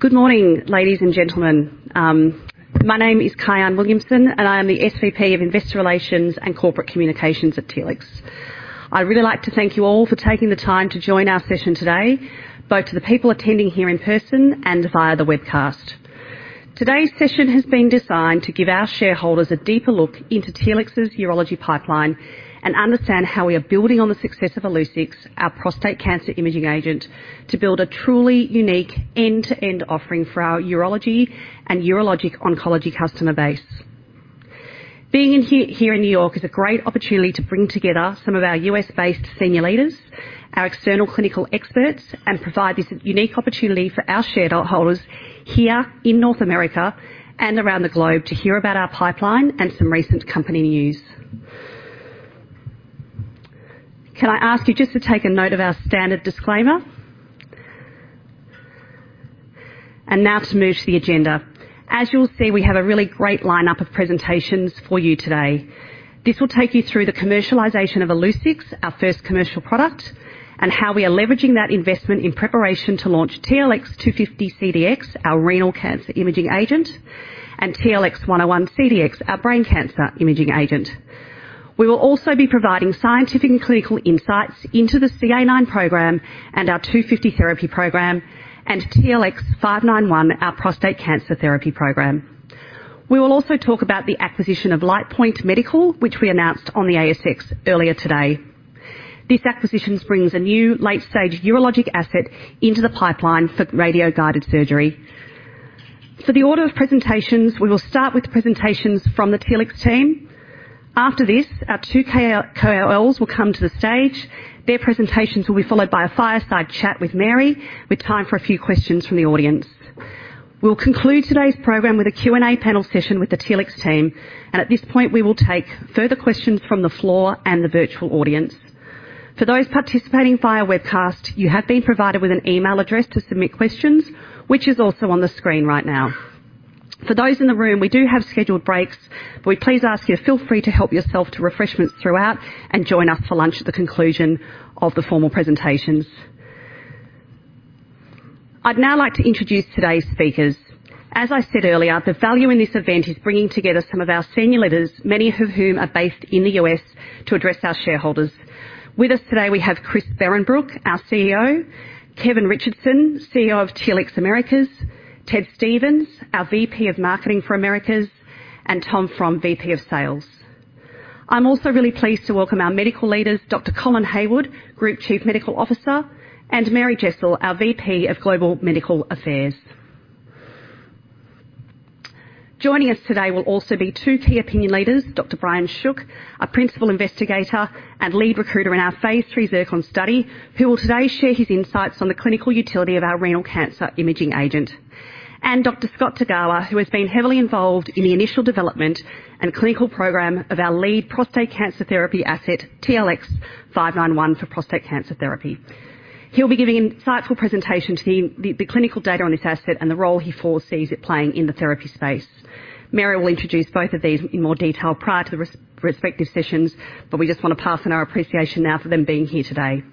Good morning, ladies and gentlemen. My name is Kynan Williamson, and I am the SVP of Investor Relations and Corporate Communications at Telix. I'd really like to thank you all for taking the time to join our session today, both to the people attending here in person and via the webcast. Today's session has been designed to give our shareholders a deeper look into Telix's urology pipeline and understand how we are building on the success of Illuccix, our prostate cancer imaging agent, to build a truly unique end-to-end offering for our urology and urologic oncology customer base. Being here in New York is a great opportunity to bring together some of our U.S.-based senior leaders, our external clinical experts, and provide this unique opportunity for our shareholders here in North America and around the globe to hear about our pipeline and some recent company news. Can I ask you just to take a note of our standard disclaimer? Now to move to the agenda. As you'll see, we have a really great lineup of presentations for you today. This will take you through the commercialization of Illuccix, our first commercial product, and how we are leveraging that investment in preparation to launch TLX250-CDx, our renal cancer imaging agent, and TLX101-CDx, our brain cancer imaging agent. We will also be providing scientific and clinical insights into the CA IX program and our 250 therapy program, and TLX591, our prostate cancer therapy program. We will also talk about the acquisition of Lightpoint Medical, which we announced on the ASX earlier today. This acquisition brings a new late-stage urologic asset into the pipeline for radio-guided surgery. The order of presentations, we will start with presentations from the Telix team. After this, our two KOLs will come to the stage. Their presentations will be followed by a fireside chat with Mary, with time for a few questions from the audience. We'll conclude today's program with a Q&A panel session with the Telix team. At this point, we will take further questions from the floor and the virtual audience. For those participating via webcast, you have been provided with an email address to submit questions, which is also on the screen right now. For those in the room, we do have scheduled breaks. We please ask you to feel free to help yourself to refreshments throughout. Join us for lunch at the conclusion of the formal presentations. I'd now like to introduce today's speakers. As I said earlier, the value in this event is bringing together some of our senior leaders, many of whom are based in the U.S., to address our shareholders. With us today, we have Christian Behrenbruch, our CEO, Kevin Richardson, CEO of Telix Americas, Ted Stevens, our VP of Marketing for Americas, and Tom Frahm, Vice President of Sales. I'm also really pleased to welcome our medical leaders, Dr. Colin Hayward, Group Chief Medical Officer, and Mary Jessel, Senior Vice President, Global Medical Affairs. Joining us today will also be two key opinion leaders, Dr. Brian Shuch, a Principal Investigator and lead recruiter in our phase III ZIRCON study, who will today share his insights on the clinical utility of our renal cancer imaging agent. Dr. Scott Tagawa, who has been heavily involved in the initial development and clinical program of our lead prostate cancer therapy asset, TLX591, for prostate cancer therapy. He'll be giving an insightful presentation to the clinical data on this asset and the role he foresees it playing in the therapy space. Mary will introduce both of these in more detail prior to the respective sessions, but we just want to pass on our appreciation now for them being here today.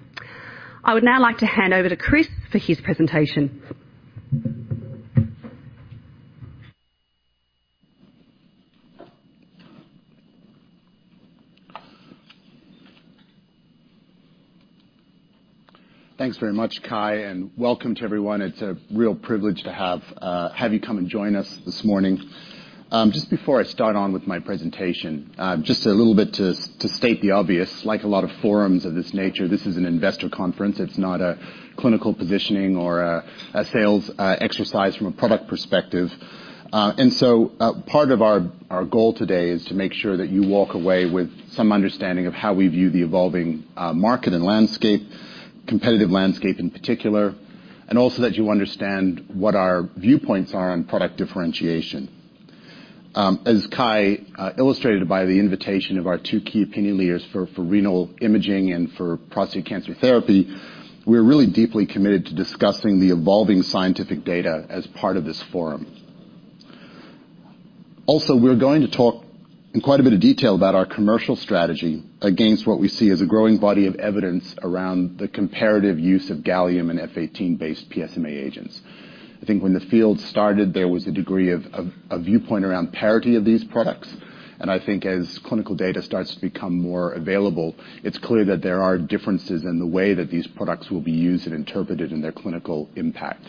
I would now like to hand over to Chris for his presentation. Thanks very much, Kai, welcome to everyone. It's a real privilege to have you come and join us this morning. Just before I start on with my presentation, just a little bit to state the obvious, like a lot of forums of this nature, this is an investor conference. It's not a clinical positioning or a sales exercise from a product perspective. Part of our goal today is to make sure that you walk away with some understanding of how we view the evolving market and landscape, competitive landscape in particular, and also that you understand what our viewpoints are on product differentiation. As Kai illustrated by the invitation of our two key opinion leaders for renal imaging and for prostate cancer therapy, we're really deeply committed to discussing the evolving scientific data as part of this forum. We're going to talk in quite a bit of detail about our commercial strategy against what we see as a growing body of evidence around the comparative use of gallium and F-18-based PSMA agents. I think when the field started, there was a degree of a viewpoint around parity of these products. As clinical data starts to become more available, it's clear that there are differences in the way that these products will be used and interpreted in their clinical impact.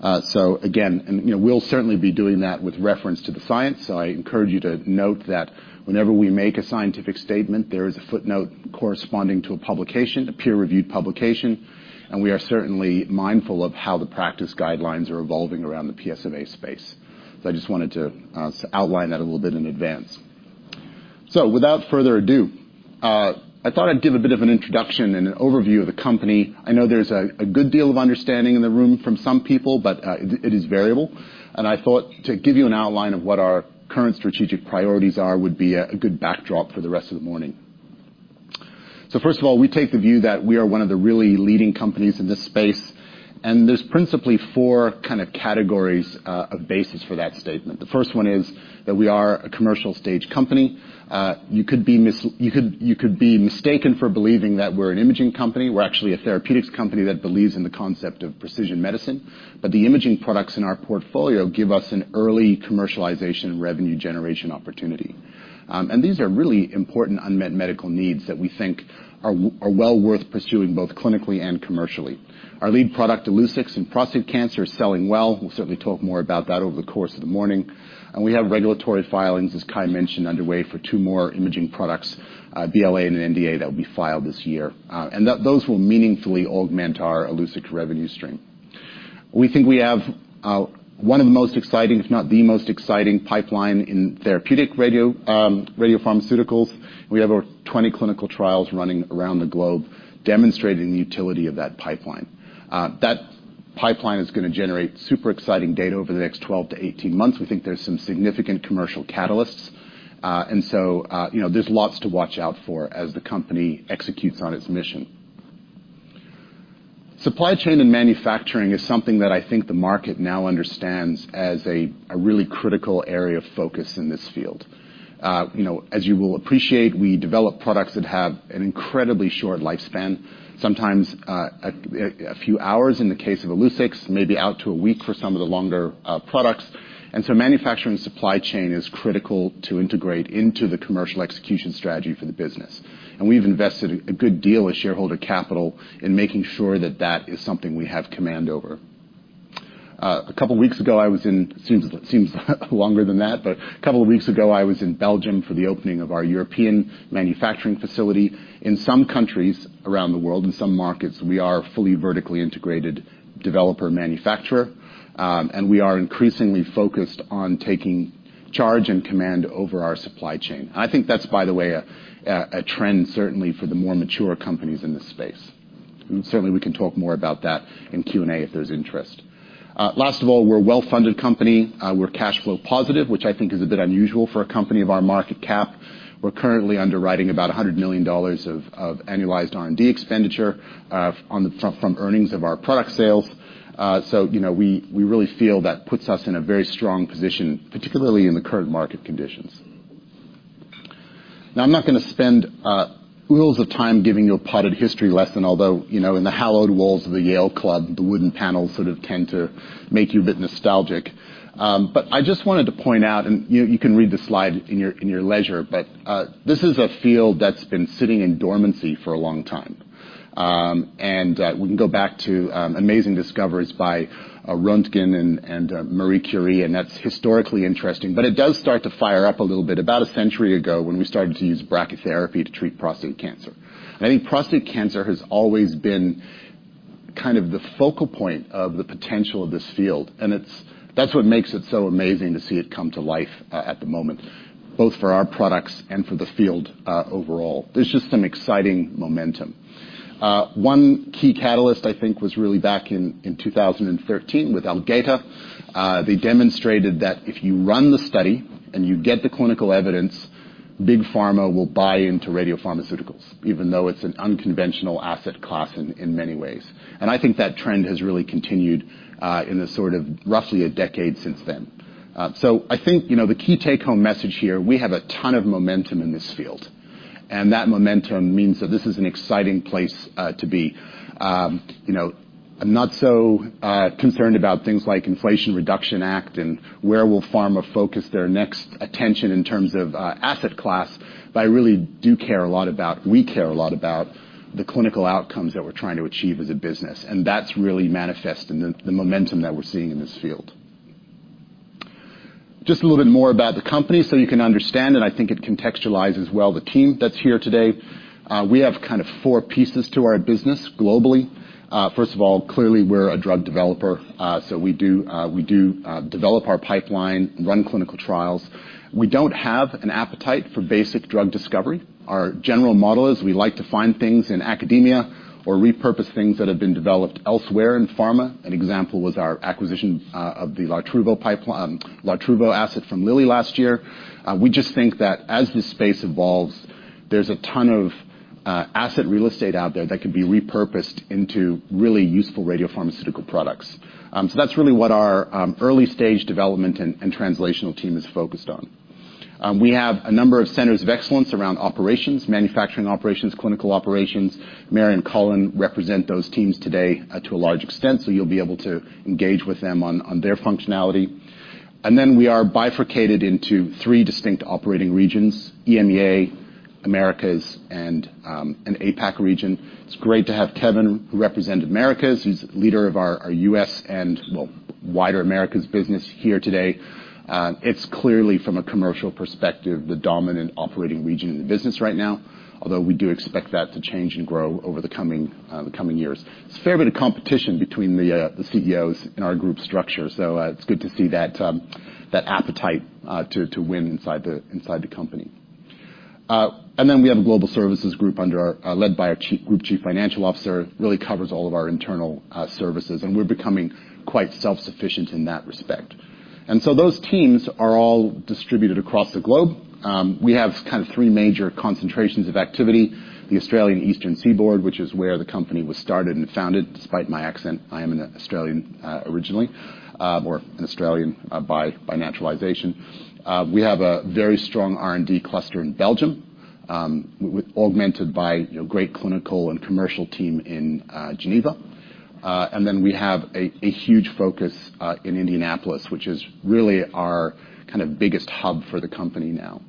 Again, and, you know, we'll certainly be doing that with reference to the science, I encourage you to note that whenever we make a scientific statement, there is a footnote corresponding to a publication, a peer-reviewed publication, and we are certainly mindful of how the practice guidelines are evolving around the PSMA space. I just wanted to outline that a little bit in advance. Without further ado, I thought I'd give a bit of an introduction and an overview of the company. I know there's a good deal of understanding in the room from some people, but it is variable, and I thought to give you an outline of what our current strategic priorities are would be a good backdrop for the rest of the morning. First of all, we take the view that we are one of the really leading companies in this space, and there's principally four kind of categories, of basis for that statement. The first one is that we are a commercial stage company. You could be mistaken for believing that we're an imaging company. We're actually a therapeutics company that believes in the concept of precision medicine, but the imaging products in our portfolio give us an early commercialization and revenue generation opportunity. These are really important unmet medical needs that we think are well worth pursuing, both clinically and commercially. Our lead product, Illuccix in prostate cancer, is selling well. We'll certainly talk more about that over the course of the morning. We have regulatory filings, as Kai mentioned, underway for two more imaging products, BLA and an NDA, that will be filed this year. Those will meaningfully augment our Illuccix revenue stream. We think we have one of the most exciting, if not the most exciting, pipeline in therapeutic radio radiopharmaceuticals. We have over 20 clinical trials running around the globe, demonstrating the utility of that pipeline. That pipeline is gonna generate super exciting data over the next 12 to 18 months. We think there's some significant commercial catalysts. You know, there's lots to watch out for as the company executes on its mission. Supply chain and manufacturing is something that I think the market now understands as a really critical area of focus in this field. You know, as you will appreciate, we develop products that have an incredibly short lifespan, sometimes a few hours in the case of Illuccix, maybe out to a week for some of the longer products. Manufacturing and supply chain is critical to integrate into the commercial execution strategy for the business. We've invested a good deal of shareholder capital in making sure that that is something we have command over. 2 weeks ago, I was in... Seems longer than that, but 2 weeks ago, I was in Belgium for the opening of our European manufacturing facility. In some countries around the world, in some markets, we are a fully vertically integrated developer and manufacturer, and we are increasingly focused on taking charge and command over our supply chain. I think that's, by the way, a trend certainly for the more mature companies in this space. Certainly we can talk more about that in Q&A if there's interest. Last of all, we're a well-funded company. We're cash flow positive, which I think is a bit unusual for a company of our market cap. We're currently underwriting about $100 million of annualized R&D expenditure from earnings of our product sales. You know, we really feel that puts us in a very strong position, particularly in the current market conditions. Now, I'm not gonna spend reels of time giving you a potted history lesson, although, you know, in the hallowed walls of the Yale Club, the wooden panels sort of tend to make you a bit nostalgic. I just wanted to point out, and you can read the slide in your leisure, but this is a field that's been sitting in dormancy for a long time. We can go back to amazing discoveries by Röntgen and Marie Curie, and that's historically interesting. It does start to fire up a little bit about a century ago, when we started to use brachytherapy to treat prostate cancer. I think prostate cancer has always been kind of the focal point of the potential of this field, and it's that's what makes it so amazing to see it come to life at the moment, both for our products and for the field overall. There's just some exciting momentum. One key catalyst I think was really back in 2013 with Algeta. They demonstrated that if you run the study and you get the clinical evidence, big pharma will buy into radiopharmaceuticals, even though it's an unconventional asset class in many ways. I think that trend has really continued in the sort of roughly a decade since then. I think, you know, the key take-home message here, we have a ton of momentum in this field, and that momentum means that this is an exciting place to be. You know, I'm not so concerned about things like Inflation Reduction Act and where will pharma focus their next attention in terms of asset class, but I really do care a lot about, we care a lot about the clinical outcomes that we're trying to achieve as a business, and that's really manifest in the momentum that we're seeing in this field. Just a little bit more about the company so you can understand, and I think it contextualizes well the team that's here today. We have kind of four pieces to our business globally. First of all, clearly, we're a drug developer, so we do develop our pipeline and run clinical trials. We don't have an appetite for basic drug discovery. Our general model is, we like to find things in academia or repurpose things that have been developed elsewhere in pharma. An example was our acquisition of the Lartruvo pipeline, Lartruvo asset from Eli Lilly last year. We just think that as this space evolves, there's a ton of asset real estate out there that could be repurposed into really useful radiopharmaceutical products. So that's really what our early stage development and translational team is focused on. We have a number of centers of excellence around operations, manufacturing operations, clinical operations. Mary and Colin represent those teams today to a large extent, so you'll be able to engage with them on their functionality. We are bifurcated into three distinct operating regions: EMEA, Americas, and an APAC region. It's great to have Kevin, who represent Americas, who's leader of our U.S. and, well, wider Americas business here today. It's clearly, from a commercial perspective, the dominant operating region in the business right now, although we do expect that to change and grow over the coming years. There's a fair bit of competition between the CEOs in our group structure, so it's good to see that appetite to win inside the company. We have a global services group led by our Group Chief Financial Officer, really covers all of our internal services, and we're becoming quite self-sufficient in that respect. Those teams are all distributed across the globe. We have kind of three major concentrations of activity, the Australian Eastern Seaboard, which is where the company was started and founded. Despite my accent, I am an Australian, originally, or an Australian by naturalization. We have a very strong R&D cluster in Belgium, augmented by a great clinical and commercial team in Geneva. We have a huge focus in Indianapolis, which is really our kind of biggest hub for the company now.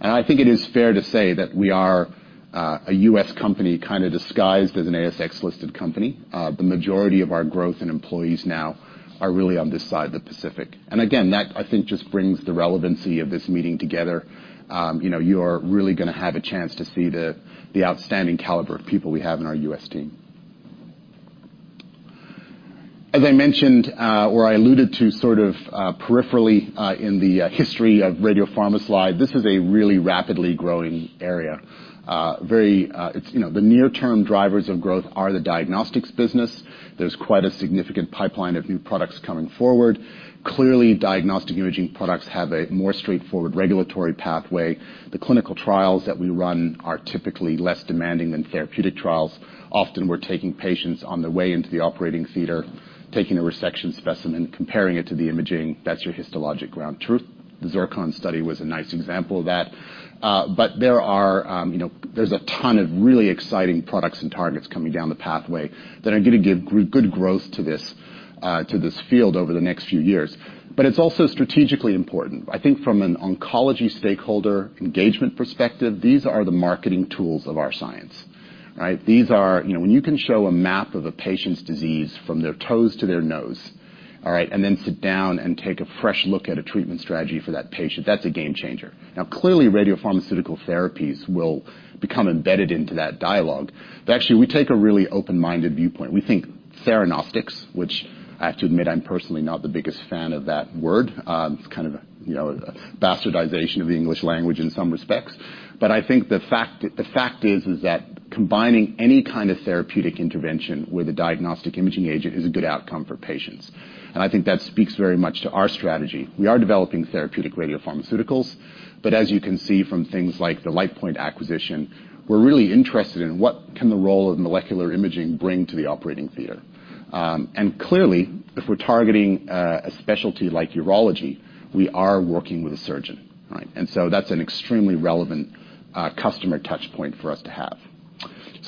I think it is fair to say that we are a US company kind of disguised as an ASX-listed company. The majority of our growth in employees now are really on this side of the Pacific. Again, that, I think, just brings the relevancy of this meeting together. You know, you are really going to have a chance to see the outstanding caliber of people we have in our U.S. team. As I mentioned, or I alluded to sort of peripherally, in the history of radiopharma slide, this is a really rapidly growing area. Very, it's, you know, the near-term drivers of growth are the diagnostics business. There's quite a significant pipeline of new products coming forward. Clearly, diagnostic imaging products have a more straightforward regulatory pathway. The clinical trials that we run are typically less demanding than therapeutic trials. Often, we're taking patients on their way into the operating theater, taking a resection specimen, comparing it to the imaging. That's your histologic ground truth. The ZIRCON study was a nice example of that. There are, you know, there's a ton of really exciting products and targets coming down the pathway that are going to give good growth to this field over the next few years. It's also strategically important. I think from an oncology stakeholder engagement perspective, these are the marketing tools of our science, right? You know, when you can show a map of a patient's disease from their toes to their nose, all right, and then sit down and take a fresh look at a treatment strategy for that patient, that's a game changer. Now, clearly, radiopharmaceutical therapies will become embedded into that dialogue. Actually, we take a really open-minded viewpoint. We think theranostics, which I have to admit, I'm personally not the biggest fan of that word. It's kind of a, you know, a bastardization of the English language in some respects. I think the fact is that combining any kind of therapeutic intervention with a diagnostic imaging agent is a good outcome for patients. I think that speaks very much to our strategy. We are developing therapeutic radiopharmaceuticals, but as you can see from things like the Lightpoint acquisition, we're really interested in what can the role of molecular imaging bring to the operating theater. Clearly, if we're targeting a specialty like urology, we are working with a surgeon, right? That's an extremely relevant customer touch point for us to have.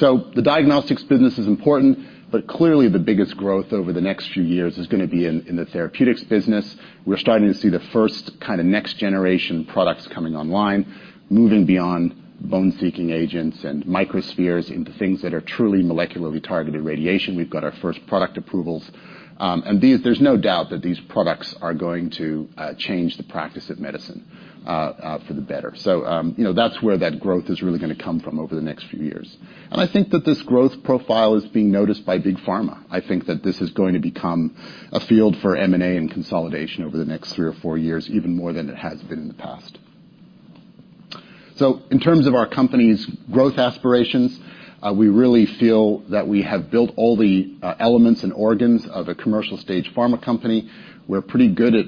The diagnostics business is important, but clearly, the biggest growth over the next few years is gonna be in the therapeutics business. We're starting to see the first kind of next-generation products coming online, moving beyond bone-seeking agents and microspheres into things that are truly molecularly targeted radiation. We've got our first product approvals. There's no doubt that these products are going to change the practice of medicine for the better. You know, that's where that growth is really gonna come from over the next few years. I think that this growth profile is being noticed by Big Pharma. I think that this is going to become a field for M&A and consolidation over the next three or four years, even more than it has been in the past. In terms of our company's growth aspirations, we really feel that we have built all the elements and organs of a commercial-stage pharma company. We're pretty good at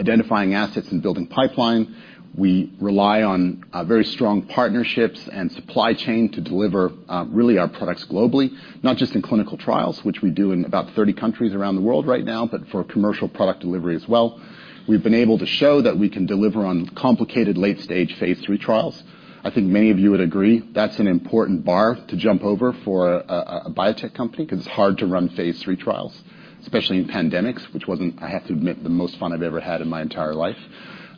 identifying assets and building pipeline. We rely on very strong partnerships and supply chain to deliver really our products globally, not just in clinical trials, which we do in about 30 countries around the world right now, but for commercial product delivery as well. We've been able to show that we can deliver on complicated, late-stage Phase III trials. I think many of you would agree that's an important bar to jump over for a biotech company, because it's hard to run Phase III trials, especially in pandemics, which wasn't, I have to admit, the most fun I've ever had in my entire life.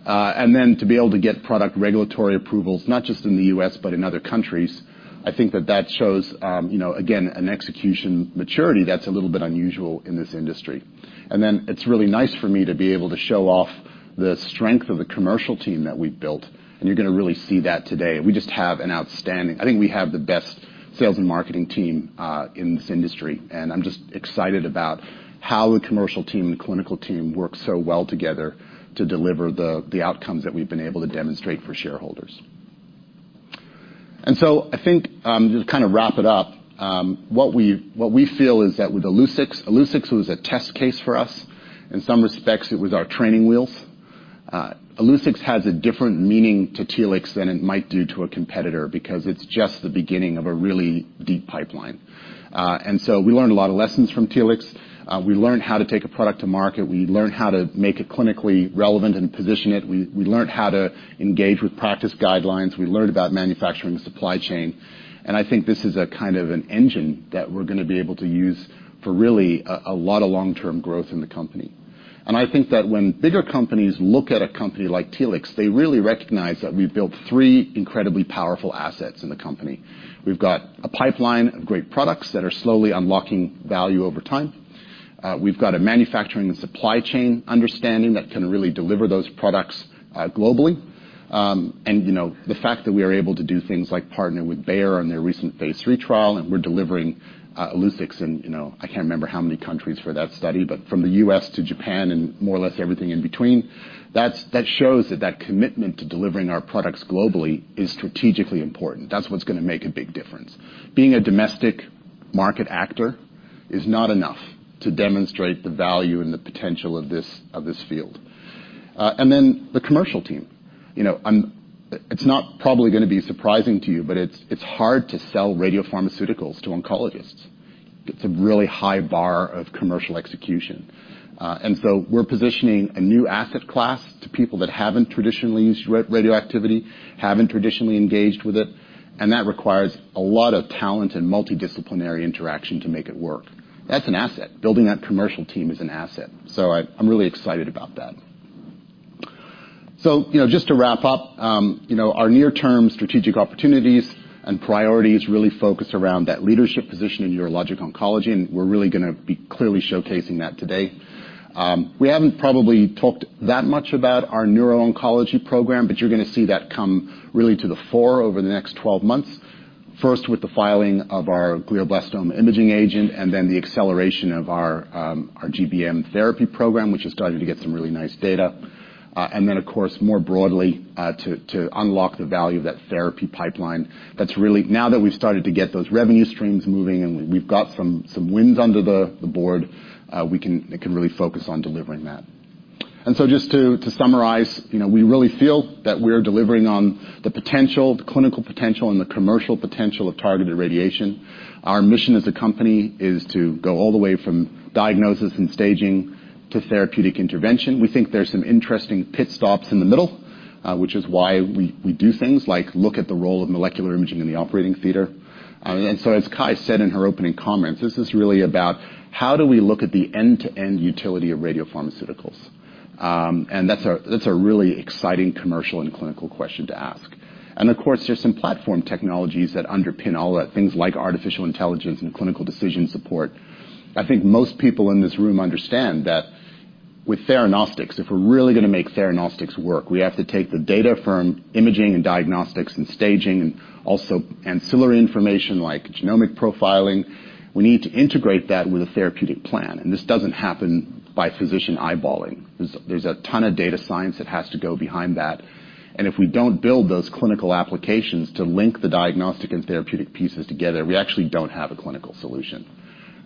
To be able to get product regulatory approvals, not just in the U.S., but in other countries, I think that that shows, you know, again, an execution maturity that's a little bit unusual in this industry. It's really nice for me to be able to show off the strength of the commercial team that we've built, and you're gonna really see that today. I think we have the best sales and marketing team in this industry, and I'm just excited about how the commercial team and clinical team work so well together to deliver the outcomes that we've been able to demonstrate for shareholders. I think, just to kind of wrap it up, what we feel is that with Illuccix was a test case for us. In some respects, it was our training wheels. Illuccix has a different meaning to Telix than it might do to a competitor, because it's just the beginning of a really deep pipeline. We learned a lot of lessons from Telix. We learned how to take a product to market. We learned how to make it clinically relevant and position it. We learned how to engage with practice guidelines. We learned about manufacturing the supply chain, I think this is a kind of an engine that we're gonna be able to use for really a lot of long-term growth in the company. I think that when bigger companies look at a company like Telix, they really recognize that we've built three incredibly powerful assets in the company. We've got a pipeline of great products that are slowly unlocking value over time. We've got a manufacturing and supply chain understanding that can really deliver those products globally. You know, the fact that we are able to do things like partner with Bayer on their recent phase III trial, and we're delivering Illuccix in, you know, I can't remember how many countries for that study, but from the U.S. to Japan and more or less everything in between, that shows that that commitment to delivering our products globally is strategically important. That's what's gonna make a big difference. Being a domestic market actor? is not enough to demonstrate the value and the potential of this, of this field. The commercial team, you know, it's not probably gonna be surprising to you, but it's hard to sell radiopharmaceuticals to oncologists. It's a really high bar of commercial execution. We're positioning a new asset class to people that haven't traditionally used radioactivity, haven't traditionally engaged with it, and that requires a lot of talent and multidisciplinary interaction to make it work. That's an asset. Building that commercial team is an asset. I'm really excited about that. You know, just to wrap up, you know, our near-term strategic opportunities and priorities really focus around that leadership position in urologic oncology, and we're really gonna be clearly showcasing that today. We haven't probably talked that much about our neuro-oncology program. You're gonna see that come really to the fore over the next 12 months. First, with the filing of our glioblastoma imaging agent, and then the acceleration of our GBM therapy program, which is starting to get some really nice data. Of course, more broadly, to unlock the value of that therapy pipeline, now that we've started to get those revenue streams moving, and we've got some wins under the board, it can really focus on delivering that. Just to summarize, you know, we really feel that we're delivering on the potential, the clinical potential and the commercial potential of targeted radiation. Our mission as a company is to go all the way from diagnosis and staging to therapeutic intervention. We think there's some interesting pit stops in the middle, which is why we do things like look at the role of molecular imaging in the operating theater. As Kai said in her opening comments, this is really about: How do we look at the end-to-end utility of radiopharmaceuticals? That's a really exciting commercial and clinical question to ask. Of course, there's some platform technologies that underpin all that, things like artificial intelligence and clinical decision support. I think most people in this room understand that with theranostics, if we're really gonna make theranostics work, we have to take the data from imaging and diagnostics and staging, and also ancillary information like genomic profiling. We need to integrate that with a therapeutic plan, this doesn't happen by physician eyeballing. There's a ton of data science that has to go behind that, if we don't build those clinical applications to link the diagnostic and therapeutic pieces together, we actually don't have a clinical solution.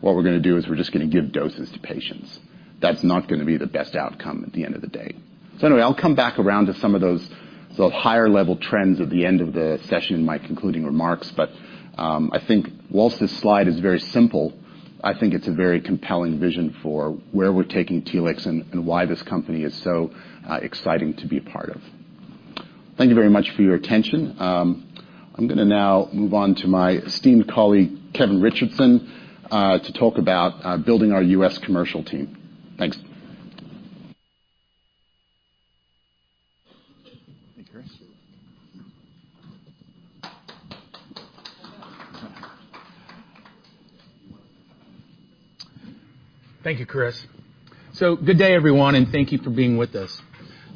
What we're gonna do is we're just gonna give doses to patients. That's not gonna be the best outcome at the end of the day. Anyway, I'll come back around to some of those sort of higher-level trends at the end of the session in my concluding remarks, but I think whilst this slide is very simple, I think it's a very compelling vision for where we're taking Telix and why this company is so exciting to be a part of. Thank you very much for your attention. I'm gonna now move on to my esteemed colleague, Kevin Richardson, to talk about building our U.S. commercial team. Thanks. Hey, Chris. Thank you, Chris. Good day, everyone, and thank you for being with us.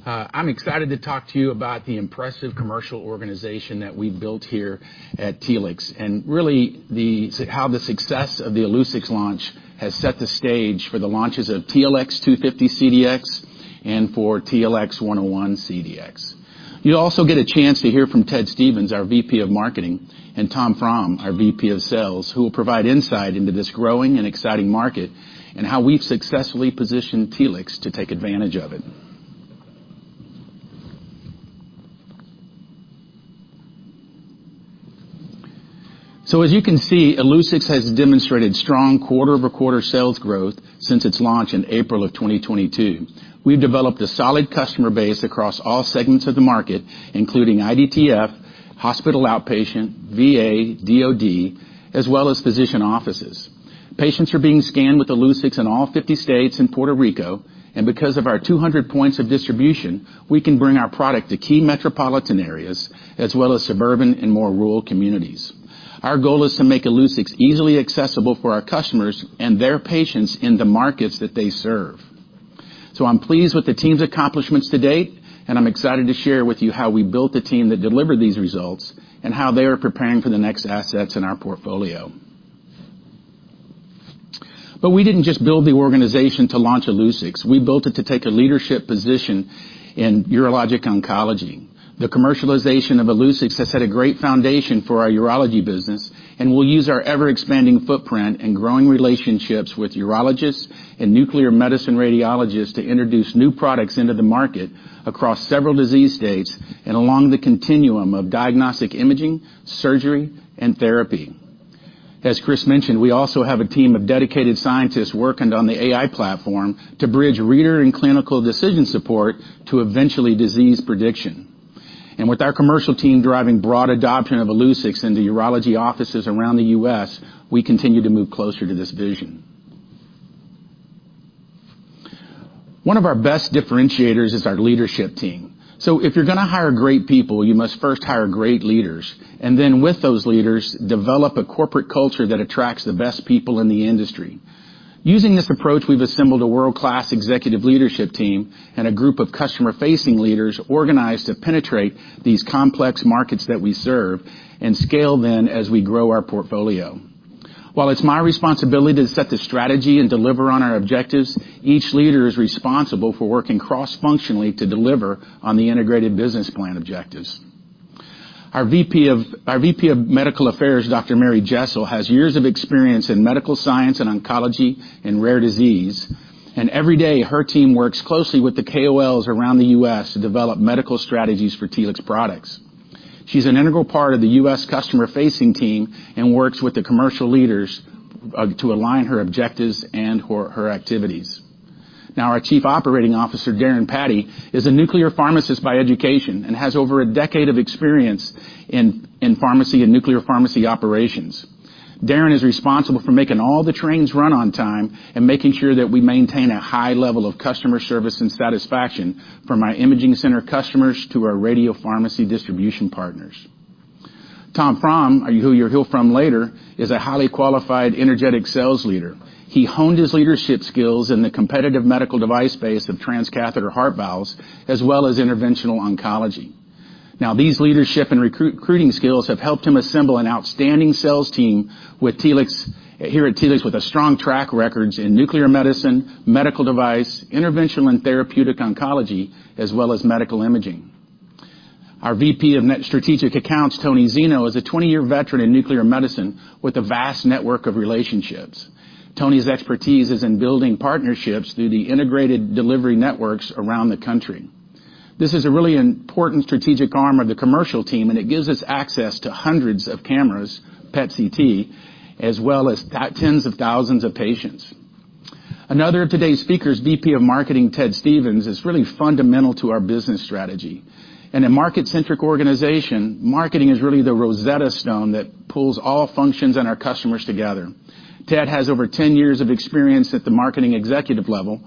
I'm excited to talk to you about the impressive commercial organization that we've built here at Telix, and really, how the success of the Illuccix launch has set the stage for the launches of TLX250-CDx and for TLX101-CDx. You'll also get a chance to hear from Ted Stevens, our VP of Marketing, and Tom Frahm, our VP of Sales, who will provide insight into this growing and exciting market and how we've successfully positioned Telix to take advantage of it. As you can see, Illuccix has demonstrated strong quarter-over-quarter sales growth since its launch in April of 2022. We've developed a solid customer base across all segments of the market, including IDTF, hospital outpatient, VA, DOD, as well as physician offices. Patients are being scanned with Illuccix in all 50 states and Puerto Rico. Because of our 200 points of distribution, we can bring our product to key metropolitan areas, as well as suburban and more rural communities. Our goal is to make Illuccix easily accessible for our customers and their patients in the markets that they serve. I'm pleased with the team's accomplishments to date. I'm excited to share with you how we built the team that delivered these results, how they are preparing for the next assets in our portfolio. We didn't just build the organization to launch Illuccix. We built it to take a leadership position in urologic oncology. The commercialization of Illuccix has set a great foundation for our urology business. We'll use our ever-expanding footprint and growing relationships with urologists and nuclear medicine radiologists to introduce new products into the market across several disease states and along the continuum of diagnostic imaging, surgery, and therapy. As Chris mentioned, we also have a team of dedicated scientists working on the AI platform to bridge reader and clinical decision support to eventually disease prediction. With our commercial team driving broad adoption of Illuccix into urology offices around the U.S., we continue to move closer to this vision. One of our best differentiators is our leadership team. If you're gonna hire great people, you must first hire great leaders, and then with those leaders, develop a corporate culture that attracts the best people in the industry. Using this approach, we've assembled a world-class executive leadership team and a group of customer-facing leaders organized to penetrate these complex markets that we serve and scale then as we grow our portfolio. While it's my responsibility to set the strategy and deliver on our objectives, each leader is responsible for working cross-functionally to deliver on the integrated business plan objectives.... Our VP of Medical Affairs, Dr. Mary Jessel, has years of experience in medical science and oncology and rare disease. Every day, her team works closely with the KOLs around the U.S. to develop medical strategies for Telix products. She's an integral part of the U.S. customer-facing team and works with the commercial leaders to align her objectives and her activities. Now, our Chief Operating Officer, Darren Pateman, is a nuclear pharmacist by education and has over a decade of experience in pharmacy and nuclear pharmacy operations. Darren Pateman is responsible for making all the trains run on time and making sure that we maintain a high level of customer service and satisfaction from our imaging center customers to our radiopharmacy distribution partners. Tom Frahm, who you'll hear from later, is a highly qualified, energetic sales leader. He honed his leadership skills in the competitive medical device space of transcatheter heart valves, as well as interventional oncology. Now, these leadership and recruiting skills have helped him assemble an outstanding sales team with Telix here at Telix, with a strong track records in nuclear medicine, medical device, interventional and therapeutic oncology, as well as medical imaging. Our VP of Strategic Accounts, Tony Zeno, is a 20-year veteran in nuclear medicine with a vast network of relationships. Tony's expertise is in building partnerships through the integrated delivery networks around the country. This is a really important strategic arm of the commercial team, and it gives us access to hundreds of cameras, PET/CT, as well as tens of thousands of patients. Another of today's speakers, VP of Marketing, Ted Stevens, is really fundamental to our business strategy. In a market-centric organization, marketing is really the Rosetta Stone that pulls all functions and our customers together. Ted has over 10 years of experience at the marketing executive level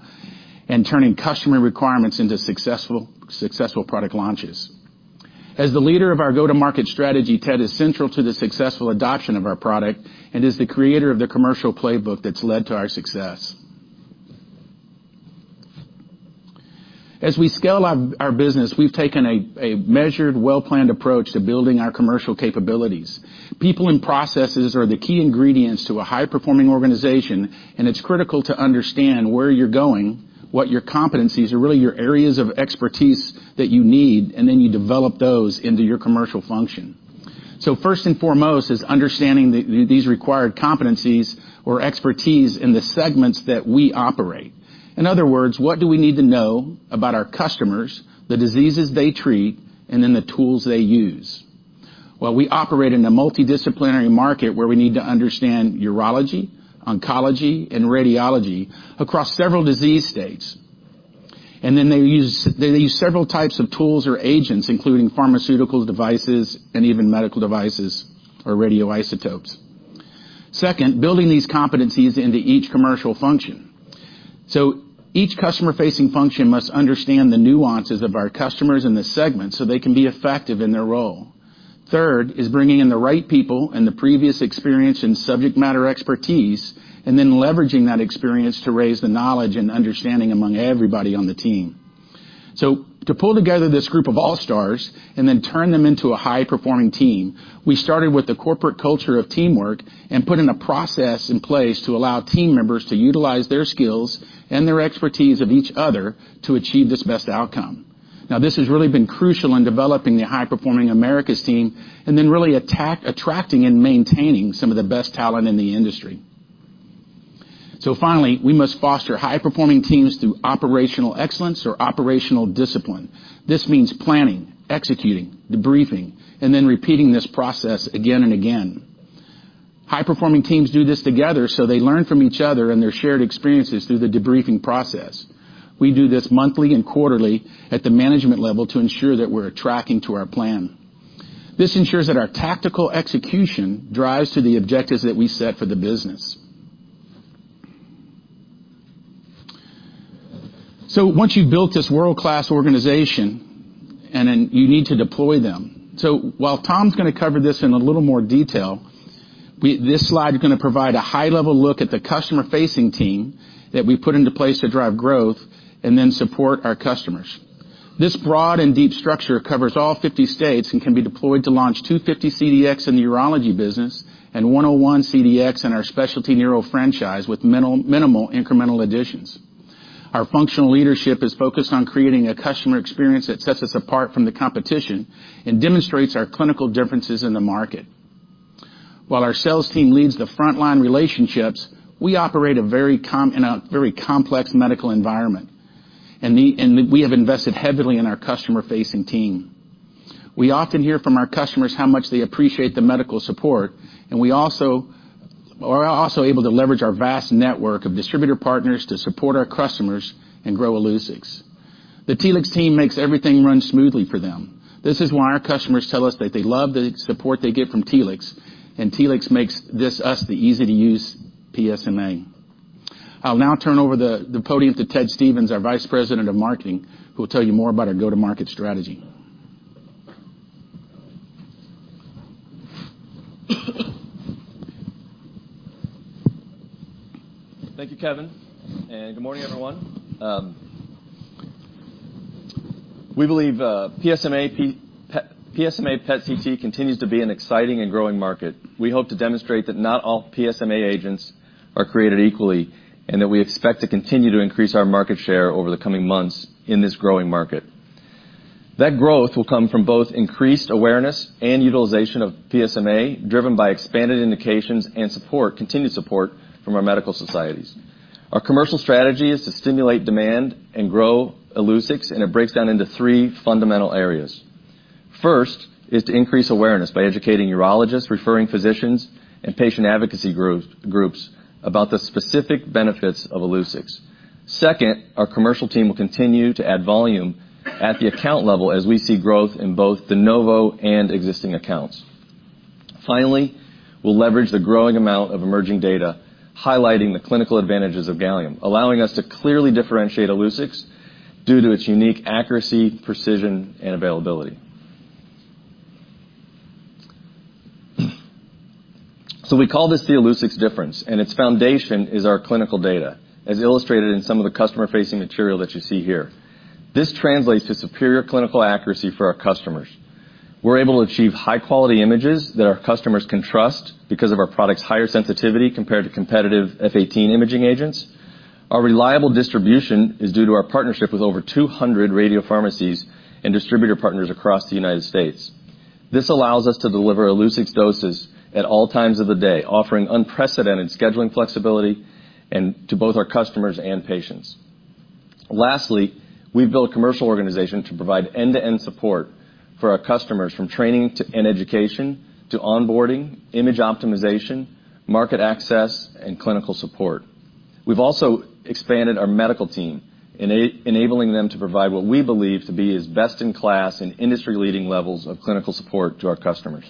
and turning customer requirements into successful product launches. As the leader of our go-to-market strategy, Ted is central to the successful adoption of our product and is the creator of the commercial playbook that's led to our success. As we scale our business, we've taken a measured, well-planned approach to building our commercial capabilities. People and processes are the key ingredients to a high-performing organization, and it's critical to understand where you're going, what your competencies are, really your areas of expertise that you need, and then you develop those into your commercial function. First and foremost is understanding these required competencies or expertise in the segments that we operate. In other words, what do we need to know about our customers, the diseases they treat, and then the tools they use? Well, we operate in a multidisciplinary market where we need to understand urology, oncology, and radiology across several disease states. They use several types of tools or agents, including pharmaceuticals, devices, and even medical devices or radioisotopes. Second, building these competencies into each commercial function. Each customer-facing function must understand the nuances of our customers and the segments, so they can be effective in their role. Third, is bringing in the right people and the previous experience and subject matter expertise, and then leveraging that experience to raise the knowledge and understanding among everybody on the team. To pull together this group of all-stars and then turn them into a high-performing team, we started with the corporate culture of teamwork and put in a process in place to allow team members to utilize their skills and their expertise of each other to achieve this best outcome. This has really been crucial in developing the high-performing Americas team and then really attracting and maintaining some of the best talent in the industry. Finally, we must foster high-performing teams through operational excellence or operational discipline. This means planning, executing, debriefing, and then repeating this process again and again. High-performing teams do this together, they learn from each other and their shared experiences through the debriefing process. We do this monthly and quarterly at the management level to ensure that we're attracting to our plan. This ensures that our tactical execution drives to the objectives that we set for the business. Once you've built this world-class organization, you need to deploy them. While Tom's gonna cover this in a little more detail, this slide is gonna provide a high-level look at the customer-facing team that we put into place to drive growth and then support our customers. This broad and deep structure covers all 50 states and can be deployed to launch 250 CDx in the urology business and 101 CDx in our specialty neuro franchise with minimal incremental additions. Our functional leadership is focused on creating a customer experience that sets us apart from the competition and demonstrates our clinical differences in the market. While our sales team leads the frontline relationships, we operate in a very complex medical environment, and we have invested heavily in our customer-facing team. We often hear from our customers how much they appreciate the medical support, are also able to leverage our vast network of distributor partners to support our customers and grow Illuccix. The Telix team makes everything run smoothly for them. This is why our customers tell us that they love the support they get from Telix. Telix makes this us the easy-to-use PSMA. I'll now turn over the podium to Ted Stevens, our Vice President of Marketing, who will tell you more about our go-to-market strategy. Thank you, Kevin. Good morning, everyone. We believe PSMA PET/CT continues to be an exciting and growing market. We hope to demonstrate that not all PSMA agents are created equally, and that we expect to continue to increase our market share over the coming months in this growing market. That growth will come from both increased awareness and utilization of PSMA, driven by expanded indications and support, continued support from our medical societies. Our commercial strategy is to stimulate demand and grow Illuccix, and it breaks down into three fundamental areas. First is to increase awareness by educating urologists, referring physicians, and patient advocacy groups about the specific benefits of Illuccix. Second, our commercial team will continue to add volume at the account level as we see growth in both de novo and existing accounts. Finally, we'll leverage the growing amount of emerging data, highlighting the clinical advantages of gallium, allowing us to clearly differentiate Illuccix due to its unique accuracy, precision, and availability. We call this the Illuccix difference, and its foundation is our clinical data, as illustrated in some of the customer-facing material that you see here. This translates to superior clinical accuracy for our customers. We're able to achieve high-quality images that our customers can trust because of our product's higher sensitivity compared to competitive F-18 imaging agents. Our reliable distribution is due to our partnership with over 200 radiopharmacies and distributor partners across the United States. This allows us to deliver Illuccix doses at all times of the day, offering unprecedented scheduling flexibility and to both our customers and patients. Lastly, we've built a commercial organization to provide end-to-end support for our customers, from training and education, to onboarding, image optimization, market access, and clinical support. We've also expanded our medical team, enabling them to provide what we believe to be as best-in-class and industry-leading levels of clinical support to our customers.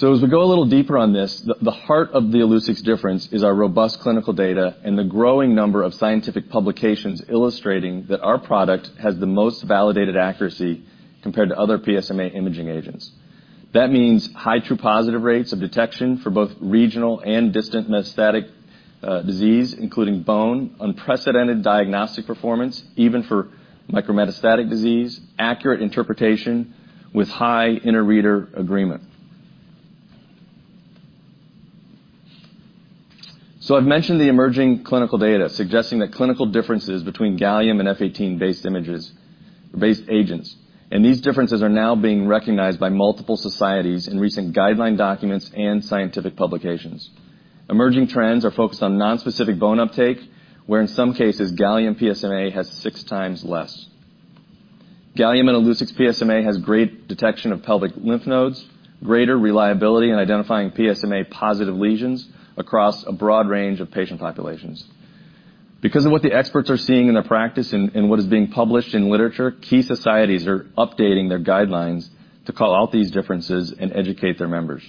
As we go a little deeper on this, the heart of the Illuccix difference is our robust clinical data and the growing number of scientific publications illustrating that our product has the most validated accuracy compared to other PSMA imaging agents. That means high true positive rates of detection for both regional and distant metastatic disease, including bone, unprecedented diagnostic performance, even for micrometastatic disease, accurate interpretation with high inter-reader agreement. I've mentioned the emerging clinical data, suggesting that clinical differences between gallium and F-18-based agents, and these differences are now being recognized by multiple societies in recent guideline documents and scientific publications. Emerging trends are focused on nonspecific bone uptake, where in some cases, gallium PSMA has six times less. Gallium and Illuccix PSMA has great detection of pelvic lymph nodes, greater reliability in identifying PSMA-positive lesions across a broad range of patient populations. Because of what the experts are seeing in their practice and what is being published in literature, key societies are updating their guidelines to call out these differences and educate their members.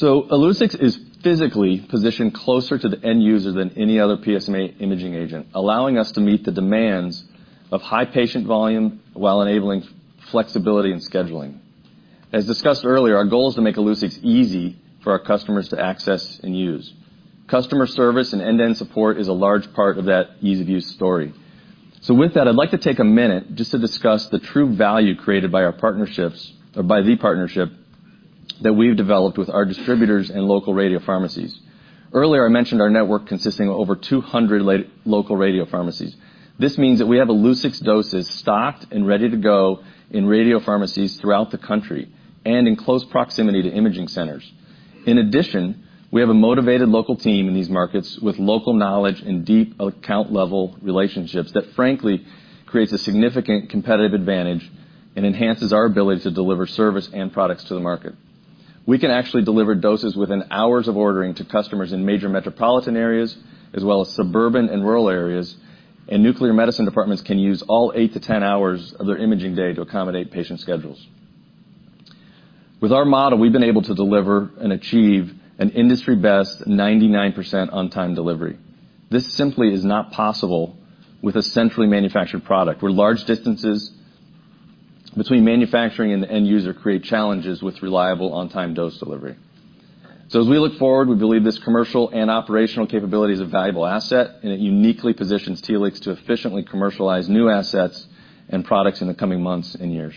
Illuccix is physically positioned closer to the end user than any other PSMA imaging agent, allowing us to meet the demands of high patient volume while enabling flexibility in scheduling. As discussed earlier, our goal is to make Illuccix easy for our customers to access and use. Customer service and end-to-end support is a large part of that ease-of-use story. With that, I'd like to take a minute just to discuss the true value created by our partnerships or by the partnership that we've developed with our distributors and local radiopharmacies. Earlier, I mentioned our network consisting of over 200 local radiopharmacies. This means that we have Illuccix doses stocked and ready to go in radiopharmacies throughout the country and in close proximity to imaging centers. In addition, we have a motivated local team in these markets with local knowledge and deep account-level relationships that, frankly, creates a significant competitive advantage and enhances our ability to deliver service and products to the market. We can actually deliver doses within hours of ordering to customers in major metropolitan areas, as well as suburban and rural areas. Nuclear medicine departments can use all 8-10 hours of their imaging day to accommodate patient schedules. With our model, we've been able to deliver and achieve an industry-best 99% on-time delivery. This simply is not possible with a centrally manufactured product, where large distances between manufacturing and the end user create challenges with reliable, on-time dose delivery. As we look forward, we believe this commercial and operational capability is a valuable asset, and it uniquely positions Telix to efficiently commercialize new assets and products in the coming months and years.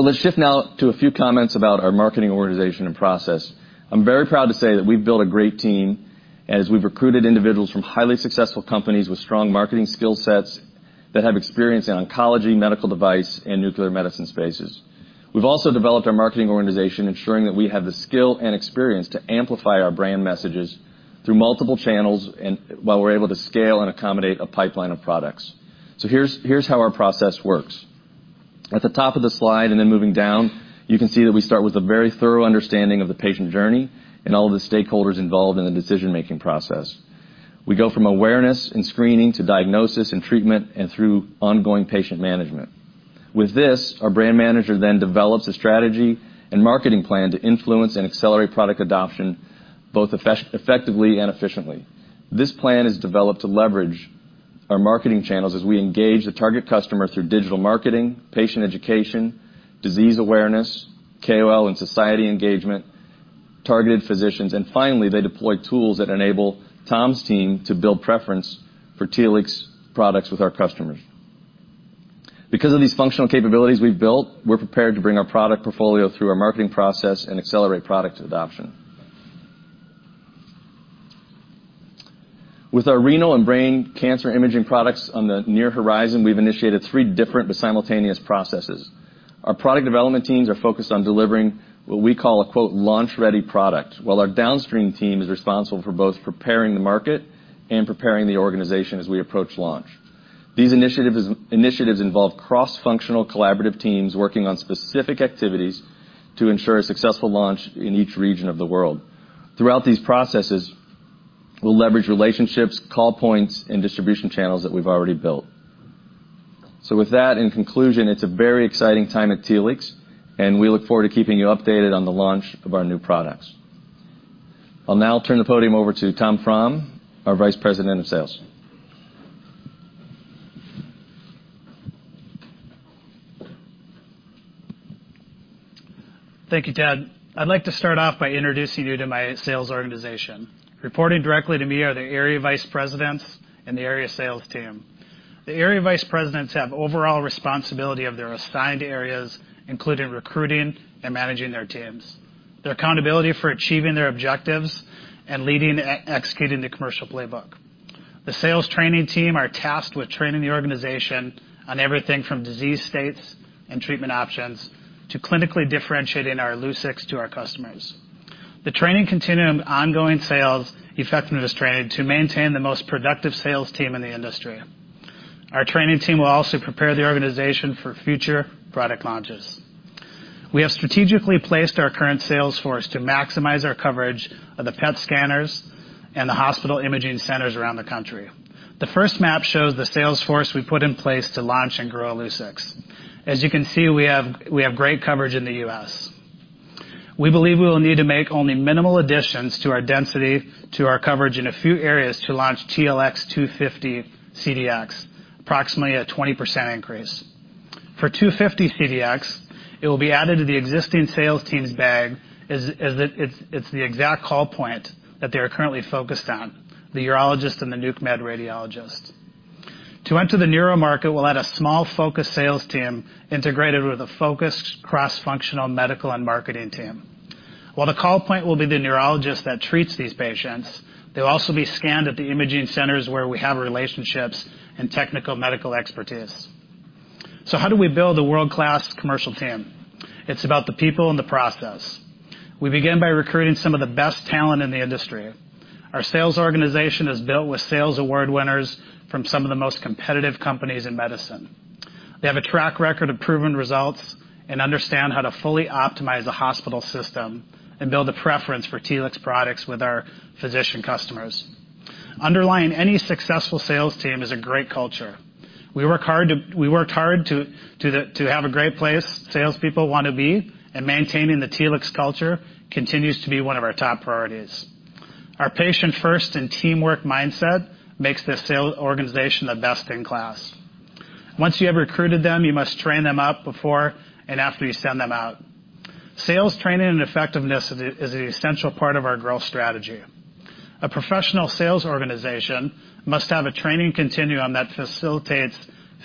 Let's shift now to a few comments about our marketing organization and process. I'm very proud to say that we've built a great team as we've recruited individuals from highly successful companies with strong marketing skill sets that have experience in oncology, medical device, and nuclear medicine spaces. We've also developed our marketing organization, ensuring that we have the skill and experience to amplify our brand messages through multiple channels and while we're able to scale and accommodate a pipeline of products. Here's how our process works. At the top of the slide, and then moving down, you can see that we start with a very thorough understanding of the patient journey and all of the stakeholders involved in the decision-making process. We go from awareness and screening to diagnosis and treatment and through ongoing patient management. With this, our brand manager then develops a strategy and marketing plan to influence and accelerate product adoption, both effectively and efficiently. This plan is developed to leverage our marketing channels as we engage the target customer through digital marketing, patient education, disease awareness, KOL and society engagement, targeted physicians, and finally, they deploy tools that enable Tom's team to build preference for Telix products with our customers. Because of these functional capabilities we've built, we're prepared to bring our product portfolio through our marketing process and accelerate product adoption. With our renal and brain cancer imaging products on the near horizon, we've initiated 3 different but simultaneous processes. Our product development teams are focused on delivering what we call a, quote, launch-ready product, while our downstream team is responsible for both preparing the market and preparing the organization as we approach launch. These initiatives involve cross-functional collaborative teams working on specific activities to ensure a successful launch in each region of the world. Throughout these processes, we'll leverage relationships, call points, and distribution channels that we've already built. With that, in conclusion, it's a very exciting time at Telix, and we look forward to keeping you updated on the launch of our new products. I'll now turn the podium over to Tom Frahm, our Vice President of Sales. Thank you, Ted. I'd like to start off by introducing you to my sales organization. Reporting directly to me are the area vice presidents and the area sales team. The area vice presidents have overall responsibility of their assigned areas, including recruiting and managing their teams, their accountability for achieving their objectives, and leading and executing the commercial playbook. The sales training team are tasked with training the organization on everything from disease states and treatment options to clinically differentiating our Illuccix to our customers. The training continuum, ongoing sales, effectiveness training to maintain the most productive sales team in the industry. Our training team will also prepare the organization for future product launches. We have strategically placed our current sales force to maximize our coverage of the PET scanners and the hospital imaging centers around the country. The first map shows the sales force we put in place to launch and grow Illuccix. You can see, we have great coverage in the US. We believe we will need to make only minimal additions to our density, to our coverage in a few areas to launch TLX250-CDx, approximately a 20% increase. For 250-CDx, it will be added to the existing sales team's bag, as it's the exact call point that they are currently focused on, the urologist and the nuc med radiologist. To enter the neuro market, we'll add a small focused sales team integrated with a focused cross-functional medical and marketing team. While the call point will be the neurologist that treats these patients, they'll also be scanned at the imaging centers where we have relationships and technical medical expertise. How do we build a world-class commercial team? It's about the people and the process. We begin by recruiting some of the best talent in the industry. Our sales organization is built with sales award winners from some of the most competitive companies in medicine. They have a track record of proven results and understand how to fully optimize a hospital system and build a preference for Telix products with our physician customers. Underlying any successful sales team is a great culture. We worked hard to have a great place salespeople want to be, and maintaining the Telix culture continues to be one of our top priorities. Our patient first and teamwork mindset makes the sales organization the best in class. Once you have recruited them, you must train them up before and after you send them out. Sales training and effectiveness is an essential part of our growth strategy. A professional sales organization must have a training continuum that facilitates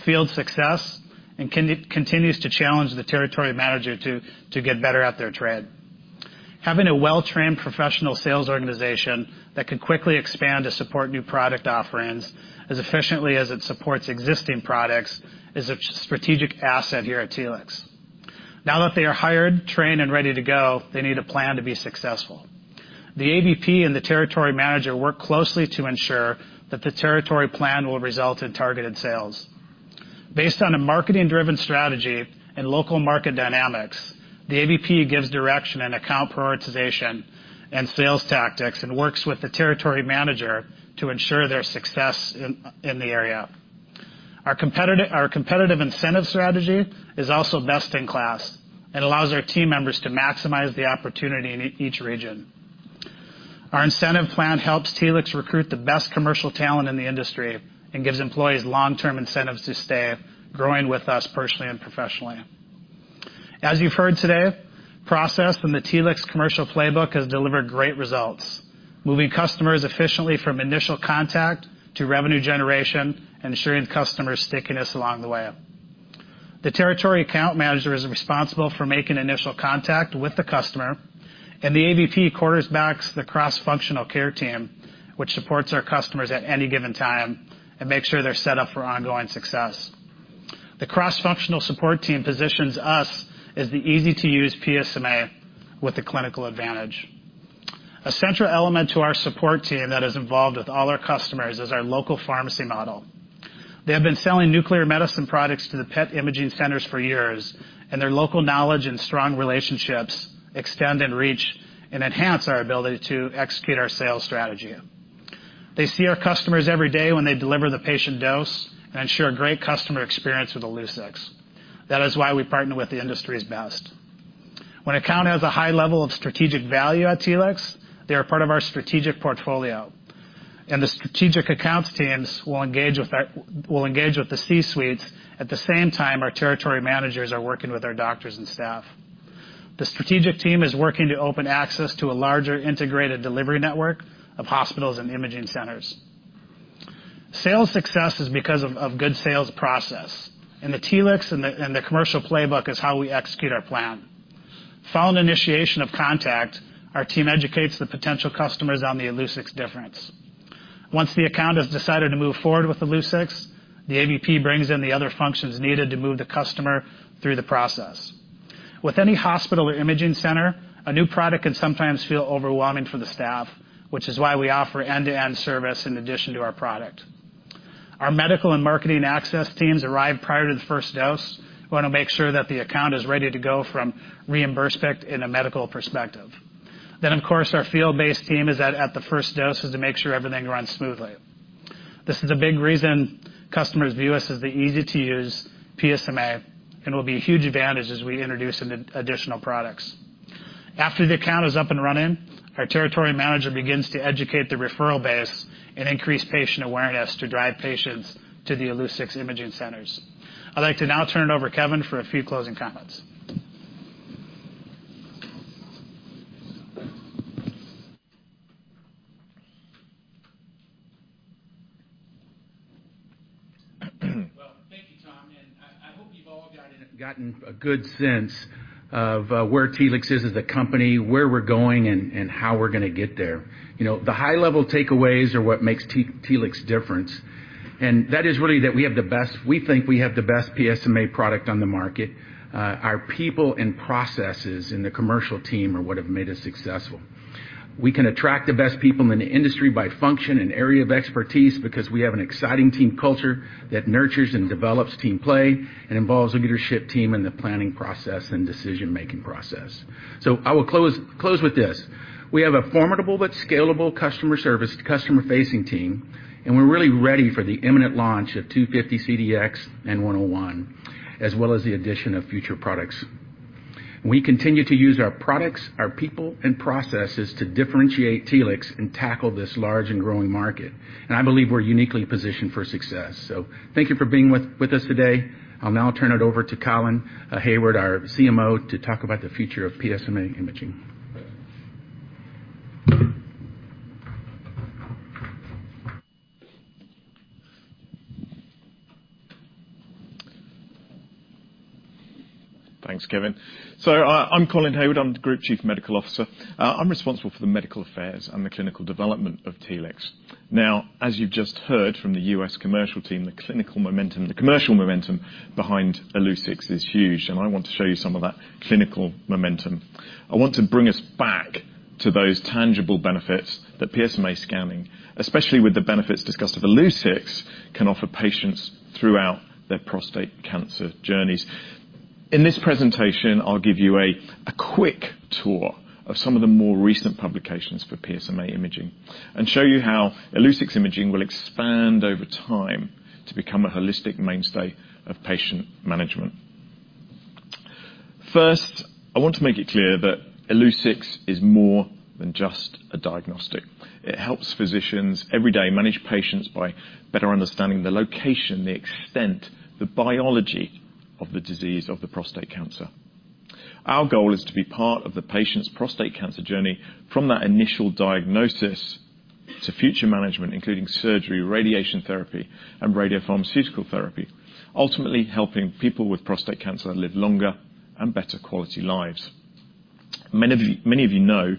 field success and continues to challenge the territory manager to get better at their trade. Having a well-trained professional sales organization that can quickly expand to support new product offerings as efficiently as it supports existing products is a strategic asset here at Telix. Now that they are hired, trained, and ready to go, they need a plan to be successful. The AVP and the territory manager work closely to ensure that the territory plan will result in targeted sales. Based on a marketing-driven strategy and local market dynamics, the AVP gives direction and account prioritization and sales tactics and works with the territory manager to ensure their success in the area. Our competitive incentive strategy is also best in class and allows our team members to maximize the opportunity in each region. Our incentive plan helps Telix recruit the best commercial talent in the industry and gives employees long-term incentives to stay, growing with us personally and professionally. As you've heard today, process in the Telix commercial playbook has delivered great results, moving customers efficiently from initial contact to revenue generation and ensuring customers' stickiness along the way. The territory account manager is responsible for making initial contact with the customer. The AVP quarterbacks the cross-functional care team, which supports our customers at any given time and makes sure they're set up for ongoing success. The cross-functional support team positions us as the easy-to-use PSMA with the clinical advantage. A central element to our support team that is involved with all our customers is our local pharmacy model. They have been selling nuclear medicine products to the PET imaging centers for years. Their local knowledge and strong relationships extend and reach and enhance our ability to execute our sales strategy. They see our customers every day when they deliver the patient dose and ensure a great customer experience with the Illuccix. That is why we partner with the industry's best. When account has a high level of strategic value at Telix, they are part of our strategic portfolio. The strategic accounts teams will engage with the C-suites. At the same time, our territory managers are working with our doctors and staff. The strategic team is working to open access to a larger integrated delivery network of hospitals and imaging centers. Sales success is because of good sales process, and the Telix and the commercial playbook is how we execute our plan. Following initiation of contact, our team educates the potential customers on the Illuccix difference. Once the account has decided to move forward with Illuccix, the AVP brings in the other functions needed to move the customer through the process. With any hospital or imaging center, a new product can sometimes feel overwhelming for the staff, which is why we offer end-to-end service in addition to our product. Our medical and marketing access teams arrive prior to the first dose. We want to make sure that the account is ready to go from reimbursement in a medical perspective. Of course, our field-based team is at the first doses to make sure everything runs smoothly. This is a big reason customers view us as the easy-to-use PSMA, and will be a huge advantage as we introduce some additional products. After the account is up and running, our territory manager begins to educate the referral base and increase patient awareness to drive patients to the Lu-177 imaging centers. I'd like to now turn it over to Kevin for a few closing comments. Thank you, Tom, and I hope you've all gotten a good sense of where Telix is as a company, where we're going, and how we're gonna get there. You know, the high-level takeaways are what makes Telix different, and that is really that we have the best we think we have the best PSMA product on the market. Our people and processes in the commercial team are what have made us successful. We can attract the best people in the industry by function and area of expertise because we have an exciting team culture that nurtures and develops team play and involves a leadership team in the planning process and decision-making process. I will close with this: We have a formidable but scalable customer service, customer-facing team, and we're really ready for the imminent launch of TLX250-CDx and TLX101, as well as the addition of future products. We continue to use our products, our people, and processes to differentiate Telix and tackle this large and growing market, and I believe we're uniquely positioned for success. Thank you for being with us today. I'll now turn it over to Colin Hayward, our CMO, to talk about the future of PSMA imaging. Thanks, Kevin. I'm Colin Hayward, I'm the Group Chief Medical Officer. I'm responsible for the medical affairs and the clinical development of Telix. As you've just heard from the U.S. commercial team, the clinical momentum, the commercial momentum behind Illuccix is huge, and I want to show you some of that clinical momentum. I want to bring us back to those tangible benefits that PSMA scanning, especially with the benefits discussed of Illuccix, can offer patients throughout their prostate cancer journeys. In this presentation, I'll give you a quick tour of some of the more recent publications for PSMA imaging and show you how Illuccix imaging will expand over time to become a holistic mainstay of patient management. First, I want to make it clear that Illuccix is more than just a diagnostic. It helps physicians every day manage patients by better understanding the location, the extent, the biology of the disease of the prostate cancer. Our goal is to be part of the patient's prostate cancer journey from that initial diagnosis to future management, including surgery, radiation therapy, and radiopharmaceutical therapy, ultimately helping people with prostate cancer live longer and better quality lives. Many of you know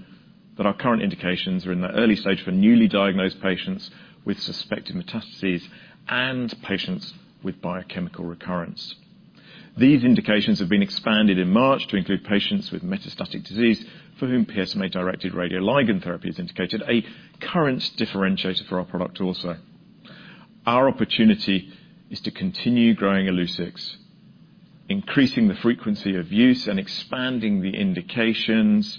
that our current indications are in the early stage for newly diagnosed patients with suspected metastases and patients with biochemical recurrence. These indications have been expanded in March to include patients with metastatic disease for whom PSMA directed radioligand therapy is indicated, a current differentiator for our product also. Our opportunity is to continue growing Illuccix, increasing the frequency of use and expanding the indications,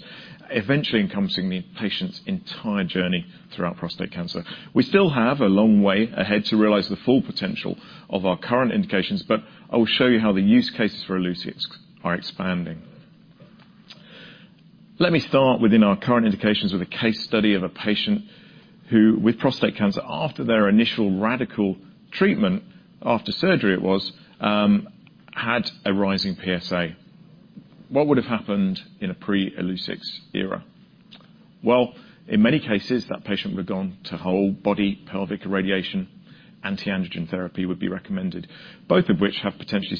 eventually encompassing the patient's entire journey throughout prostate cancer. We still have a long way ahead to realize the full potential of our current indications, I will show you how the use cases for Illuccix are expanding. Let me start within our current indications with a case study of a patient who, with prostate cancer, after their initial radical treatment, after surgery it was, had a rising PSA. What would have happened in a pre-Illuccix era? Well, in many cases, that patient would have gone to whole body pelvic irradiation, anti-androgen therapy would be recommended, both of which have potentially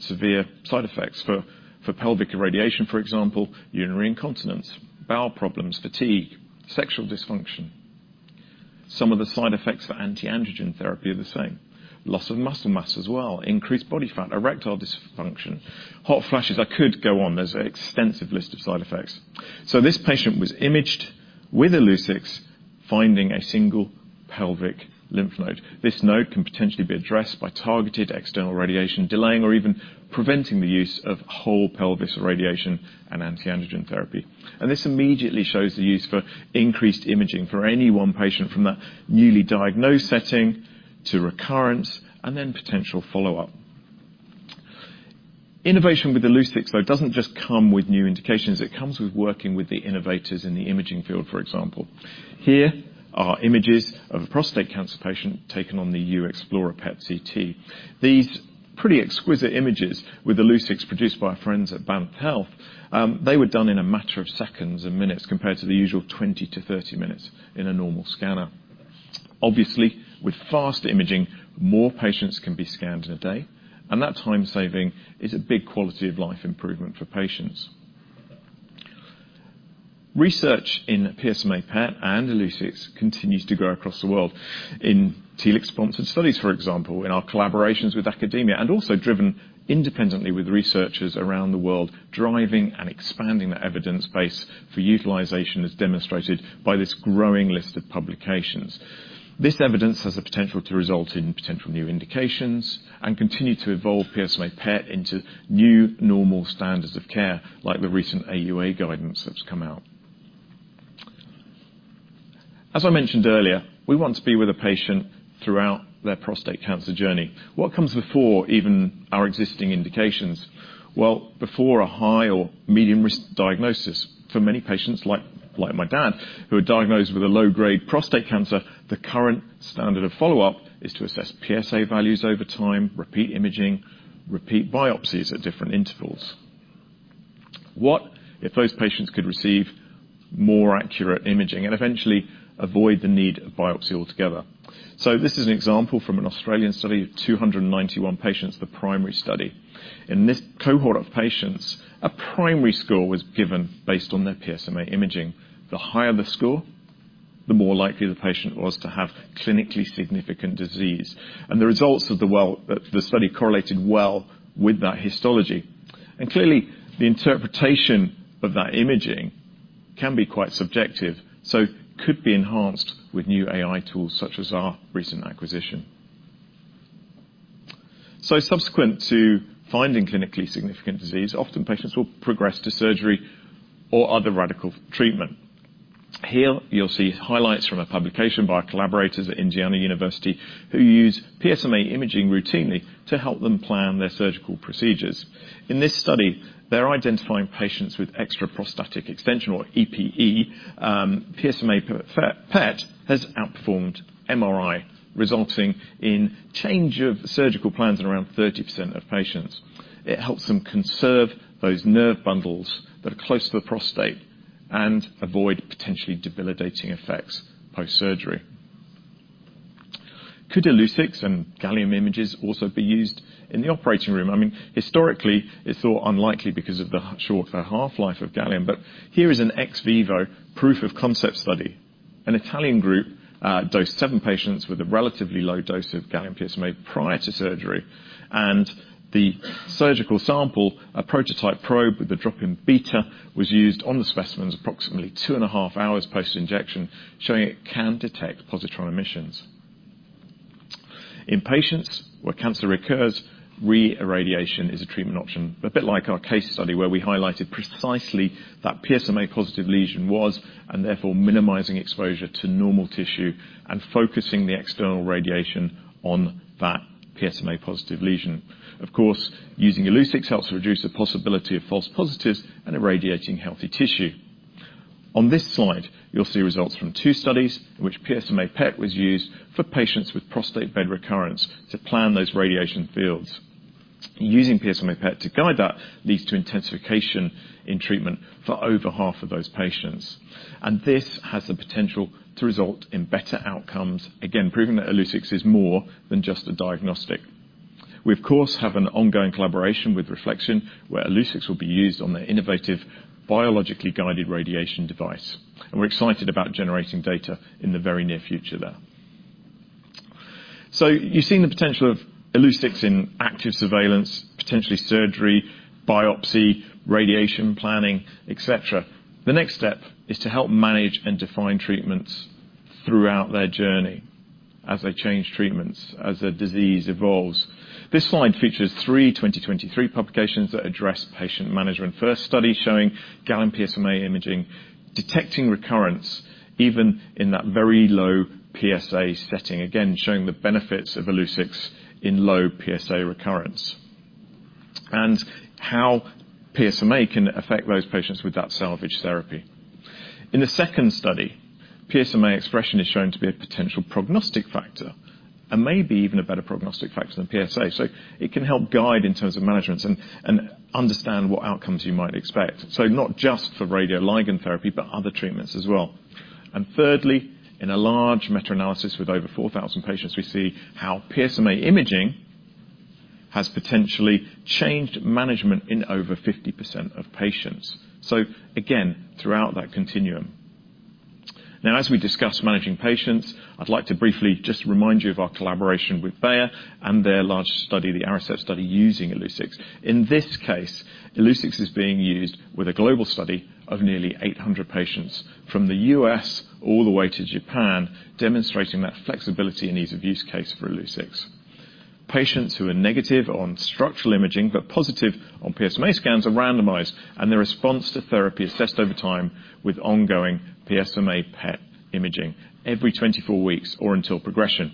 severe side effects. For pelvic irradiation, for example, urinary incontinence, bowel problems, fatigue, sexual dysfunction. Some of the side effects for anti-androgen therapy are the same. Loss of muscle mass as well, increased body fat, erectile dysfunction, hot flashes. I could go on. There's an extensive list of side effects. This patient was imaged with Illuccix, finding a single pelvic lymph node. This node can potentially be addressed by targeted external radiation, delaying or even preventing the use of whole pelvis irradiation and anti-androgen therapy. This immediately shows the use for increased imaging for any one patient from that newly diagnosed setting to recurrence, and then potential follow-up. Innovation with Illuccix, though, doesn't just come with new indications, it comes with working with the innovators in the imaging field, for example. Here are images of a prostate cancer patient taken on the uEXPLORER PET/CT. These pretty exquisite images with Illuccix, produced by our friends at BAMF Health, they were done in a matter of seconds and minutes compared to the usual 20 to 30 minutes in a normal scanner. With fast imaging, more patients can be scanned in 1 day, and that time saving is a big quality of life improvement for patients. Research in PSMA PET and Illuccix continues to grow across the world. In Telix-sponsored studies, for example, in our collaborations with academia, and also driven independently with researchers around the world, driving and expanding the evidence base for utilization is demonstrated by this growing list of publications. This evidence has the potential to result in potential new indications and continue to evolve PSMA PET into new normal standards of care, like the recent AUA guidance that's come out. As I mentioned earlier, we want to be with a patient throughout their prostate cancer journey. What comes before even our existing indications? Well, before a high or medium risk diagnosis, for many patients, like my dad, who are diagnosed with a low-grade prostate cancer, the current standard of follow-up is to assess PSA values over time, repeat imaging, repeat biopsies at different intervals. What if those patients could receive more accurate imaging and eventually avoid the need of biopsy altogether? This is an example from an Australian study of 291 patients, the PRIMARY study. In this cohort of patients, a primary score was given based on their PSMA imaging. The higher the score, the more likely the patient was to have clinically significant disease, and the results of the study correlated well with that histology. Clearly, the interpretation of that imaging can be quite subjective, so could be enhanced with new AI tools such as our recent acquisition. Subsequent to finding clinically significant disease, often patients will progress to surgery or other radical treatment. Here, you'll see highlights from a publication by our collaborators at Indiana University, who use PSMA imaging routinely to help them plan their surgical procedures. In this study, they're identifying patients with extra prostatic extension or EPE. PSMA PET has outperformed MRI, resulting in change of surgical plans in around 30% of patients. It helps them conserve those nerve bundles that are close to the prostate and avoid potentially debilitating effects post-surgery. Could Illuccix and gallium images also be used in the operating room? I mean, historically, it's thought unlikely because of the shorter half-life of gallium, but here is an ex vivo proof of concept study. An Italian group dosed 7 patients with a relatively low dose of gallium PSMA prior to surgery, and the surgical sample, a prototype probe with a drop in beta, was used on the specimens approximately two and a half hours post-injection, showing it can detect positron emissions. In patients where cancer recurs, reirradiation is a treatment option, a bit like our case study, where we highlighted precisely that PSMA-positive lesion was, and therefore minimizing exposure to normal tissue and focusing the external radiation on that PSMA-positive lesion. Of course, using Illuccix helps reduce the possibility of false positives and irradiating healthy tissue. On this slide, you'll see results from 2 studies in which PSMA PET was used for patients with prostate bed recurrence to plan those radiation fields. Using PSMA PET to guide that leads to intensification in treatment for over half of those patients. This has the potential to result in better outcomes, again, proving that Illuccix is more than just a diagnostic. We, of course, have an ongoing collaboration with RefleXion, where Illuccix will be used on their innovative, biologically guided radiation device, and we're excited about generating data in the very near future there. You've seen the potential of Illuccix in active surveillance, potentially surgery, biopsy, radiation planning, et cetera. The next step is to help manage and define treatments throughout their journey as they change treatments, as their disease evolves. This slide features three 2023 publications that address patient management. First study showing gallium PSMA imaging, detecting recurrence, even in that very low PSA setting, again, showing the benefits of Illuccix in low PSA recurrence, and how PSMA can affect those patients with that salvage therapy. In the second study, PSMA expression is shown to be a potential prognostic factor and maybe even a better prognostic factor than PSA. It can help guide in terms of management and understand what outcomes you might expect. Not just for radioligand therapy, but other treatments as well. Thirdly, in a large meta-analysis with over 4,000 patients, we see how PSMA imaging has potentially changed management in over 50% of patients. Again, throughout that continuum. As we discuss managing patients, I'd like to briefly just remind you of our collaboration with Bayer and their large study, the ARASTEP study, using Illuccix. In this case, Illuccix is being used with a global study of nearly 800 patients from the U.S. all the way to Japan, demonstrating that flexibility and ease of use case for Illuccix. Patients who are negative on structural imaging but positive on PSMA scans are randomized, and their response to therapy assessed over time with ongoing PSMA PET imaging every 24 weeks or until progression.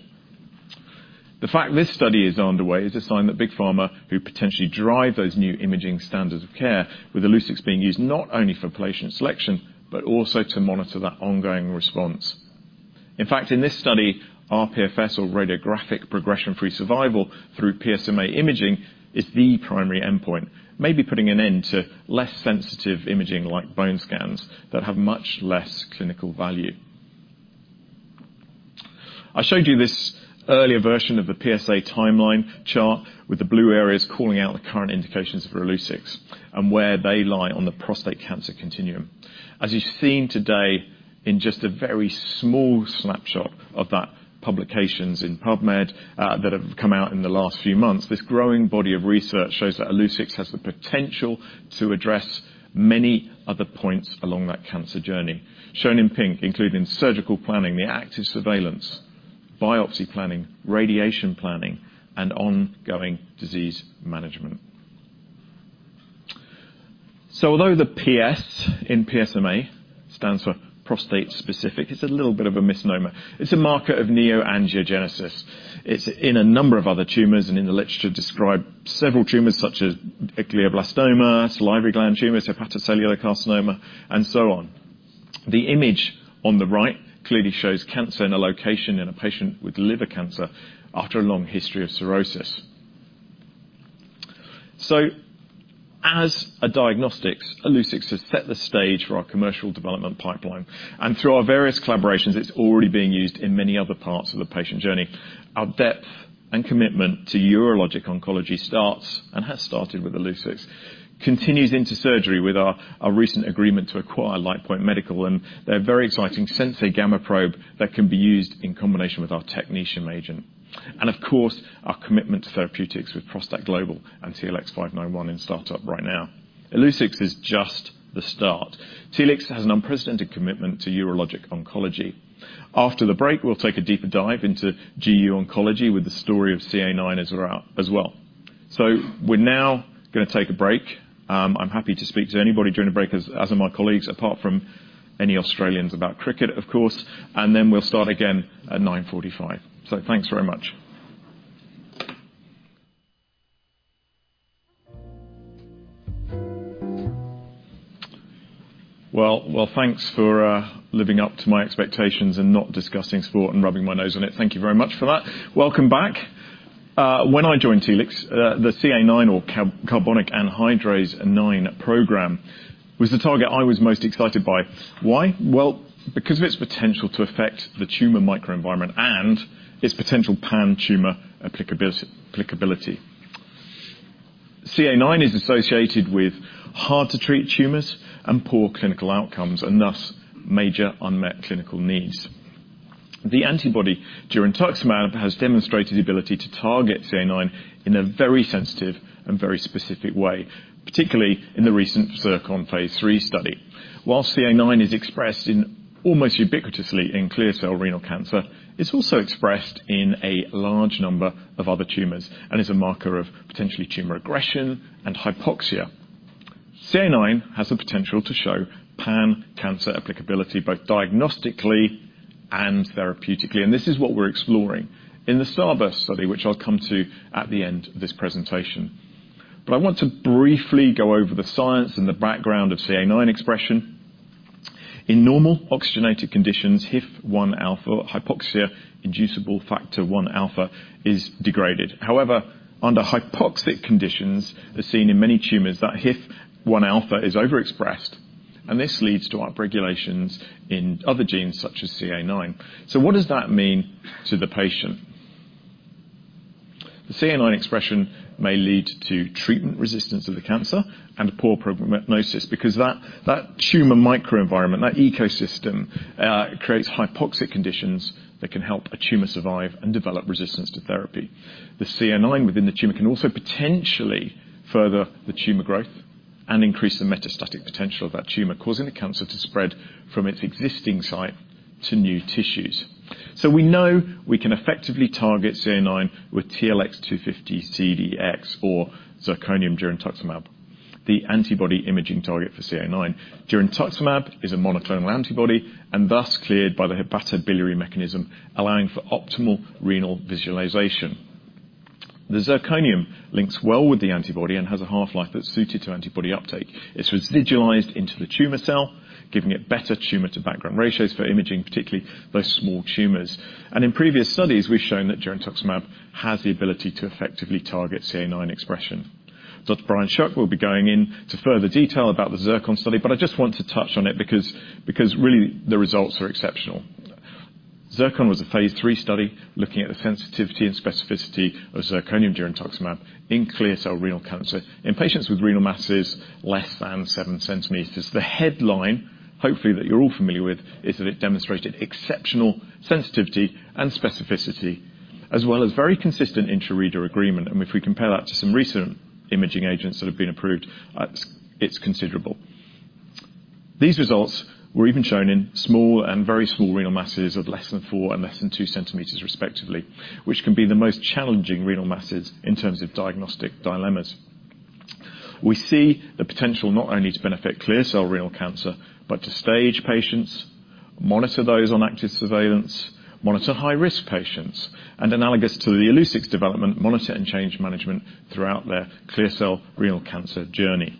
The fact this study is underway is a sign that big pharma, who potentially drive those new imaging standards of care, with Illuccix being used not only for patient selection, but also to monitor that ongoing response. In fact, in this study, RPFS or radiographic progression-free survival through PSMA imaging is the primary endpoint, maybe putting an end to less sensitive imaging like bone scans that have much less clinical value. I showed you this earlier version of the PSA timeline chart, with the blue areas calling out the current indications for Illuccix and where they lie on the prostate cancer continuum. As you've seen today, in just a very small snapshot of that publications in PubMed that have come out in the last few months, this growing body of research shows that Illuccix has the potential to address many other points along that cancer journey. Shown in pink, including surgical planning, the active surveillance, biopsy planning, radiation planning, and ongoing disease management. Although the PS in PSMA stands for prostate-specific, it's a little bit of a misnomer. It's a marker of neoangiogenesis. It's in a number of other tumors, and in the literature, describe several tumors such as glioblastoma, salivary gland tumors, hepatocellular carcinoma, and so on. The image on the right clearly shows cancer in a location in a patient with liver cancer after a long history of cirrhosis. As a diagnostic, Illuccix has set the stage for our commercial development pipeline, and through our various collaborations, it's already being used in many other parts of the patient journey. Our depth and commitment to urologic oncology starts, and has started with Illuccix, continues into surgery with our recent agreement to acquire Lightpoint Medical and their very exciting SENSEI probe that can be used in combination with our technetium agent. Of course, our commitment to therapeutics with ProstACT GLOBAL and TLX591 in startup right now. Illuccix is just the start. Telix has an unprecedented commitment to urologic oncology. After the break, we'll take a deeper dive into GU oncology with the story of CA IX as well. We're now gonna take a break. I'm happy to speak to anybody during the break, as are my colleagues, apart from any Australians about cricket, of course. We'll start again at 9:45 A.M. Thanks very much. Thanks for living up to my expectations and not discussing sport and rubbing my nose on it. Thank you very much for that. Welcome back. When I joined Telix, the CA IX or carbonic anhydrase IX program, was the target I was most excited by. Why? Because of its potential to affect the tumor microenvironment and its potential pan-tumor applicability. CA IX is associated with hard-to-treat tumors and poor clinical outcomes, and thus, major unmet clinical needs. The antibody girentuximab has demonstrated the ability to target CA IX in a very sensitive and very specific way, particularly in the recent ZIRCON Phase III study. Whilst CA IX is expressed in almost ubiquitously in clear cell renal cancer, it's also expressed in a large number of other tumors and is a marker of potentially tumor aggression and hypoxia. CA IX has the potential to show pan-cancer applicability, both diagnostically and therapeutically. This is what we're exploring in the STARBURST study, which I'll come to at the end of this presentation. I want to briefly go over the science and the background of CA IX expression. In normal oxygenated conditions, HIF-1α, Hypoxia-inducible factor 1-alpha, is degraded. Under hypoxic conditions, as seen in many tumors, that HIF-1α is overexpressed, and this leads to upregulations in other genes, such as CA IX. What does that mean to the patient? The CA IX expression may lead to treatment resistance of the cancer and poor prognosis, that tumor microenvironment, that ecosystem, creates hypoxic conditions that can help a tumor survive and develop resistance to therapy. The CA IX within the tumor can also potentially further the tumor growth and increase the metastatic potential of that tumor, causing the cancer to spread from its existing site to new tissues. We know we can effectively target CA IX with TLX250-CDx or zirconium girentuximab, the antibody imaging target for CA IX. Girentuximab is a monoclonal antibody and thus cleared by the hepatic biliary mechanism, allowing for optimal renal visualization. The zirconium links well with the antibody and has a half-life that's suited to antibody uptake. It's residualized into the tumor cell, giving it better tumor to background ratios for imaging, particularly those small tumors. In previous studies, we've shown that girentuximab has the ability to effectively target CA IX expression. Dr. Brian Shuch will be going in to further detail about the ZIRCON study, but I just want to touch on it because really, the results are exceptional. ZIRCON was a phase 3 study looking at the sensitivity and specificity of zirconium girentuximab in clear cell renal cancer. In patients with renal masses, less than 7 centimeters, the headline, hopefully, that you're all familiar with, is that it demonstrated exceptional sensitivity and specificity, as well as very consistent intra-reader agreement. If we compare that to some recent imaging agents that have been approved, it's considerable. These results were even shown in small and very small renal masses of less than 4 and less than 2 centimeters, respectively, which can be the most challenging renal masses in terms of diagnostic dilemmas. We see the potential not only to benefit clear cell renal cancer, but to stage patients, monitor those on active surveillance, monitor high-risk patients, and analogous to the Illuccix development, monitor and change management throughout their clear cell renal cancer journey.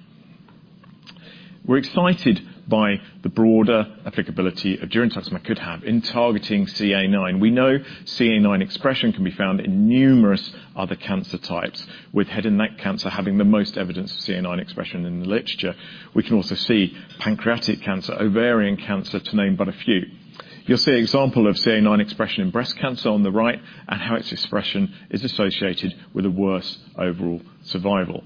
We're excited by the broader applicability girentuximab could have in targeting CA9. We know CA9 expression can be found in numerous other cancer types, with head and neck cancer having the most evidence of CA9 expression in the literature. We can also see pancreatic cancer, ovarian cancer, to name but a few. You'll see an example of CA9 expression in breast cancer on the right, and how its expression is associated with a worse overall survival.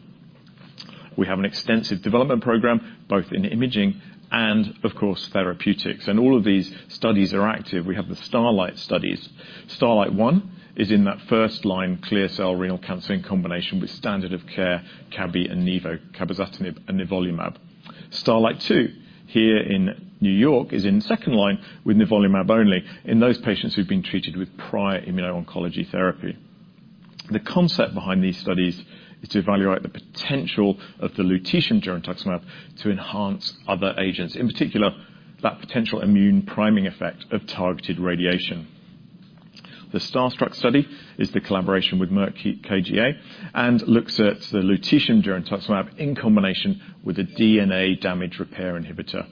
We have an extensive development program, both in imaging and, of course, therapeutics. All of these studies are active. We have the STARLITE studies. STARLITE-1 is in that first line, clear cell renal cancer in combination with standard of care, cabo and nivo, cabozantinib and nivolumab. STARLITE-2, here in New York, is in second line with nivolumab only in those patients who've been treated with prior immuno-oncology therapy. The concept behind these studies is to evaluate the potential of the lutetium girentuximab to enhance other agents, in particular, that potential immune priming effect of targeted radiation. The STARSTRUCK study is the collaboration with Merck KGaA, and looks at the lutetium girentuximab in combination with a DNA damage repair inhibitor.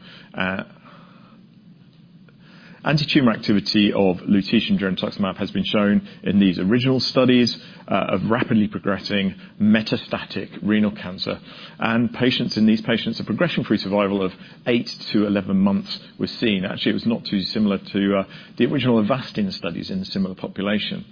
Antitumor activity of lutetium girentuximab has been shown in these original studies of rapidly progressing metastatic renal cancer, in these patients, a progression-free survival of eight to 11 months was seen. Actually, it was not too similar to the original Avastin studies in a similar population.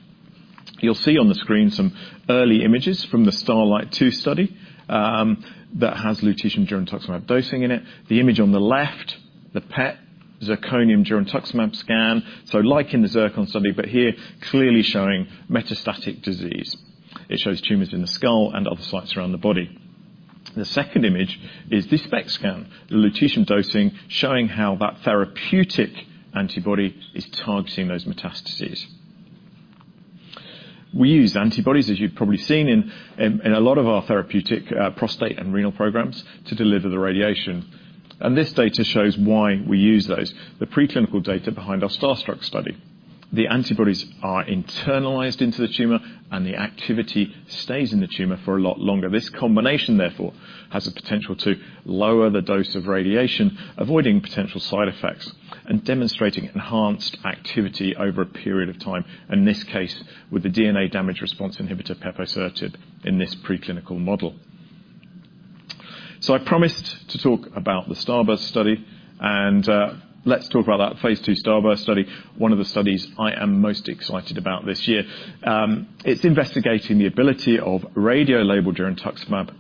You'll see on the screen some early images from the STARLITE-2 study that has lutetium girentuximab dosing in it. The image on the left, the PET zirconium-89 girentuximab scan, like in the ZIRCON study, but here clearly showing metastatic disease. It shows tumors in the skull and other sites around the body. The second image is this spec scan, the lutetium dosing, showing how that therapeutic antibody is targeting those metastases. We use antibodies, as you've probably seen in a lot of our therapeutic prostate and renal programs, to deliver the radiation, and this data shows why we use those, the preclinical data behind our STARSTRUCK study. The antibodies are internalized into the tumor, and the activity stays in the tumor for a lot longer. This combination, therefore, has the potential to lower the dose of radiation, avoiding potential side effects and demonstrating enhanced activity over a period of time, in this case, with the DNA damage response inhibitor, peposertib, in this preclinical model. I promised to talk about the STARBURST study, let's talk about that phase II STARBURST study, one of the studies I am most excited about this year. It's investigating the ability of radiolabeled girentuximab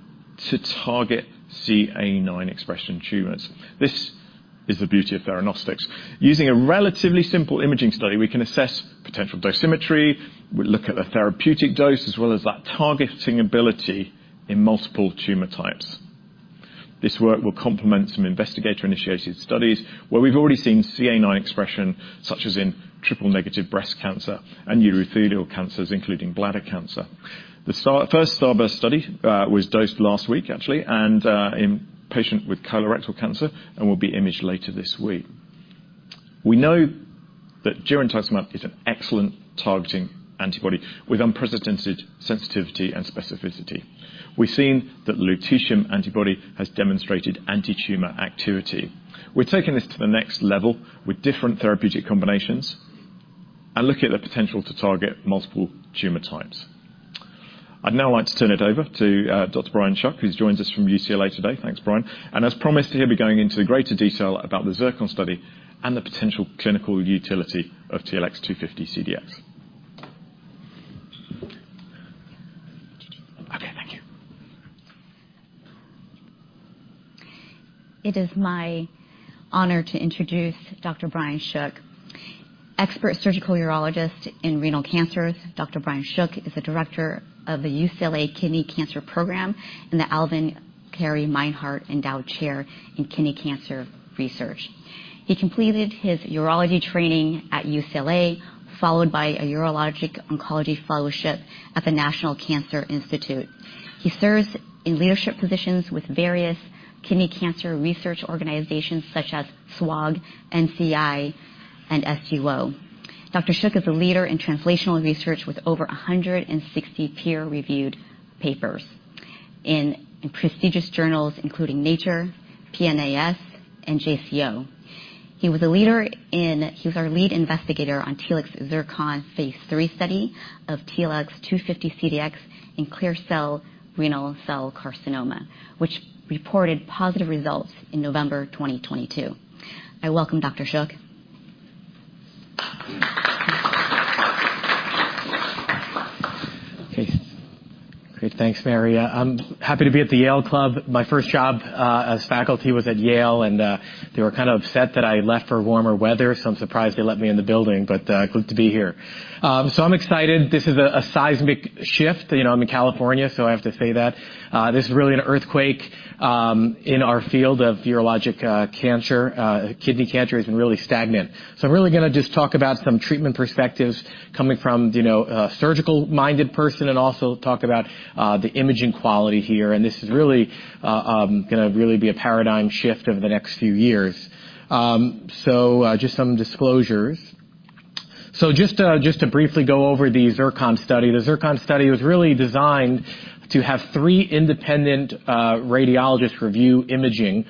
to target CA9 expression tumors. This is the beauty of theranostics. Using a relatively simple imaging study, we can assess potential dosimetry, we look at the therapeutic dose, as well as that targeting ability in multiple tumor types. This work will complement some investigator-initiated studies where we've already seen CA9 expression, such as in triple-negative breast cancer and urothelial cancers, including bladder cancer. The first STARBURST study was dosed last week, actually, and in patient with colorectal cancer, and will be imaged later this week. We know that girentuximab is an excellent targeting antibody with unprecedented sensitivity and specificity. We've seen that the lutetium antibody has demonstrated antitumor activity. We're taking this to the next level with different therapeutic combinations and looking at the potential to target multiple tumor types. I'd now like to turn it over to Dr. Brian Shuch, who joins us from UCLA today. Thanks, Brian. As promised, he'll be going into greater detail about the ZIRCON study and the potential clinical utility of TLX250-CDx. Okay, thank you. It is my honor to introduce Dr. Brian Shuch, expert surgical urologist in renal cancers. Dr. Brian Shuch is the director of the UCLA Kidney Cancer Program and the Alvin & Carrie Meinrath Endowed Chair in Kidney Cancer Research. He completed his urology training at UCLA, followed by a urologic oncology fellowship at the National Cancer Institute. He serves in leadership positions with various kidney cancer research organizations such as SWOG, NCI, and SUO. Dr. Shuch is a leader in translational research with over 160 peer-reviewed papers in prestigious journals including Nature, PNAS, and JCO. He was our lead investigator on ZIRCON phase III study of TLX250-CDx in clear cell renal cell carcinoma, which reported positive results in November 2022. I welcome Dr. Shuch. Okay. Great. Thanks, Mary. I'm happy to be at the Yale Club. My first job as faculty was at Yale, and they were kind of upset that I left for warmer weather, so I'm surprised they let me in the building, but good to be here. I'm excited. This is a seismic shift. You know, I'm in California, so I have to say that. This is really an earthquake in our field of urologic cancer. Kidney cancer has been really stagnant. I'm really gonna just talk about some treatment perspectives coming from, you know, a surgical-minded person, and also talk about the imaging quality here. This is really gonna really be a paradigm shift over the next few years.... just some disclosures. Just to briefly go over the ZIRCON study, the ZIRCON study was really designed to have three independent radiologists review imaging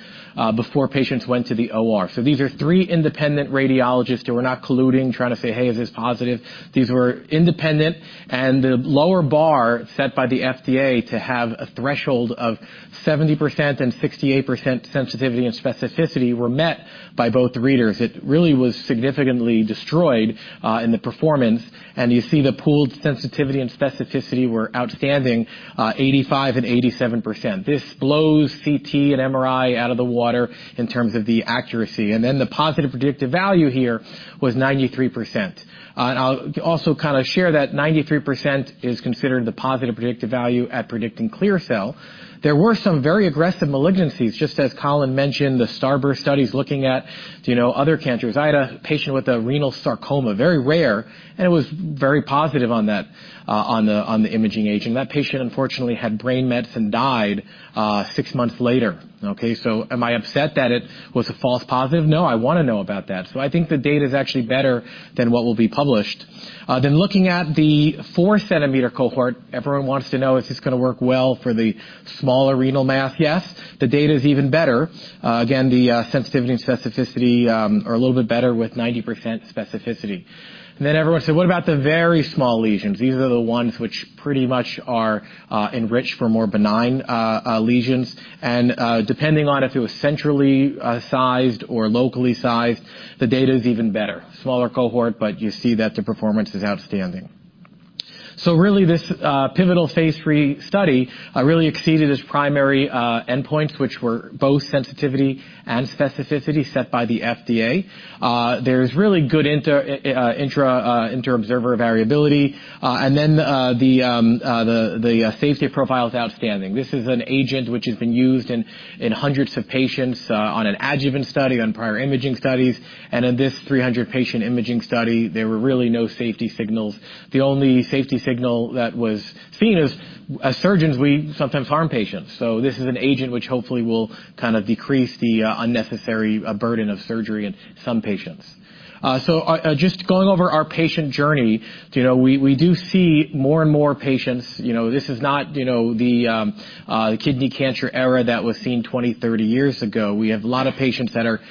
before patients went to the OR. These are three independent radiologists who are not colluding, trying to say, "Hey, is this positive?" These were independent, and the lower bar set by the FDA to have a threshold of 70% and 68% sensitivity and specificity were met by both readers. It really was significantly destroyed in the performance, and you see the pooled sensitivity and specificity were outstanding, 85% and 87%. This blows CT and MRI out of the water in terms of the accuracy, and then the positive predictive value here was 93%. I'll also kind of share that 93% is considered the positive predictive value at predicting clear cell. There were some very aggressive malignancies, just as Colin mentioned, the STARBURST study is looking at, you know, other cancers. I had a patient with a renal sarcoma, very rare, and it was very positive on that, on the imaging agent. That patient, unfortunately, had brain mets and died 6 months later. Okay, so am I upset that it was a false positive? No, I want to know about that. I think the data is actually better than what will be published. Looking at the 4-centimeter cohort, everyone wants to know, is this going to work well for the smaller renal mass? Yes, the data is even better. Again, the sensitivity and specificity are a little bit better with 90% specificity. Everyone said, "What about the very small lesions?" These are the ones which pretty much are enriched for more benign lesions. Depending on if it was centrally sized or locally sized, the data is even better. Smaller cohort, but you see that the performance is outstanding. Really, this pivotal Phase III study really exceeded its primary endpoints, which were both sensitivity and specificity set by the FDA. There's really good interobserver variability, and then the safety profile is outstanding. This is an agent which has been used in hundreds of patients, on an adjuvant study, on prior imaging studies, and in this 300-patient imaging study, there were really no safety signals. The only safety signal that was seen is, as surgeons, we sometimes harm patients. This is an agent which hopefully will kind of decrease the unnecessary burden of surgery in some patients. Just going over our patient journey, you know, we do see more and more patients. You know, this is not, you know, the kidney cancer era that was seen 20, 30 years ago. We have a lot of patients that are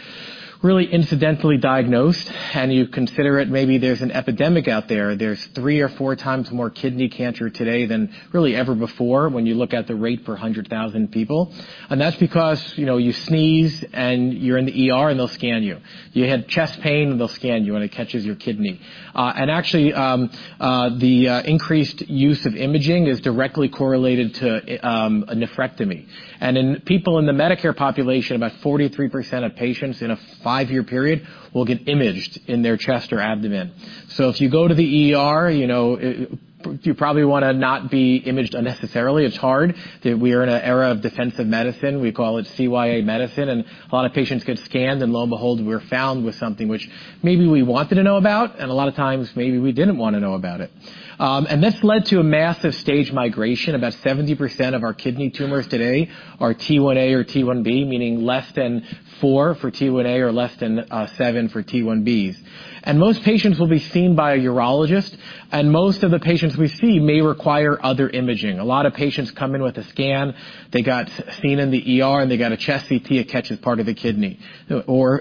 really incidentally diagnosed, and you consider it, maybe there's an epidemic out there. There's three or four times more kidney cancer today than really ever before when you look at the rate per 100,000 people. That's because, you know, you sneeze and you're in the ER, and they'll scan you. You have chest pain, and they'll scan you, and it catches your kidney. Actually, the increased use of imaging is directly correlated to a nephrectomy. In people in the Medicare population, about 43% of patients in a 5-year period will get imaged in their chest or abdomen. If you go to the ER, you know, you probably want to not be imaged unnecessarily. It's hard. We are in an era of defensive medicine. We call it CYA medicine. A lot of patients get scanned, and lo and behold, we're found with something which maybe we wanted to know about, and a lot of times, maybe we didn't want to know about it. This led to a massive stage migration. About 70% of our kidney tumors today are T1a or T1b, meaning less than 4 for T1a or less than 7 for T1bs. Most patients will be seen by a urologist, and most of the patients we see may require other imaging. A lot of patients come in with a scan, they got seen in the ER, and they got a chest CT, it catches part of the kidney.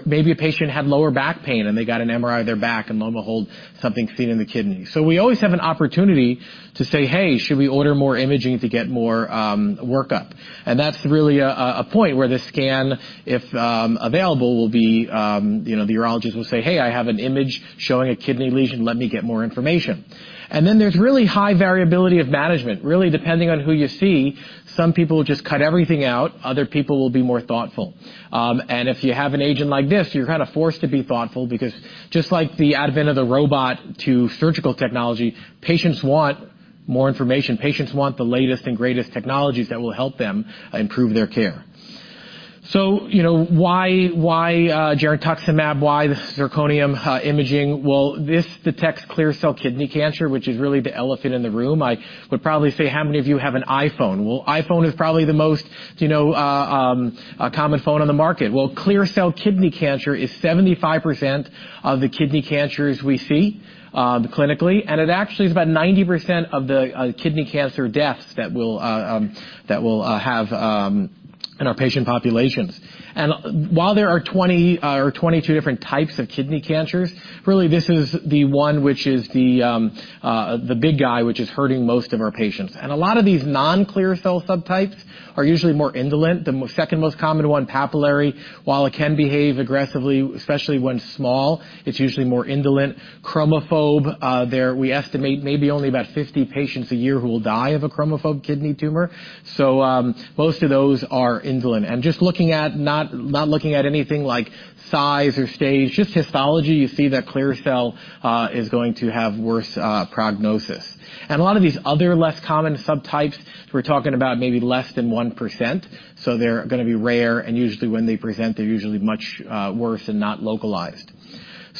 Maybe a patient had lower back pain, and they got an MRI of their back, and lo and behold, something's seen in the kidney. We always have an opportunity to say, "Hey, should we order more imaging to get more workup?" That's really a point where the scan, if available, will be, you know, the urologist will say, "Hey, I have an image showing a kidney lesion. Let me get more information." Then there's really high variability of management, really depending on who you see. Some people will just cut everything out, other people will be more thoughtful. If you have an agent like this, you're kind of forced to be thoughtful because just like the advent of the robot to surgical technology, patients want more information. Patients want the latest and greatest technologies that will help them improve their care. You know, why girentuximab, why the zirconium imaging? Well, this detects clear cell kidney cancer, which is really the elephant in the room. I would probably say, how many of you have an iPhone? Well, iPhone is probably the most, you know, a common phone on the market. Well, clear cell kidney cancer is 75% of the kidney cancers we see clinically, and it actually is about 90% of the kidney cancer deaths that we'll have in our patient populations. While there are 20 or 22 different types of kidney cancers, really, this is the one which is the big guy, which is hurting most of our patients. A lot of these non-clear cell subtypes are usually more indolent. The second most common one, papillary, while it can behave aggressively, especially when small, it's usually more indolent. Chromophobe, there we estimate maybe only about 50 patients a year who will die of a chromophobe kidney tumor. Most of those are indolent. Just looking at not looking at anything like size or stage, just histology, you see that clear cell is going to have worse prognosis. A lot of these other less common subtypes, we're talking about maybe less than 1%, they're going to be rare, and usually when they present, they're usually much worse and not localized.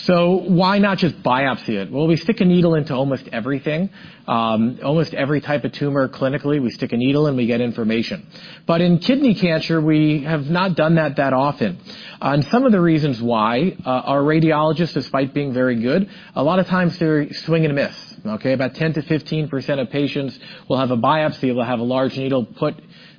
Why not just biopsy it? Well, we stick a needle into almost everything. Almost every type of tumor, clinically, we stick a needle, and we get information. In kidney cancer, we have not done that often. Some of the reasons why our radiologists, despite being very good, a lot of times they're swing and miss, okay? About 10%-15% of patients will have a biopsy, will have a large needle put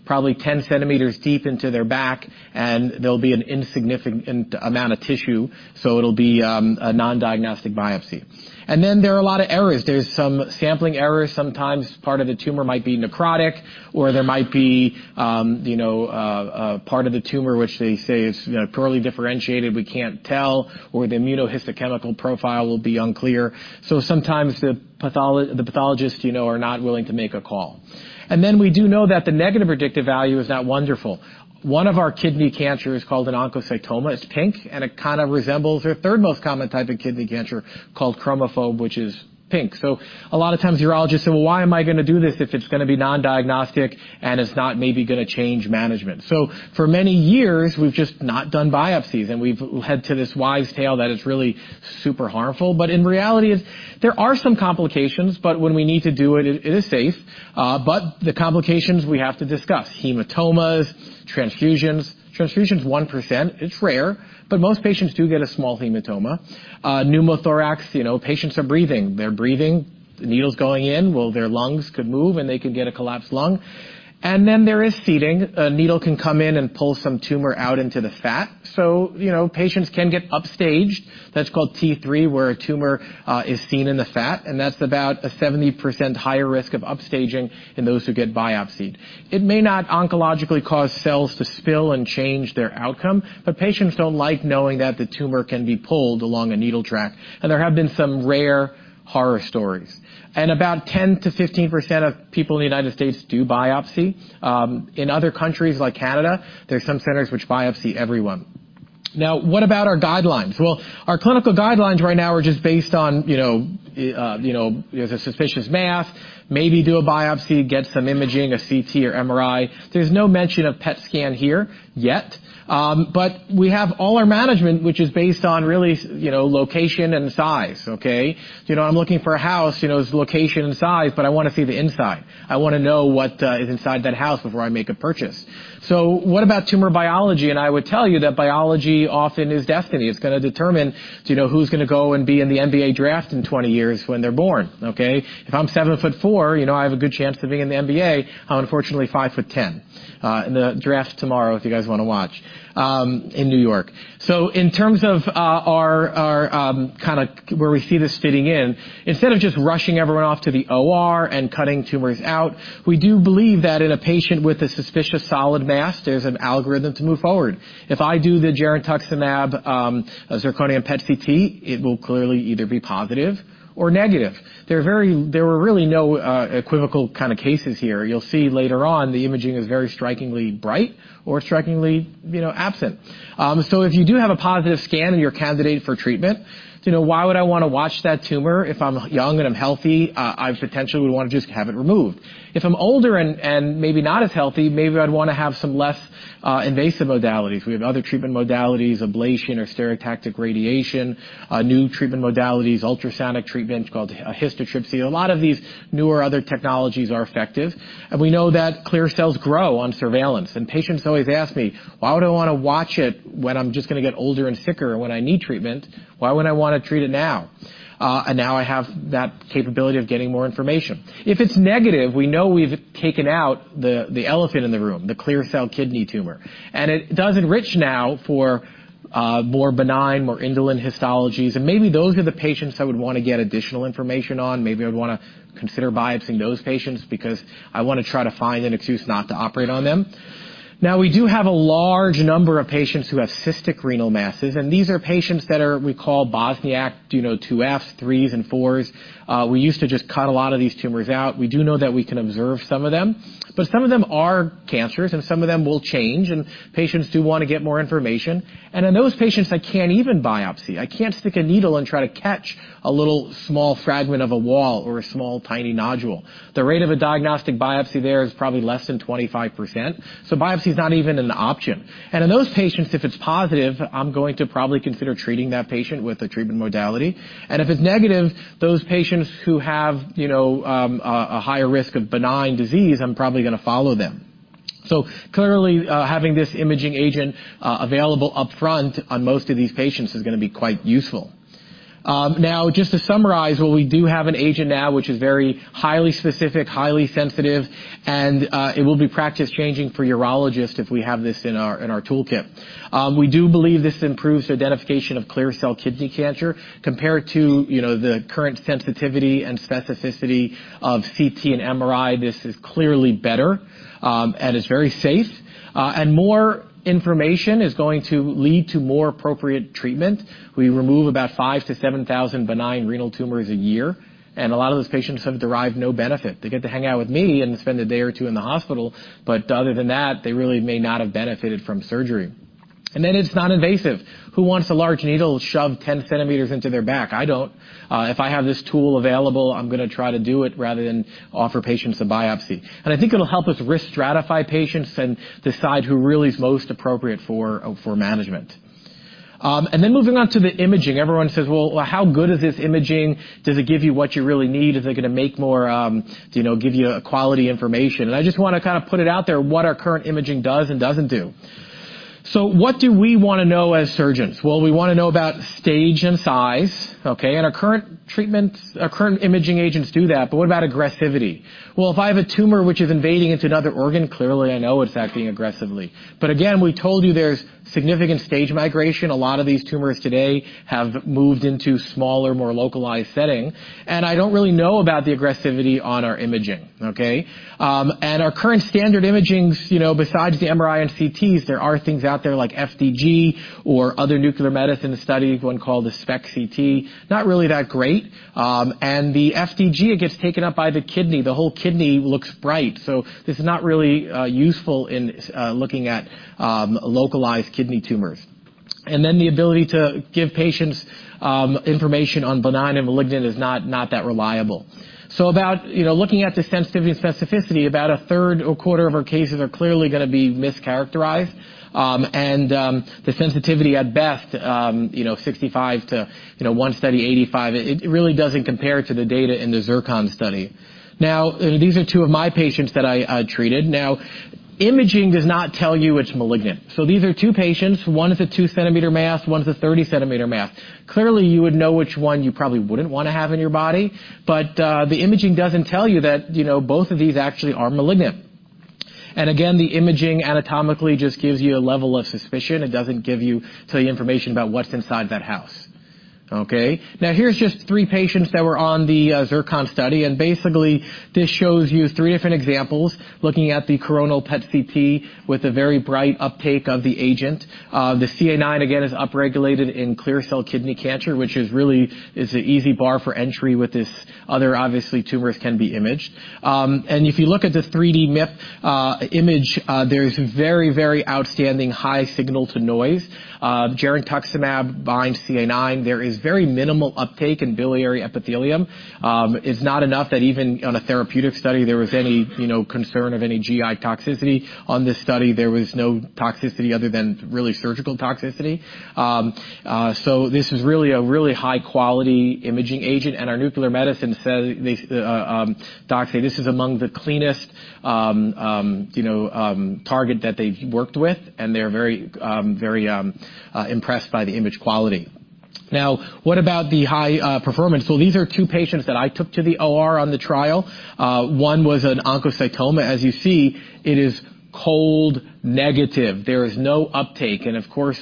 probably 10 centimeters deep into their back, and there'll be an insignificant amount of tissue, so it'll be a non-diagnostic biopsy. There are a lot of errors. There's some sampling errors, sometimes part of the tumor might be necrotic, or there might be, you know, a part of the tumor, which they say is, you know, poorly differentiated, we can't tell, or the immunohistochemical profile will be unclear. Sometimes the pathologists, you know, are not willing to make a call. We do know that the negative predictive value is not wonderful. One of our kidney cancer is called an oncocytoma. It's pink, and it kinda resembles their third most common type of kidney cancer, called chromophobe, which is pink. A lot of times, urologists say, "Well, why am I gonna do this if it's gonna be non-diagnostic, and it's not maybe gonna change management?" For many years, we've just not done biopsies, and we've led to this wives' tale that it's really super harmful. In reality, there are some complications, but when we need to do it is safe. The complications we have to discuss, hematomas, transfusions. Transfusion's 1%, it's rare, but most patients do get a small hematoma. Pneumothorax, you know, patients are breathing. They're breathing, the needle's going in, well, their lungs could move, and they could get a collapsed lung. Then there is seeding. A needle can come in and pull some tumor out into the fat. You know, patients can get upstaged. That's called T3, where a tumor is seen in the fat, and that's about a 70% higher risk of upstaging in those who get biopsied. It may not oncologically cause cells to spill and change their outcome, but patients don't like knowing that the tumor can be pulled along a needle track, and there have been some rare horror stories. About 10% to 15% of people in the United States do biopsy. In other countries like Canada, there's some centers which biopsy everyone. What about our guidelines? Our clinical guidelines right now are just based on, you know, there's a suspicious mass, maybe do a biopsy, get some imaging, a CT or MRI. There's no mention of PET scan here, yet. We have all our management, which is based on really, you know, location and size, okay? You know, I'm looking for a house, you know, it's location and size, but I wanna see the inside. I wanna know what is inside that house before I make a purchase. What about tumor biology? I would tell you that biology often is destiny. It's gonna determine, you know, who's gonna go and be in the NBA draft in 20 years when they're born, okay? If I'm 7 foot 4, you know, I have a good chance of being in the NBA. I'm unfortunately 5 foot 10. And the draft's tomorrow, if you guys wanna watch in New York. In terms of our, kinda where we see this fitting in, instead of just rushing everyone off to the OR and cutting tumors out, we do believe that in a patient with a suspicious solid mass, there's an algorithm to move forward. If I do the girentuximab, a zirconium-89 PET/CT, it will clearly either be positive or negative. There were really no equivocal kind of cases here. You'll see later on, the imaging is very strikingly bright or strikingly, you know, absent. If you do have a positive scan and you're a candidate for treatment, you know, why would I wanna watch that tumor? If I'm young and I'm healthy, I potentially would wanna just have it removed. If I'm older and maybe not as healthy, maybe I'd wanna have some less invasive modalities. We have other treatment modalities, ablation or stereotactic radiation, new treatment modalities, ultrasonic treatment called histotripsy. A lot of these newer other technologies are effective, and we know that clear cells grow on surveillance. Patients always ask me, "Why would I wanna watch it when I'm just gonna get older and sicker when I need treatment? Why wouldn't I wanna treat it now?" Now I have that capability of getting more information. If it's negative, we know we've taken out the elephant in the room, the clear cell kidney tumor. It does enrich now for more benign, more indolent histologies, and maybe those are the patients I would wanna get additional information on. Maybe I'd wanna consider biopsying those patients because I wanna try to find an excuse not to operate on them. We do have a large number of patients who have cystic renal masses, these are patients that are, we call Bosniak, you know, two Fs, threes and fours. We used to just cut a lot of these tumors out. We do know that we can observe some of them, but some of them are cancers, and some of them will change, and patients do wanna get more information. In those patients, I can't even biopsy. I can't stick a needle and try to catch a little small fragment of a wall or a small, tiny nodule. The rate of a diagnostic biopsy there is probably less than 25%, so biopsy is not even an option. In those patients, if it's positive, I'm going to probably consider treating that patient with a treatment modality. If it's negative, those patients who have, you know, a higher risk of benign disease, I'm probably gonna follow them. Clearly, having this imaging agent available upfront on most of these patients is gonna be quite useful. Now, just to summarize, well, we do have an agent now, which is very highly specific, highly sensitive, and it will be practice-changing for urologists if we have this in our toolkit. We do believe this improves the identification of clear cell kidney cancer. Compared to, you know, the current sensitivity and specificity of CT and MRI, this is clearly better, and it's very safe. More information is going to lead to more appropriate treatment. We remove about 5,000-7,000 benign renal tumors a year, and a lot of those patients have derived no benefit. They get to hang out with me and spend a day or two in the hospital, other than that, they really may not have benefited from surgery. It's not invasive. Who wants a large needle shoved 10 centimeters into their back? I don't. If I have this tool available, I'm gonna try to do it rather than offer patients a biopsy. I think it'll help us risk stratify patients and decide who really is most appropriate for management. Moving on to the imaging, everyone says, "Well, how good is this imaging? Does it give you what you really need? Is it going to make more, you know, give you quality information?" I just want to kind of put it out there, what our current imaging does and doesn't do. What do we want to know as surgeons? Well, we want to know about stage and size, okay? Our current treatments, our current imaging agents do that, but what about aggressivity? Well, if I have a tumor which is invading into another organ, clearly I know it's acting aggressively. Again, we told you there's significant stage migration. A lot of these tumors today have moved into smaller, more localized setting, and I don't really know about the aggressivity on our imaging, okay? Our current standard imagings, you know, besides the MRI and CTs, there are things out there like FDG or other nuclear medicine study, one called the SPECT/CT, not really that great. The FDG, it gets taken up by the kidney. The whole kidney looks bright, so this is not really useful in looking at localized kidney tumors. The ability to give patients information on benign and malignant is not that reliable. About, you know, looking at the sensitivity and specificity, about a third or quarter of our cases are clearly going to be mischaracterized. The sensitivity at best, you know, 65 to, you know, one study 85, it really doesn't compare to the data in the ZIRCON study. These are 2 of my patients that I treated. Imaging does not tell you it's malignant. These are 2 patients, one is a 2-centimeter mass, one is a 30-centimeter mass. Clearly, you would know which one you probably wouldn't want to have in your body, but the imaging doesn't tell you that, you know, both of these actually are malignant. Again, the imaging anatomically just gives you a level of suspicion. It doesn't give you the information about what's inside that house, okay? Here's just three patients that were on the ZIRCON study, and basically, this shows you three different examples, looking at the coronal PET/CT with a very bright uptake of the agent. The CA IX, again, is upregulated in clear cell kidney cancer, which really is an easy bar for entry with this other, obviously, tumors can be imaged. If you look at the 3D MIP image, there is very, very outstanding high signal to noise. girentuximab binds CA IX. There is very minimal uptake in biliary epithelium. It's not enough that even on a therapeutic study, there was any, you know, concern of any GI toxicity. On this study, there was no toxicity other than really surgical toxicity. This is really a really high-quality imaging agent, and our nuclear medicine said, they, you know, docs say this is among the cleanest target that they've worked with, and they're very impressed by the image quality. What about the high performance? These are 2 patients that I took to the OR on the trial. One was an oncocytoma. As you see, it is cold, negative. There is no uptake.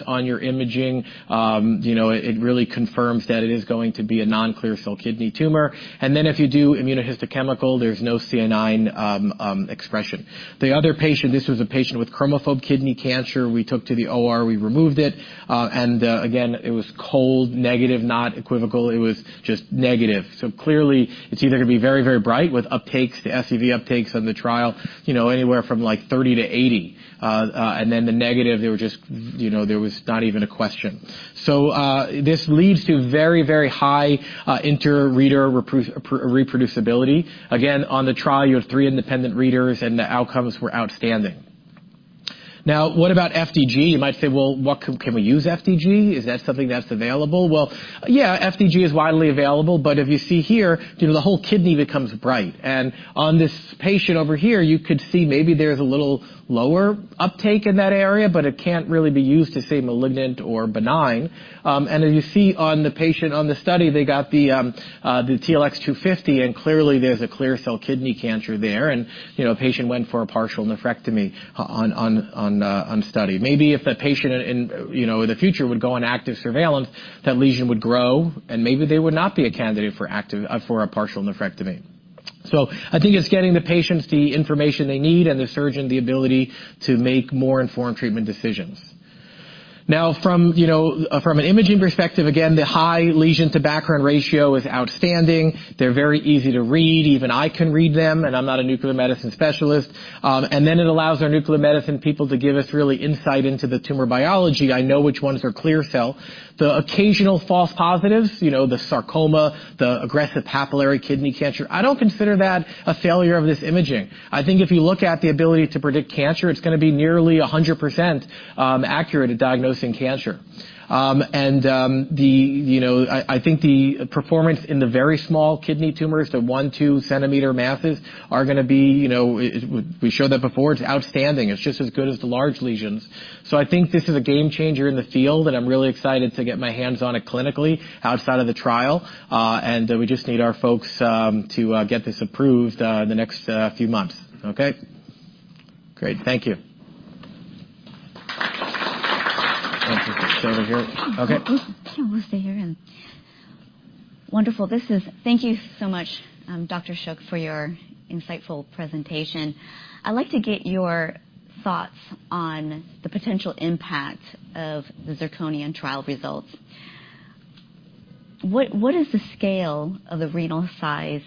On your imaging, you know, it really confirms that it is going to be a non-clear cell kidney tumor. If you do immunohistochemical, there's no CA IX expression. The other patient, this was a patient with chromophobe kidney cancer. We took to the OR, we removed it, and again, it was cold, negative, not equivocal. It was just negative. Clearly, it's either going to be very, very bright with uptakes, the SUV uptakes on the trial, you know, anywhere from, like, 30 to 80. The negative, they were just, you know, there was not even a question. This leads to very, very high interreader reproducibility. Again, on the trial, you had three independent readers, and the outcomes were outstanding. What about FDG? You might say, "Can we use FDG? Is that something that's available?" Yeah, FDG is widely available, but if you see here, you know, the whole kidney becomes bright. On this patient over here, you could see maybe there's a little lower uptake in that area, but it can't really be used to say malignant or benign. You see on the patient on the study, they got the TLX250, and clearly, there's a clear cell kidney cancer there, and, you know, patient went for a partial nephrectomy on study. Maybe if the patient in, you know, in the future would go on active surveillance, that lesion would grow, and maybe they would not be a candidate for a partial nephrectomy. I think it's getting the patients the information they need and the surgeon the ability to make more informed treatment decisions. Now, from, you know, from an imaging perspective, again, the high lesion-to-background ratio is outstanding. They're very easy to read. Even I can read them, and I'm not a nuclear medicine specialist. It allows our nuclear medicine people to give us really insight into the tumor biology. I know which ones are clear cell. The occasional false positives, you know, the sarcoma, the aggressive papillary kidney cancer, I don't consider that a failure of this imaging. I think if you look at the ability to predict cancer, it's going to be nearly 100% accurate at diagnosing cancer. You know, I think the performance in the very small kidney tumors, the 1 to centimeter masses, are going to be, you know. We showed that before, it's outstanding. It's just as good as the large lesions. I think this is a game changer in the field, and I'm really excited to get my hands on it clinically, outside of the trial. We just need our folks to get this approved in the next few months. Okay? Great. Thank you. Okay, we'll stay here and... Wonderful. Thank you so much, Dr. Shuch, for your insightful presentation. I'd like to get your thoughts on the potential impact of the ZIRCON trial results. What is the scale of the renal size,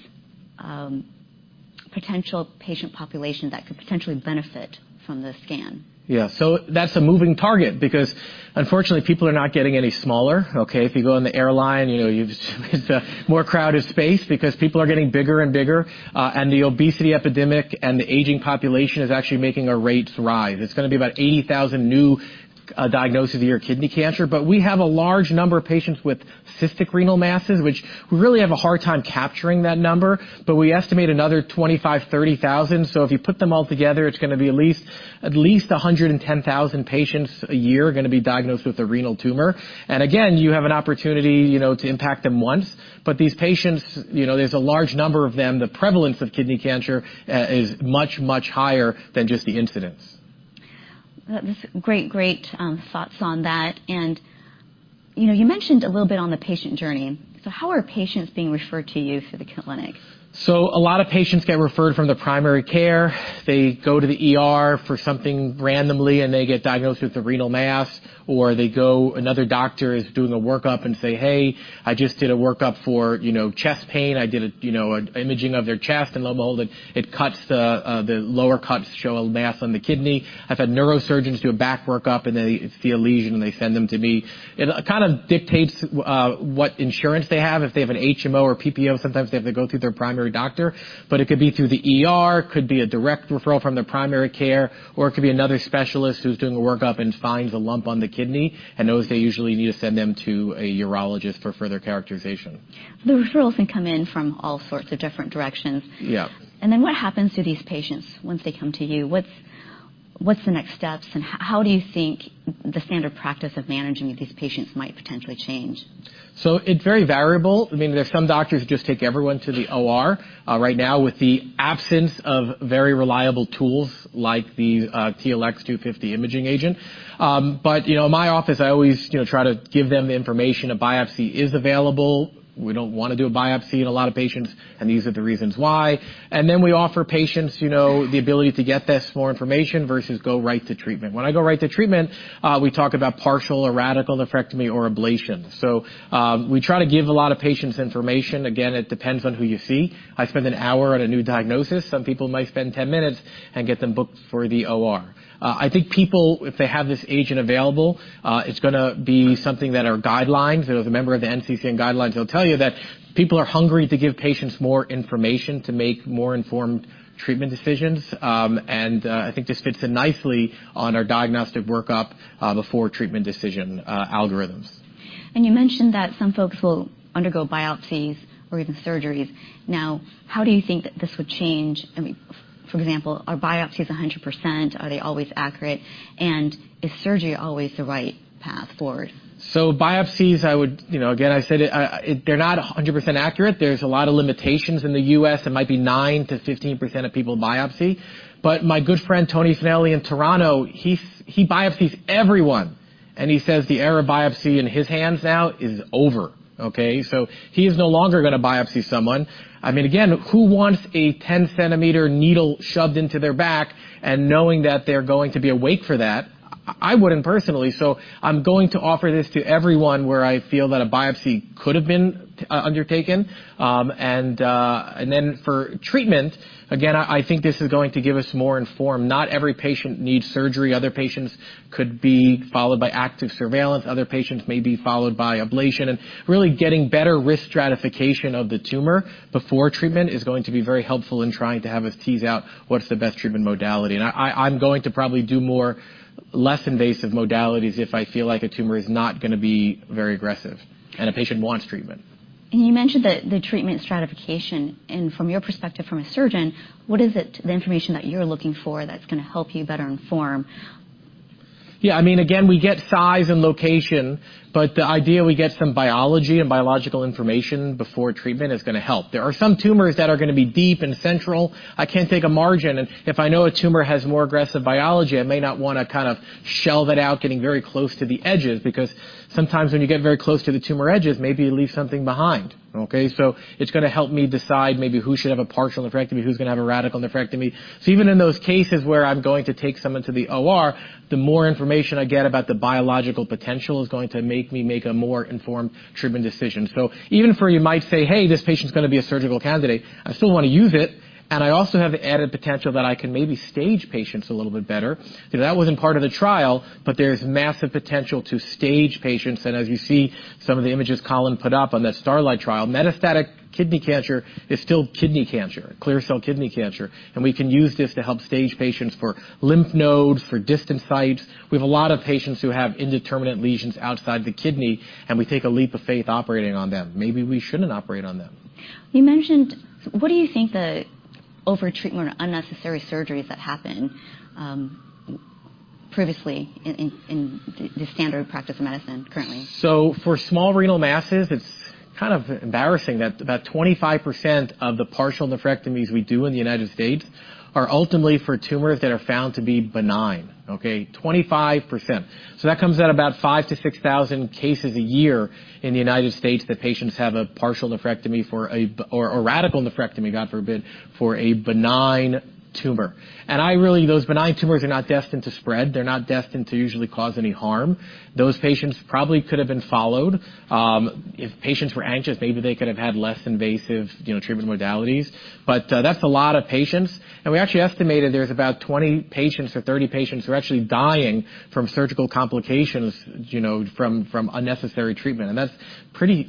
potential patient population that could potentially benefit from this scan? That's a moving target because, unfortunately, people are not getting any smaller, okay? If you go on the airline, you know, it's a more crowded space because people are getting bigger and bigger, and the obesity epidemic and the aging population is actually making our rates rise. It's gonna be about 80,000 new diagnoses a year, kidney cancer. We have a large number of patients with cystic renal masses, which we really have a hard time capturing that number, but we estimate another 25,000-30,000. If you put them all together, it's gonna be at least 110,000 patients a year are gonna be diagnosed with a renal tumor. Again, you have an opportunity, you know, to impact them once. These patients, you know, there's a large number of them. The prevalence of kidney cancer is much, much higher than just the incidence. That's great thoughts on that. You know, you mentioned a little bit on the patient journey. How are patients being referred to you for the clinic? A lot of patients get referred from the primary care. They go to the ER for something randomly, and they get diagnosed with a renal mass. Another doctor is doing a workup and say, "Hey, I just did a workup for, you know, chest pain." I did a, you know, imaging of their chest, and lo and behold, it cuts the lower cuts show a mass on the kidney. I've had neurosurgeons do a back workup, and they see a lesion, and they send them to me. It kind of dictates what insurance they have. If they have an HMO or PPO, sometimes they have to go through their primary doctor, but it could be through the ER, could be a direct referral from their primary care, or it could be another specialist who's doing a workup and finds a lump on the kidney and knows they usually need to send them to a urologist for further characterization. The referrals can come in from all sorts of different directions. Yeah. What happens to these patients once they come to you? What's the next steps, and how do you think the standard practice of managing these patients might potentially change? It's very variable. I mean, there's some doctors who just take everyone to the OR, right now with the absence of very reliable tools like the TLX250 imaging agent. You know, in my office, I always, you know, try to give them the information. A biopsy is available. We don't wanna do a biopsy in a lot of patients, these are the reasons why. We offer patients, you know, the ability to get this more information versus go right to treatment. When I go right to treatment, we talk about partial or radical nephrectomy or ablation. We try to give a lot of patients information. Again, it depends on who you see. I spend an hour on a new diagnosis. Some people might spend 10 minutes and get them booked for the OR. I think people, if they have this agent available, it's gonna be something that our guidelines, you know, as a member of the NCCN guidelines will tell you that people are hungry to give patients more information to make more informed treatment decisions. I think this fits in nicely on our diagnostic workup, before treatment decision, algorithms. You mentioned that some folks will undergo biopsies or even surgeries. How do you think that this would change? I mean, for example, are biopsies 100%? Are they always accurate, and is surgery always the right path forward? Biopsies, you know, again, I said it, they're not 100% accurate. There's a lot of limitations in the U.S. It might be 9-15% of people biopsy. My good friend, Tony Finelli, in Toronto, he biopsies everyone, and he says the era of biopsy in his hands now is over, okay? He is no longer gonna biopsy someone. I mean, again, who wants a 10-centimeter needle shoved into their back and knowing that they're going to be awake for that? I wouldn't, personally. I'm going to offer this to everyone where I feel that a biopsy could have been undertaken. For treatment, again, I think this is going to give us more informed. Not every patient needs surgery. Other patients could be followed by active surveillance. Other patients may be followed by ablation. Really getting better risk stratification of the tumor before treatment is going to be very helpful in trying to have us tease out what's the best treatment modality, and I'm going to probably do more less invasive modalities if I feel like a tumor is not gonna be very aggressive, and a patient wants treatment. You mentioned the treatment stratification. From your perspective, from a surgeon, what is it, the information that you're looking for that's gonna help you better inform? Yeah, I mean, again, we get size and location, but the idea we get some biology and biological information before treatment is gonna help. There are some tumors that are gonna be deep and central. I can't take a margin, and if I know a tumor has more aggressive biology, I may not wanna kind of shelve it out, getting very close to the edges, because sometimes when you get very close to the tumor edges, maybe you leave something behind, okay? It's gonna help me decide maybe who should have a partial nephrectomy, who's gonna have a radical nephrectomy. Even in those cases where I'm going to take someone to the OR, the more information I get about the biological potential is going to make me make a more informed treatment decision. Even for you might say, "Hey, this patient's going to be a surgical candidate," I still want to use it, and I also have the added potential that I can maybe stage patients a little bit better. You know, that wasn't part of the trial, but there's massive potential to stage patients. As you see, some of the images Colin put up on that STARLITE trial, metastatic kidney cancer is still kidney cancer, clear cell kidney cancer. We can use this to help stage patients for lymph nodes, for distant sites. We have a lot of patients who have indeterminate lesions outside the kidney, and we take a leap of faith operating on them. Maybe we shouldn't operate on them. You mentioned... What do you think the overtreatment or unnecessary surgeries that happen, previously in the standard practice of medicine currently? For small renal masses, it's kind of embarrassing that about 25% of the partial nephrectomies we do in the United States are ultimately for tumors that are found to be benign, okay? 25%. That comes out about 5,000-6,000 cases a year in the United States that patients have a partial nephrectomy for a or radical nephrectomy, God forbid, for a benign tumor. Those benign tumors are not destined to spread. They're not destined to usually cause any harm. Those patients probably could have been followed. If patients were anxious, maybe they could have had less invasive, you know, treatment modalities, but that's a lot of patients. We actually estimated there's about 20 patients or 30 patients who are actually dying from surgical complications, you know, from unnecessary treatment, and that's pretty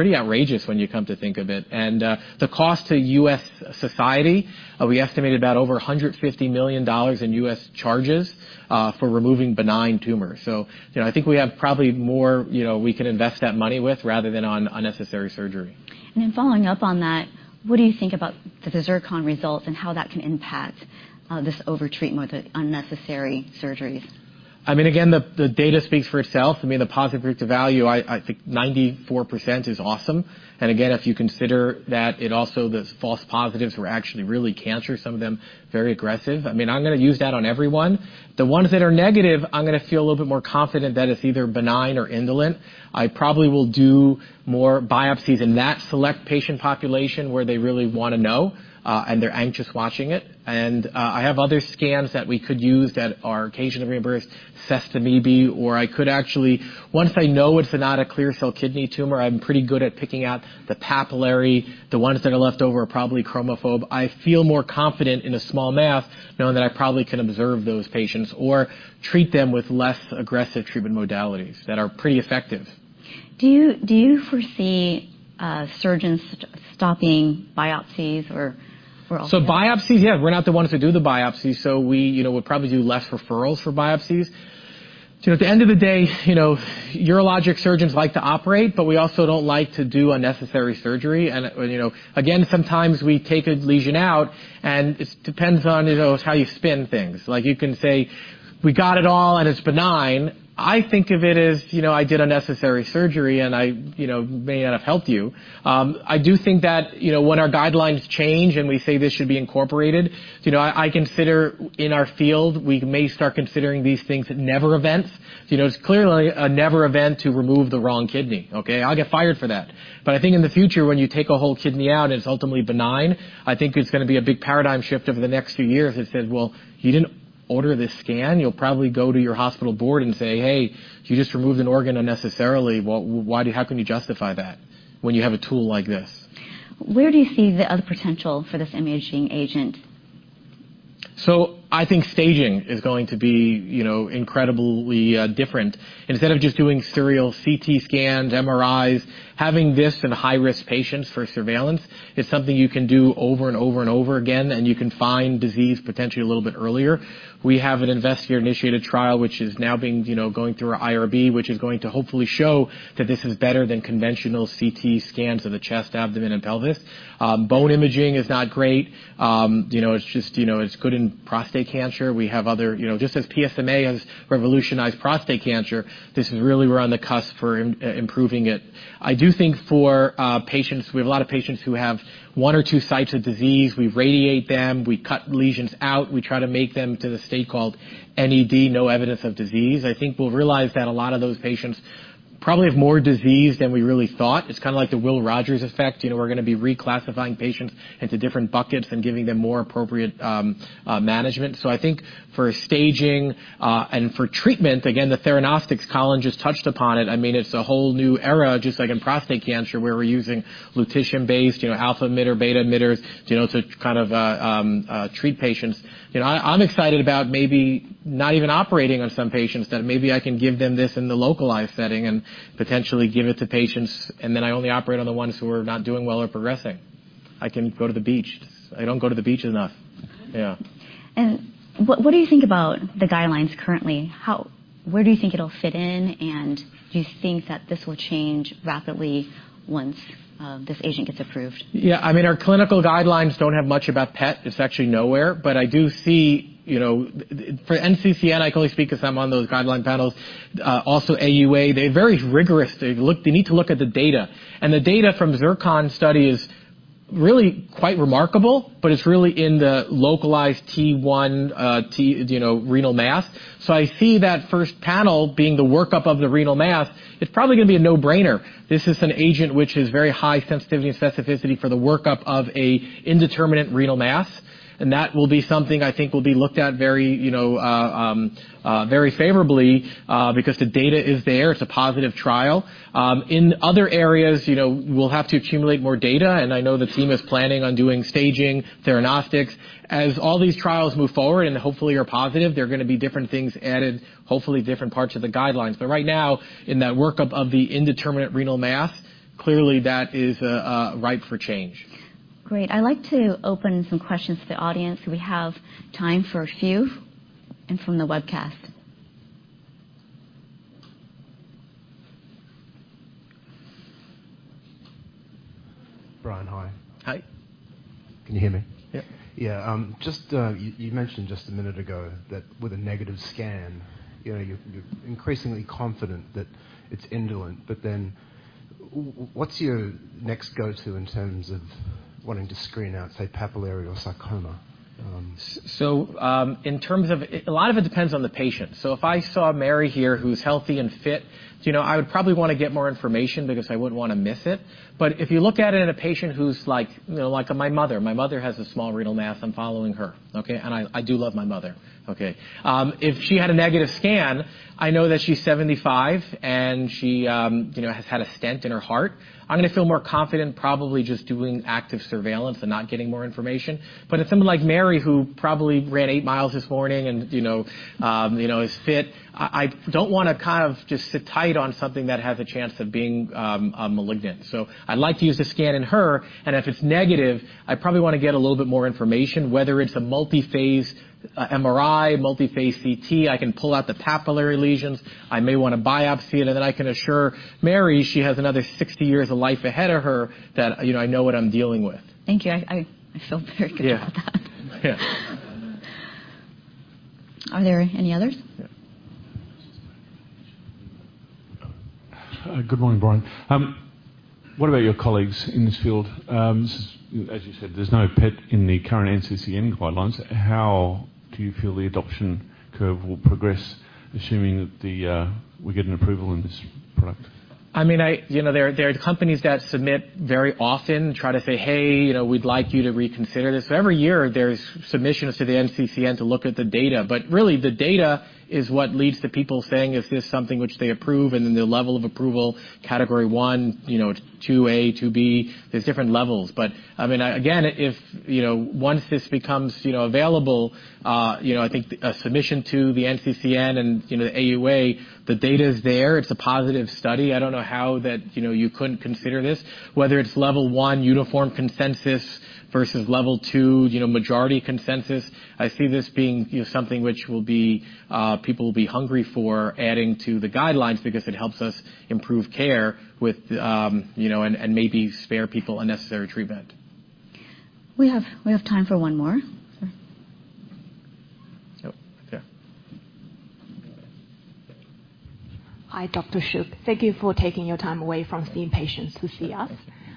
outrageous when you come to think of it. The cost to U.S. society, we estimated about over $150 million in U.S. charges for removing benign tumors. You know, I think we have probably more, you know, we can invest that money with, rather than on unnecessary surgery. Following up on that, what do you think about the ZIRCON results and how that can impact this over treatment with unnecessary surgeries? I mean, again, the data speaks for itself. I mean, the positive proof to value, I think 94% is awesome. Again, if you consider that it also, those false positives were actually really cancer, some of them very aggressive, I mean, I'm gonna use that on everyone. The ones that are negative, I'm gonna feel a little bit more confident that it's either benign or indolent. I probably will do more biopsies in that select patient population where they really wanna know, and they're anxious watching it. I have other scans that we could use that are occasionally reimbursed, sestamibi, or I could actually. Once I know it's not a clear cell kidney tumor, I'm pretty good at picking out the papillary. The ones that are left over are probably chromophobe. I feel more confident in a small mass, knowing that I probably can observe those patients or treat them with less aggressive treatment modalities that are pretty effective. Do you foresee surgeons stopping biopsies or? Biopsies, yeah, we're not the ones who do the biopsies, so we, you know, we'll probably do less referrals for biopsies. At the end of the day, you know, urologic surgeons like to operate, but we also don't like to do unnecessary surgery. You know, again, sometimes we take a lesion out, and it's depends on, you know, how you spin things. Like, you can say, "We got it all, and it's benign." I think of it as, you know, I did unnecessary surgery, and I, you know, may not have helped you. I do think that, you know, when our guidelines change, and we say this should be incorporated, you know, I consider in our field, we may start considering these things never events. You know, it's clearly a never event to remove the wrong kidney, okay? I'll get fired for that. I think in the future, when you take a whole kidney out, and it's ultimately benign, I think it's gonna be a big paradigm shift over the next few years that says, "Well, you didn't order this scan?" You'll probably go to your hospital board and say, "Hey, you just removed an organ unnecessarily. Well, how can you justify that when you have a tool like this? Where do you see the other potential for this imaging agent? I think staging is going to be, you know, incredibly different. Instead of just doing serial CT scans, MRIs, having this in high-risk patients for surveillance is something you can do over and over and over again, and you can find disease potentially a little bit earlier. We have an investigator-initiated trial, which is now, you know, going through our IRB, which is going to hopefully show that this is better than conventional CT scans of the chest, abdomen, and pelvis. Bone imaging is not great. You know, it's just, you know, it's good in prostate cancer. We have other... You know, just as PSMA has revolutionized prostate cancer, this is really we're on the cusp for improving it. I do think for patients, we have a lot of patients who have 1 or 2 sites of disease. We radiate them. We cut lesions out. We try to make them to the state called NED, no evidence of disease. I think we'll realize that a lot of those patients probably have more disease than we really thought. It's kind of like the Will Rogers phenomenon. You know, we're gonna be reclassifying patients into different buckets and giving them more appropriate management. I think for staging and for treatment, again, the theranostics, Colin just touched upon it. I mean, it's a whole new era, just like in prostate cancer, where we're using lutetium-based, you know, alpha emitter, beta emitters, you know, to kind of treat patients. You know, I'm excited about maybe not even operating on some patients, that maybe I can give them this in the localized setting and potentially give it to patients, then I only operate on the ones who are not doing well or progressing. I can go to the beach. I don't go to the beach enough. Yeah. What do you think about the guidelines currently? Where do you think it'll fit in, and do you think that this will change rapidly once this agent gets approved? I mean, our clinical guidelines don't have much about PET. It's actually nowhere. I do see, you know, for NCCN, I can only speak 'cause I'm on those guideline panels, also AUA, they're very rigorous. They need to look at the data, and the data from ZIRCON study is really quite remarkable, but it's really in the localized T1, T, you know, renal mass. I see that first panel being the workup of the renal mass, it's probably gonna be a no-brainer. This is an agent which has very high sensitivity and specificity for the workup of a indeterminate renal mass, and that will be something I think will be looked at very, you know, very favorably, because the data is there. It's a positive trial. In other areas, we'll have to accumulate more data, and I know the team is planning on doing staging, theranostics. As all these trials move forward and hopefully are positive, there are gonna be different things added, hopefully, different parts of the guidelines. Right now, in that workup of the indeterminate renal mass, clearly that is ripe for change. Great. I'd like to open some questions to the audience. We have time for a few, from the webcast. Brian, hi. Hi. Can you hear me? Yep. Just... You mentioned just a minute ago that with a negative scan, you know, you're increasingly confident that it's indolent, but then what's your next go-to in terms of wanting to screen out, say, papillary or sarcoma? In terms of... A lot of it depends on the patient. If I saw Mary here, who's healthy and fit, you know, I would probably wanna get more information because I wouldn't wanna miss it. If you look at it in a patient who's like, you know, like my mother, my mother has a small renal mass, I'm following her, okay? I do love my mother, okay. If she had a negative scan, I know that she's 75, and she, you know, has had a stent in her heart. I'm gonna feel more confident, probably just doing active surveillance and not getting more information. If someone like Mary, who probably ran eight miles this morning and, you know, you know, is fit, I don't wanna kind of just sit tight on something that has a chance of being malignant. I'd like to use the scan in her, and if it's negative, I probably wanna get a little bit more information, whether it's a multiphase MRI, multiphase CT. I can pull out the papillary lesions. I may wanna biopsy it, and then I can assure Mary she has another 60 years of life ahead of her, that, you know, I know what I'm dealing with. Thank you. I feel very. Yeah. about that. Yeah. Are there any others? Good morning, Brian. What about your colleagues in this field? As you said, there's no PET in the current NCCN guidelines. How do you feel the adoption curve will progress, assuming that we get an approval on this product? I mean, I you know, there are companies that submit very often, try to say, "Hey, you know, we'd like you to reconsider this." Every year, there's submissions to the NCCN to look at the data. Really, the data is what leads to people saying, is this something which they approve? The level of approval, Category One, you know, Two A, Two B, there's different levels. I mean, again, if, you know, once this becomes, you know, available, you know, I think a submission to the NCCN and, you know, the AUA, the data is there. It's a positive study. I don't know how that, you know, you couldn't consider this, whether it's Level One uniform consensus versus Level Two, you know, majority consensus. I see this being, you know, something which will be, people will be hungry for adding to the guidelines because it helps us improve care with, you know, and maybe spare people unnecessary treatment. We have time for one more. Yep. Yeah. Hi, Dr. Shuch. Thank you for taking your time away from seeing patients to see us.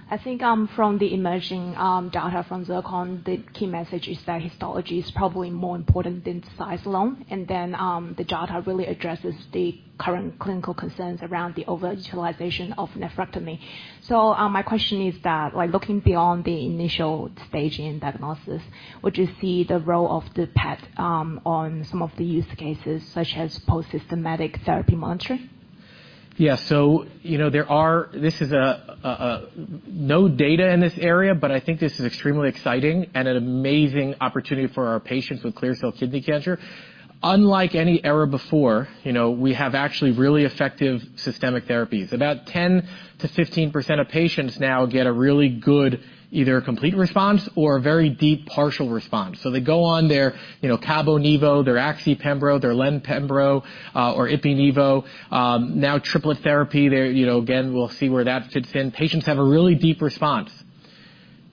I think, from the emerging data from ZIRCON, the key message is that histology is probably more important than size alone. The data really addresses the current clinical concerns around the overutilization of nephrectomy. My question is that, by looking beyond the initial staging and diagnosis, would you see the role of the PET on some of the use cases, such as post-systemic therapy monitoring? Yeah, you know, there are no data in this area, but I think this is extremely exciting and an amazing opportunity for our patients with clear cell kidney cancer. Unlike any era before, you know, we have actually really effective systemic therapies. About 10%-15% of patients now get a really good, either a complete response or a very deep partial response. They go on their, you know, CABONIVO, their AXIPEMBRO, their LENPEMBRO, or IpiNivo. Now triplet therapy, you know, again, we'll see where that fits in. Patients have a really deep response.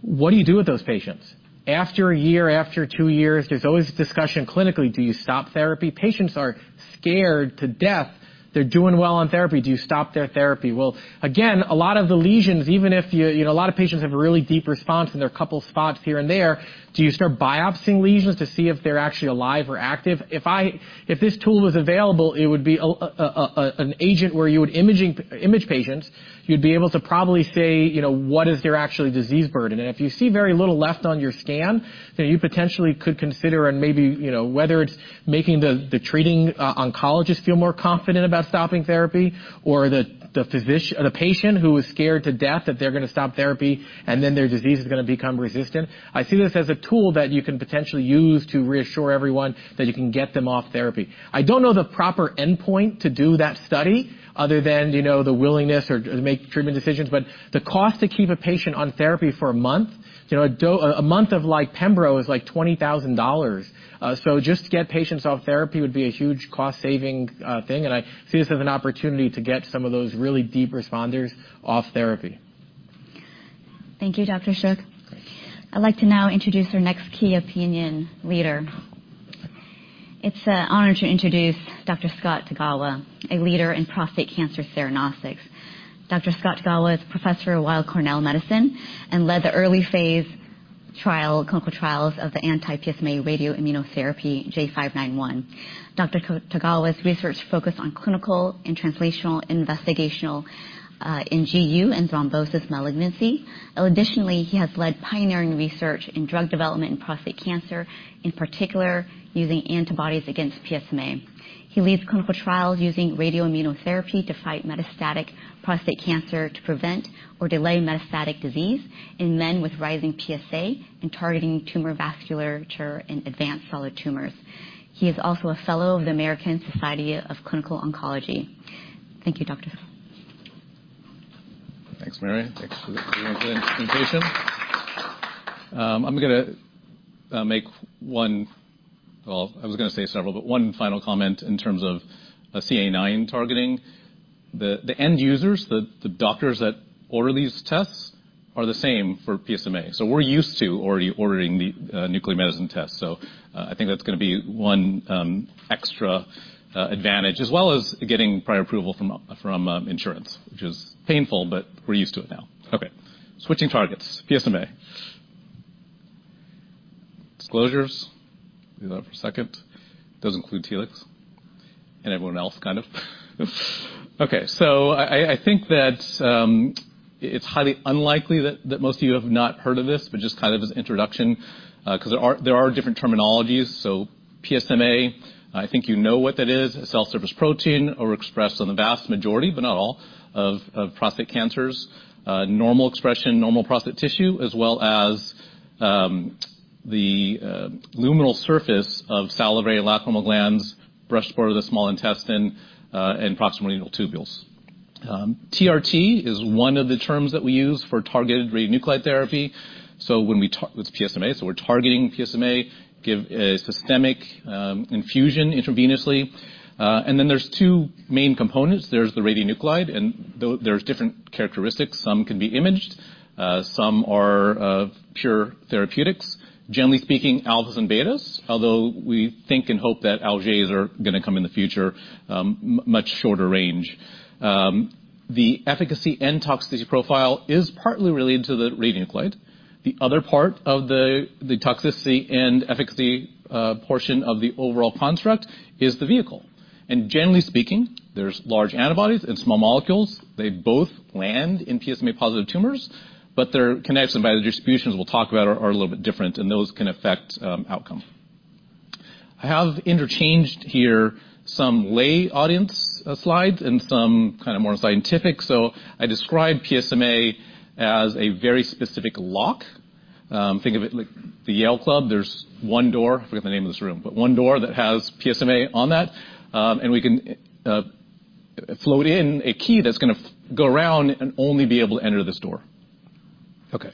What do you do with those patients? After a year, after 2 years, there's always a discussion clinically, do you stop therapy? Patients are scared to death. They're doing well on therapy. Do you stop their therapy? Well, again, a lot of the lesions, even if you know, a lot of patients have a really deep response, and there are a couple of spots here and there, do you start biopsying lesions to see if they're actually alive or active? If this tool was available, it would be an agent where you would image patients. You'd be able to probably say, you know, what is their actually disease burden. If you see very little left on your scan, then you potentially could consider and maybe, you know, whether it's making the treating oncologist feel more confident about stopping therapy, or the patient who is scared to death that they're going to stop therapy, and then their disease is going to become resistant. I see this as a tool that you can potentially use to reassure everyone that you can get them off therapy. I don't know the proper endpoint to do that study other than, you know, the willingness or to make treatment decisions, but the cost to keep a patient on therapy for a month, you know, a month of, like, pembro is, like, $20,000. Just to get patients off therapy would be a huge cost-saving thing, and I see this as an opportunity to get some of those really deep responders off therapy. Thank you, Dr. Shuch. I'd like to now introduce our next key opinion leader. It's an honor to introduce Dr. Tagawa, a leader in prostate cancer theranostics. Scott Tagawa is Professor of Weill Cornell Medicine and led the early phase clinical trials of the anti-PSMA radioimmunotherapy J591. Dr. Tagawa's research focused on clinical and translational investigational in GU and thrombosis malignancy. Additionally, he has led pioneering research in drug development in prostate cancer, in particular, using antibodies against PSMA. He leads clinical trials using radioimmunotherapy to fight metastatic prostate cancer to prevent or delay metastatic disease in men with rising PSA and targeting tumor vasculature in advanced solid tumors. He is also a fellow of the American Society of Clinical Oncology. Thank you, Doctor. Thanks, Mary. Thanks for the presentation. I'm gonna make one final comment in terms of CA IX targeting. The end users, the doctors that order these tests are the same for PSMA. we're used to already ordering the nuclear medicine test. I think that's going to be one extra advantage, as well as getting prior approval from from insurance, which is painful, but we're used to it now. Switching targets, PSMA. Disclosures, leave that up for a second. Does include Telix and everyone else, kind of. I think that it's highly unlikely that most of you have not heard of this, but just kind of as an introduction 'cause there are different terminologies. PSMA, I think you know what that is, a cell surface protein, or expressed on the vast majority, but not all, of prostate cancers, normal expression, normal prostate tissue, as well as the luminal surface of salivary and lacrimal glands, brushed border of the small intestine, and proximal renal tubules. TRT is one of the terms that we use for targeted radionuclide therapy. We're targeting PSMA, give a systemic infusion intravenously. There's two main components. There's the radionuclide, and there's different characteristics. Some can be imaged, some are pure therapeutics, generally speaking, alphas and betas, although we think and hope that alphas are gonna come in the future, much shorter range. The efficacy and toxicity profile is partly related to the radionuclide. The other part of the toxicity and efficacy portion of the overall construct is the vehicle. Generally speaking, there's large antibodies and small molecules. They both land in PSMA-positive tumors, but their kinetics and biodistributions, we'll talk about, are a little bit different, and those can affect outcome. I have interchanged here some lay audience slides and some kind of more scientific. I describe PSMA as a very specific lock. Think of it like the Yale Club. There's one door, I forget the name of this room, but one door that has PSMA on that. We can float in a key that's gonna go around and only be able to enter this door. Okay.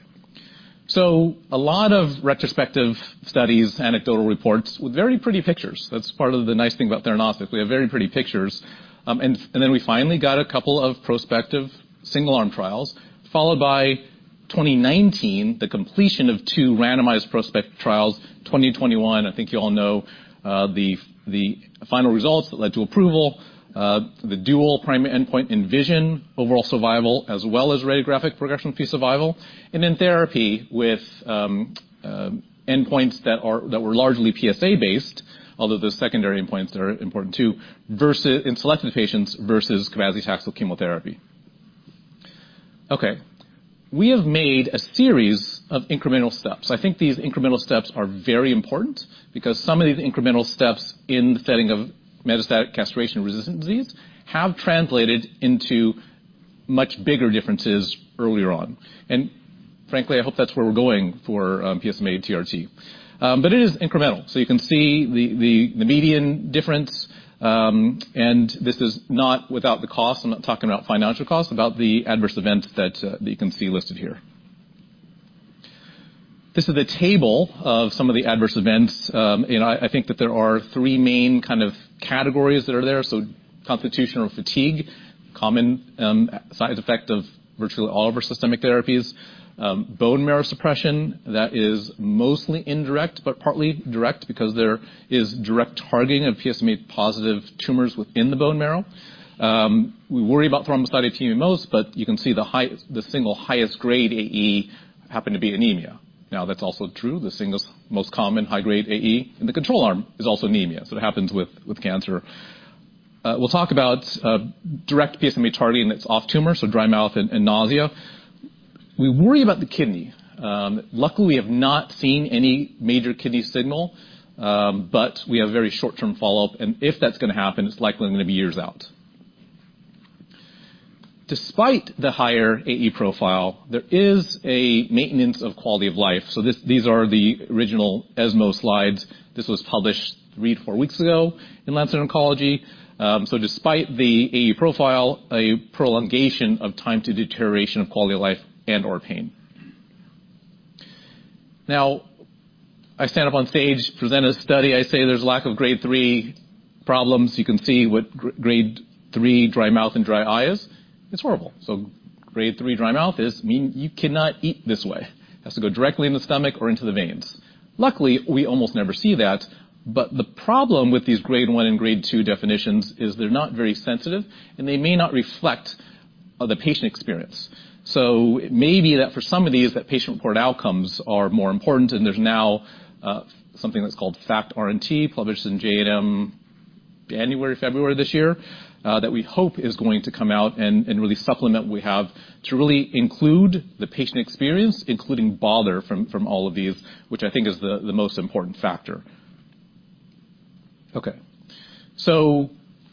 A lot of retrospective studies, anecdotal reports with very pretty pictures. That's part of the nice thing about theranostics. We have very pretty pictures. And then we finally got a couple of prospective single-arm trials, followed by 2019, the completion of 2 randomized prospective trials, 2021. I think you all know the final results that led to approval, the dual primary endpoint in VISION overall survival, as well as radiographic progression-free survival, and then therapy with endpoints that were largely PSA-based, although the secondary endpoints are important, too. In selected patients versus cabazitaxel chemotherapy. Okay, we have made a series of incremental steps. I think these incremental steps are very important because some of these incremental steps in the setting of metastatic castration-resistant disease have translated into much bigger differences earlier on, and frankly, I hope that's where we're going for PSMA TRT. But it is incremental, so you can see the median difference, and this is not without the cost. I'm not talking about financial cost, about the adverse event that you can see listed here. This is a table of some of the adverse events. I think that there are three main kind of categories that are there: so constitutional fatigue, common side effect of virtually all of our systemic therapies. Bone marrow suppression, that is mostly indirect, but partly direct, because there is direct targeting of PSMA-positive tumors within the bone marrow. We worry about thrombocytopenia the most, but you can see the single highest grade AE happen to be anemia. That's also true, the single most common high-grade AE in the control arm is also anemia, so it happens with cancer. We'll talk about direct PSMA targeting, and its off-tumor, so dry mouth and nausea. We worry about the kidney. Luckily, we have not seen any major kidney signal, but we have very short-term follow-up, and if that's gonna happen, it's likely gonna be years out. Despite the higher AE profile, there is a maintenance of quality of life. These are the original ESMO slides. This was published three to four weeks ago in The Lancet Oncology. Despite the AE profile, a prolongation of time to deterioration of quality of life and/or pain. Now, I stand up on stage, present a study, I say there's lack of Grade 3 problems. You can see what Grade 3 dry mouth and dry eye is. It's horrible. Grade 3 dry mouth is, mean, you cannot eat this way. It has to go directly in the stomach or into the veins. Luckily, we almost never see that, the problem with these Grade 1 and Grade 2 definitions is they're not very sensitive, and they may not reflect the patient experience. It may be that for some of these, that patient-reported outcomes are more important, and there's now something that's called FACT-RNT, published in JNM, January, February this year, that we hope is going to come out and really supplement what we have to really include the patient experience, including bother from all of these, which I think is the most important factor.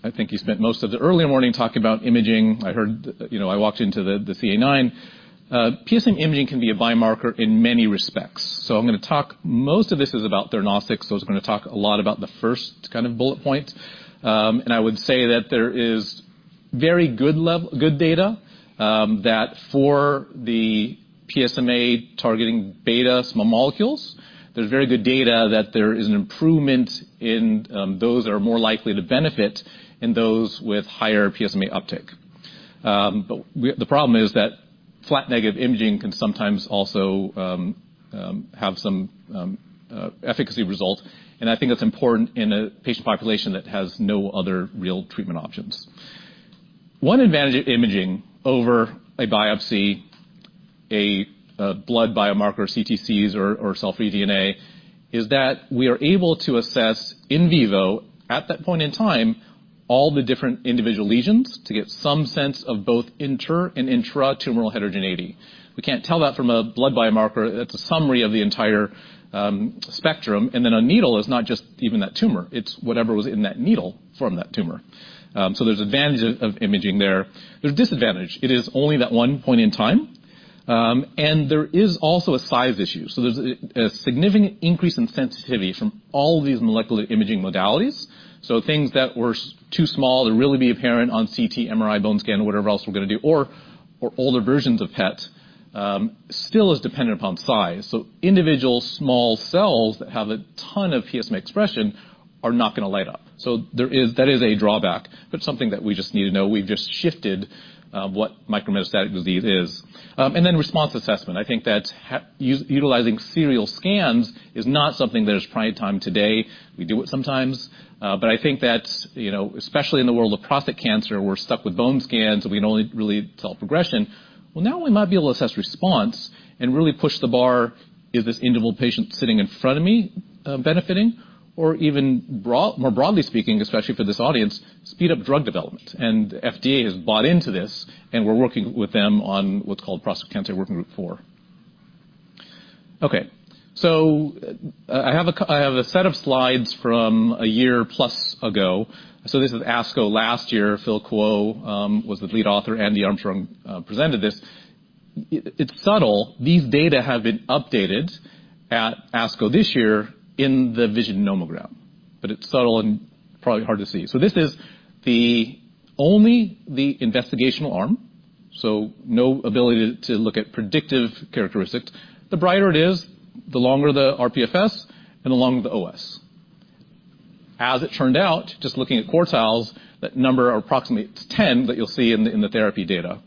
I think you spent most of the earlier morning talking about imaging. I heard, you know, I walked into the CA9. PSMA imaging can be a biomarker in many respects, I'm gonna talk. Most of this is about theranostics. I'm gonna talk a lot about the first kind of bullet point. I would say that there is very good data that for the PSMA targeting beta small molecules, there's very good data that there is an improvement in those that are more likely to benefit in those with higher PSMA uptake. The problem is that flat negative imaging can sometimes also have some efficacy result. I think that's important in a patient population that has no other real treatment options. One advantage of imaging over a biopsy, a blood biomarker, CTCs or cell-free DNA, is that we are able to assess in vivo, at that point in time, all the different individual lesions to get some sense of both inter and intra-tumoral heterogeneity. We can't tell that from a blood biomarker. That's a summary of the entire spectrum. A needle is not just even that tumor, it's whatever was in that needle from that tumor. There's advantage of imaging there. There's disadvantage. It is only that one point in time, and there is also a size issue, there's a significant increase in sensitivity from all these molecular imaging modalities. Things that were too small to really be apparent on CT, MRI, bone scan, or whatever else we're gonna do, or older versions of PET, still is dependent upon size. Individual small cells that have a ton of PSMA expression are not going to light up. That is a drawback, but something that we just need to know. We've just shifted what micrometastatic disease is. Then response assessment. I think that's utilizing serial scans is not something that is prime time today. We do it sometimes, but I think that's, you know, especially in the world of prostate cancer, we're stuck with bone scans, we can only really tell progression. Well, now we might be able to assess response and really push the bar, is this interval patient sitting in front of me, benefiting? Even more broadly speaking, especially for this audience, speed up drug development. FDA has bought into this, and we're working with them on what's called Prostate Cancer Working Group 4. I have a set of slides from a year-plus ago. This is ASCO last year. Philip Kuo was the lead author, Andrew Armstrong presented this. It's subtle. These data have been updated at ASCO this year in the VISION nomogram, but it's subtle and probably hard to see. This is the only the investigational arm, so no ability to look at predictive characteristics. The brighter it is, the longer the RPFS and the longer the OS. It turned out, just looking at quartiles, that number are approximately 10 that you'll see in the therapy data.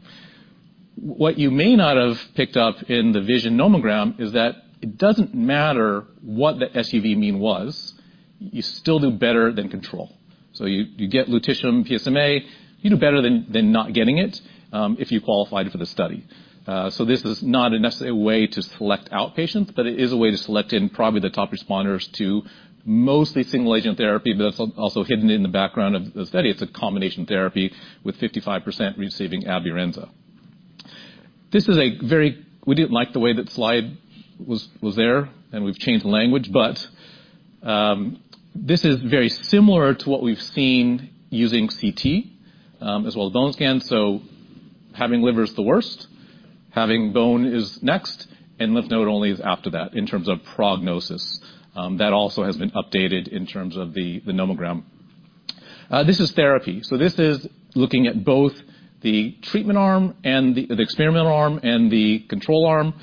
What you may not have picked up in the VISION nomogram is that it doesn't matter what the SUV mean was, you still do better than control. You get lutetium PSMA, you do better than not getting it, if you qualified for the study. This is not necessarily a way to select out patients, but it is a way to select in probably the top responders to mostly single-agent therapy, but it is also hidden in the background of the study. It is a combination therapy with 55% receiving abiraterone. We didn't like the way that slide was there, and we've changed the language, but this is very similar to what we've seen using CT as well as bone scans. Having liver is the worst, having bone is next, and lymph node only is after that in terms of prognosis. That also has been updated in terms of the nomogram. This is therapy. This is looking at both the treatment arm and the experimental arm and the control arm.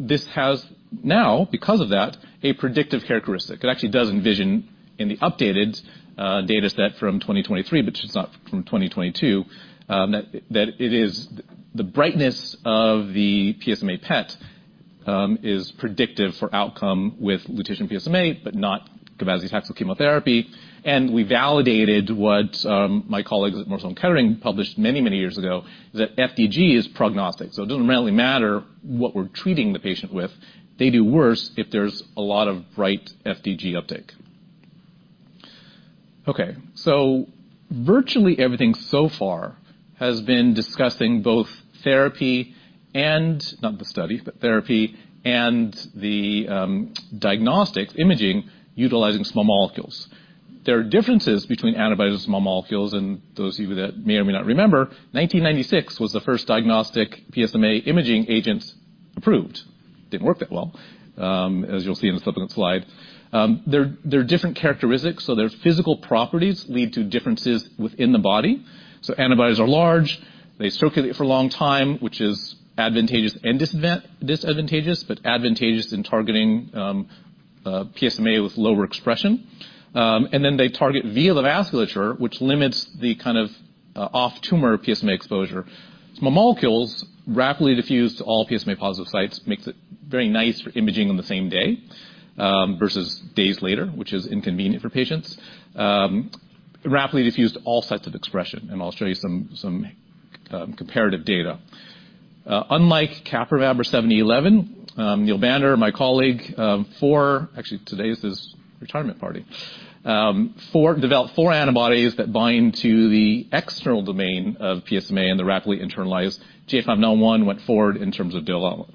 This has now, because of that, a predictive characteristic. It actually does envision in the updated data set from 2023, but it's not from 2022, that it is the brightness of the PSMA PET is predictive for outcome with lutetium PSMA, but not cabazitaxel chemotherapy. We validated what my colleagues at Memorial Sloan Kettering published many, many years ago, that FDG is prognostic. It doesn't really matter what we're treating the patient with, they do worse if there's a lot of bright FDG uptake. Virtually everything so far has been discussing both therapy and, not the study, but therapy and the diagnostics, imaging, utilizing small molecules. There are differences between antibodies and small molecules, those of you that may or may not remember, 1996 was the first diagnostic PSMA imaging agent approved. Didn't work that well, as you'll see in the subsequent slide. There are different characteristics. Their physical properties lead to differences within the body. Antibodies are large, they circulate for a long time, which is advantageous and disadvantageous, but advantageous in targeting PSMA with lower expression. They target via the vasculature, which limits the kind of off-tumor PSMA exposure. Small molecules rapidly diffuse to all PSMA-positive sites, makes it very nice for imaging on the same day, versus days later, which is inconvenient for patients. Rapidly diffused all sites of expression, and I'll show you some comparative data. Unlike Capromab or In-111, Neil H. Bander, my colleague, actually, today is his retirement party. Developed 4 antibodies that bind to the external domain of PSMA, and they're rapidly internalized. TLX591 went forward in terms of development.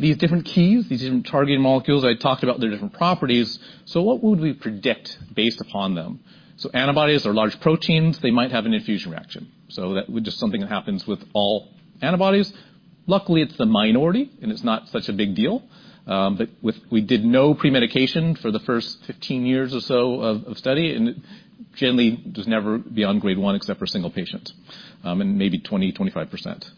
These different keys, these different targeting molecules, I talked about their different properties. What would we predict based upon them? Antibodies are large proteins, they might have an infusion reaction. That would just something that happens with all antibodies. Luckily, it's the minority, and it's not such a big deal, we did no premedication for the first 15 years or so of study, and it generally does never be on grade one, except for single patients, and maybe 20-25%.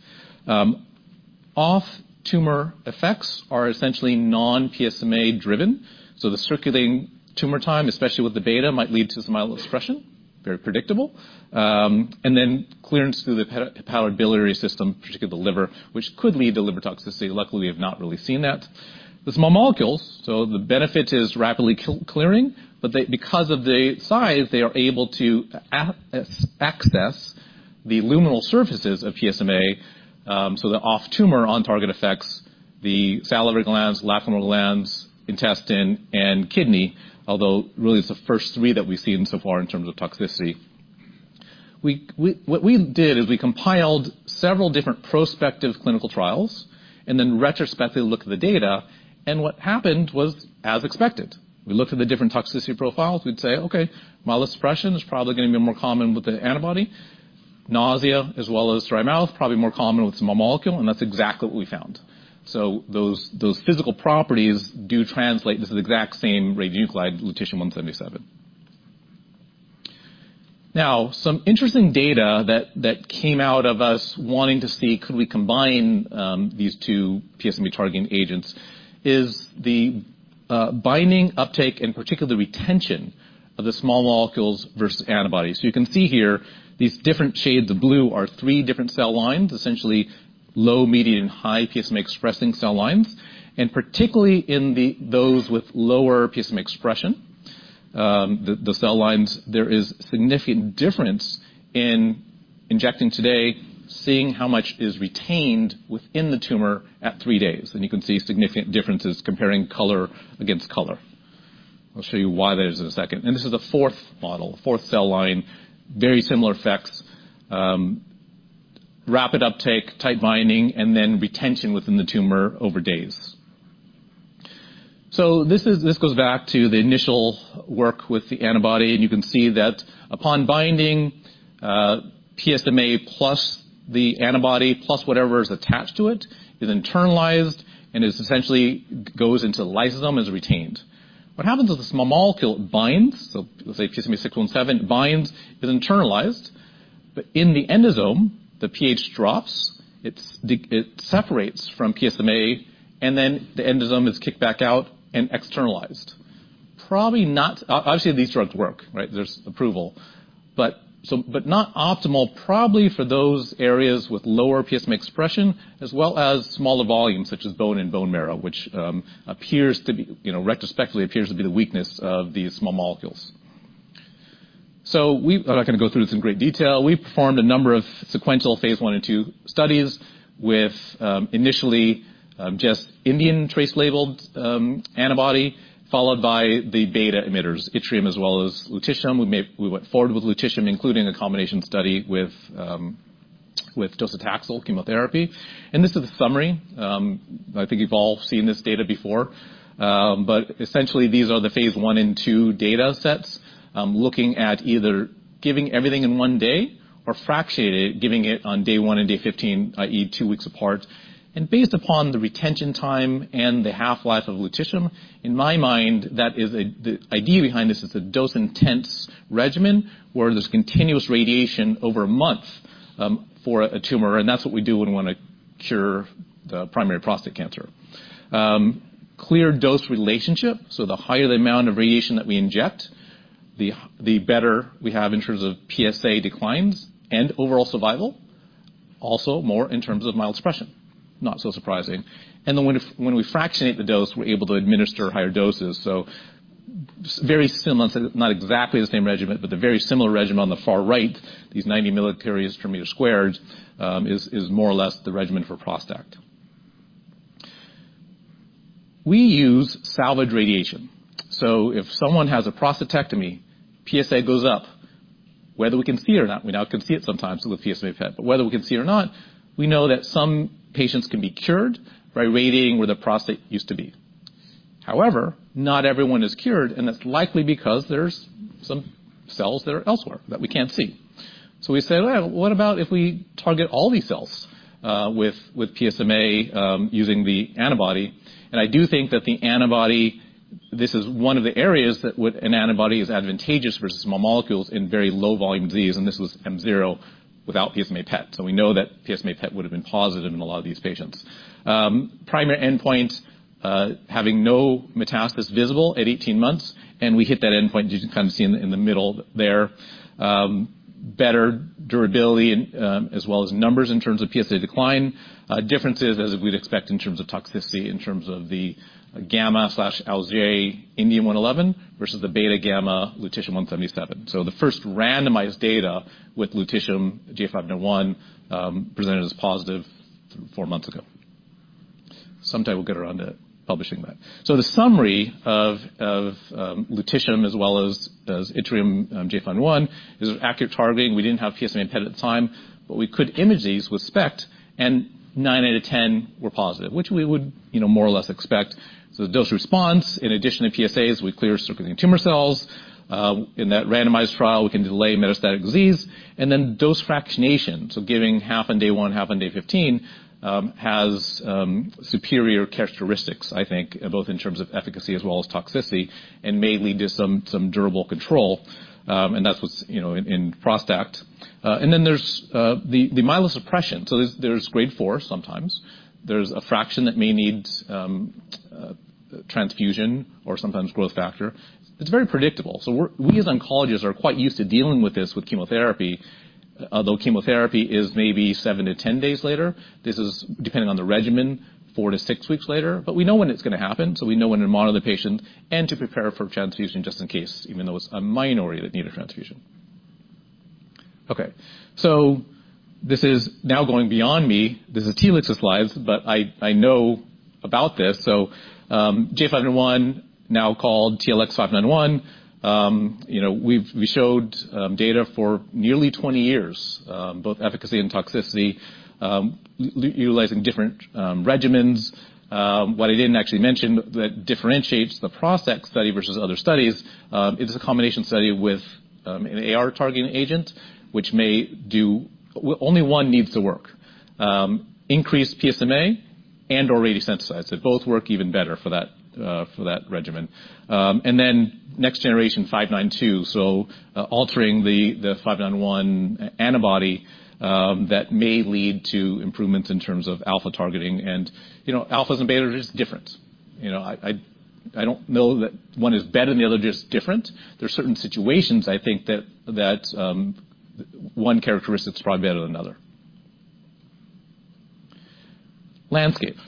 Off-tumor effects are essentially non-PSMA driven, so the circulating tumor time, especially with the beta, might lead to some mild expression, very predictable. And then clearance through the hepatobiliary system, particularly the liver, which could lead to liver toxicity. Luckily, we have not really seen that. The small molecules. The benefit is rapidly clearing. They, because of the size, they are able to access the luminal surfaces of PSMA. The off-tumor on-target effects, the salivary glands, lacrimal glands, intestine, and kidney, although really it's the first three that we've seen so far in terms of toxicity. What we did is we compiled several different prospective clinical trials and then retrospectively looked at the data. What happened was, as expected, we looked at the different toxicity profiles, we'd say, "Okay, mild expression is probably going to be more common with the antibody. Nausea as well as dry mouth, probably more common with small molecule." That's exactly what we found. Those physical properties do translate into the exact same radionuclide, lutetium-177. Some interesting data that came out of us wanting to see could we combine these two PSMA targeting agents, is the binding uptake, and particularly the retention of the small molecules versus antibodies. You can see here, these different shades of blue are 3 different cell lines, essentially low, medium, and high PSMA expressing cell lines. Particularly in those with lower PSMA expression, the cell lines, there is significant difference in injecting today, seeing how much is retained within the tumor at 3 days. You can see significant differences comparing color against color. I'll show you why that is in a second. This is the fourth model, fourth cell line, very similar effects. Rapid uptake, tight binding, and then retention within the tumor over days. This goes back to the initial work with the antibody, and you can see that upon binding, PSMA plus the antibody, plus whatever is attached to it, is internalized and is essentially goes into the lysosome, is retained. What happens is the small molecule binds, so let's say PSMA-617 binds, is internalized, but in the endosome, the pH drops, it separates from PSMA, and then the endosome is kicked back out and externalized. Probably not. Obviously, these drugs work, right? There's approval. Not optimal, probably for those areas with lower PSMA expression, as well as smaller volumes such as bone and bone marrow, which, you know, retrospectively appears to be the weakness of these small molecules. I'm not gonna go through this in great detail. We performed a number of sequential phase I and II studies with, initially, just indium trace labeled antibody, followed by the beta emitters, yttrium as well as lutetium. We went forward with lutetium, including a combination study with docetaxel chemotherapy. This is a summary. I think you've all seen this data before, essentially, these are the phase I and II data sets, looking at either giving everything in 1 day or fractionated, giving it on day 1 and day 15, i.e., 2 weeks apart. Based upon the retention time and the half-life of lutetium, in my mind, the idea behind this is a dose-intense regimen, where there's continuous radiation over 1 month for a tumor, and that's what we do when we wanna cure the primary prostate cancer. Clear dose relationship, the higher the amount of radiation that we inject, the better we have in terms of PSA declines and overall survival. More in terms of mild suppression, not so surprising. When we fractionate the dose, we're able to administer higher doses. Very similar, not exactly the same regimen, but the very similar regimen on the far right, these 90 millicuries per meter squared, is more or less the regimen for ProstACT. We use salvage radiation. If someone has a prostatectomy, PSA goes up, whether we can see or not, we now can see it sometimes with the PSMA PET. Whether we can see or not, we know that some patients can be cured by radiating where the prostate used to be. Not everyone is cured, and that's likely because there's some cells that are elsewhere that we can't see. We say, "Well, what about if we target all these cells with PSMA, using the antibody?" I do think that the antibody, this is one of the areas that with an antibody, is advantageous versus small molecules in very low volume disease, and this was M0 without PSMA PET. We know that PSMA PET would have been positive in a lot of these patients. Primary endpoint, having no metastasis visible at 18 months, and we hit that endpoint, you can kind of see in the, in the middle there. Better durability and, as well as numbers in terms of PSA decline. Differences, as we'd expect in terms of toxicity, in terms of the gamma indium-111 versus the beta gamma lutetium-177. The first randomized data with lutetium, J591, presented as positive 4 months ago. Sometime we'll get around to publishing that. The summary of lutetium as well as yttrium, J591, is accurate targeting. We didn't have PSMA PET at the time, but we could image these with SPECT, and 9 out of 10 were positive, which we would, you know, more or less expect. The dose response, in addition to PSAs, we clear circulating tumor cells. In that randomized trial, we can delay metastatic disease, dose fractionation, so giving half on day 1, half on day 15, has superior characteristics, I think, both in terms of efficacy as well as toxicity, and may lead to some durable control, and that's what's in ProstACT. There's the myelosuppression. There's grade 4 sometimes. There's a fraction that may need transfusion or sometimes growth factor. It's very predictable. We as oncologists, are quite used to dealing with this with chemotherapy, although chemotherapy is maybe 7 to 10 days later. This is depending on the regimen, 4-6 weeks later, but we know when it's gonna happen, so we know when to monitor the patient and to prepare for transfusion just in case, even though it's a minority that need a transfusion. Okay, this is now going beyond me. This is Telix's slides, but I know about this. J591, now called TLX591, you know, we showed data for nearly 20 years, both efficacy and toxicity, utilizing different regimens. What I didn't actually mention that differentiates the ProstACT study versus other studies, it is a combination study with an AR targeting agent, only one needs to work. Increase PSMA... and or radiosensitized, they both work even better for that regimen. Next generation TLX592, so altering the TLX591 antibody, that may lead to improvements in terms of alpha targeting. You know, alphas and betas are just different. You know, I don't know that one is better than the other, just different. There are certain situations, I think that, one characteristic is probably better than another. Landscape.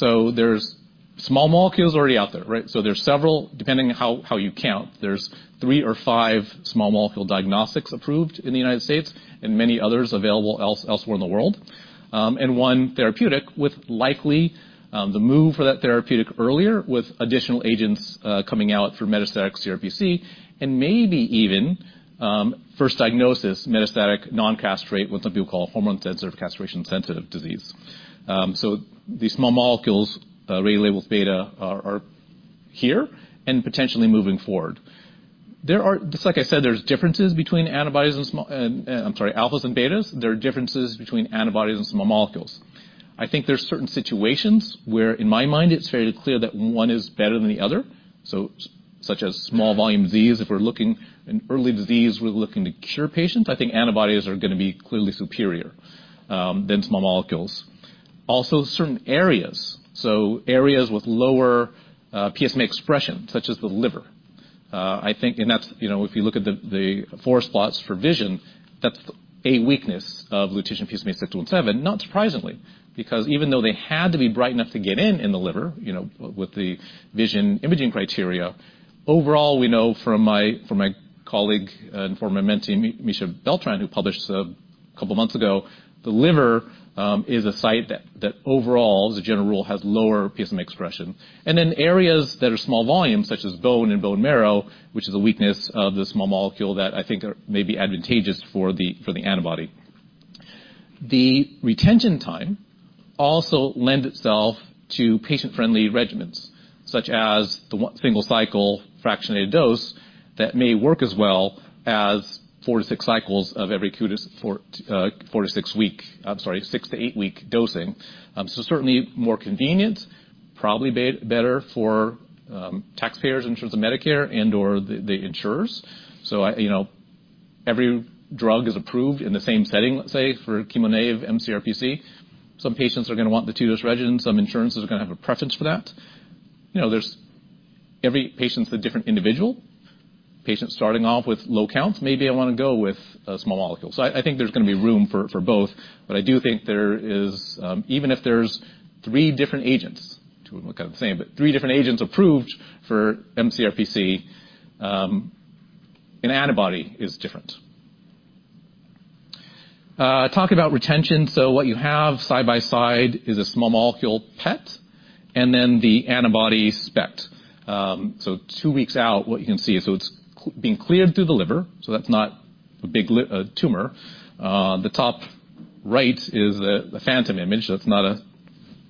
There's small molecules already out there, right? There's several, depending on how you count, there's 3 or 5 small molecule diagnostics approved in the United States, and many others available elsewhere in the world. One therapeutic, with likely, the move for that therapeutic earlier, with additional agents, coming out for metastatic CRPC, and maybe even, first diagnosis, metastatic noncastrate, what some people call hormone-sensitive, castration-sensitive disease. These small molecules, radiolabeled beta are here and potentially moving forward. Just like I said, there's differences between antibodies and small... I'm sorry, alphas and betas. There are differences between antibodies and small molecules. I think there's certain situations where, in my mind, it's fairly clear that one is better than the other. Such as small volume disease, if we're looking in early disease, we're looking to cure patients, I think antibodies are gonna be clearly superior than small molecules. Certain areas, so areas with lower PSMA expression, such as the liver. I think, and that's, you know, if you look at the four spots for VISION, that's a weakness of lutetium PSMA-617, not surprisingly, because even though they had to be bright enough to get in the liver, you know, with the VISION imaging criteria. Overall, we know from my, from my colleague and former mentee, Himanshu Beltran, who published a couple of months ago, the liver is a site that overall, as a general rule, has lower PSMA expression. Areas that are small volume, such as bone and bone marrow, which is a weakness of the small molecule that I think are may be advantageous for the antibody. The retention time also lend itself to patient-friendly regimens, such as the one single cycle, fractionated dose, that may work as well as four to six cycles of every two to four, I'm sorry, six to eight week dosing. Certainly more convenient, probably better for taxpayers in terms of Medicare and, or the insurers. I, you know, every drug is approved in the same setting, let's say, for chemo-naive mCRPC. Some patients are gonna want the two-dose regimen, some insurances are gonna have a preference for that. You know, there's every patient's a different individual. Patients starting off with low counts, maybe I wanna go with a small molecule. I think there's gonna be room for both, but I do think there is, even if there's 3 different agents, 2 of them look the same, but 3 different agents approved for mCRPC, an antibody is different. Talk about retention. What you have side by side is a small molecule PET, and then the antibody SPECT. 2 weeks out, what you can see, it's being cleared through the liver, that's not a big tumor. The top right is the phantom image. That's not a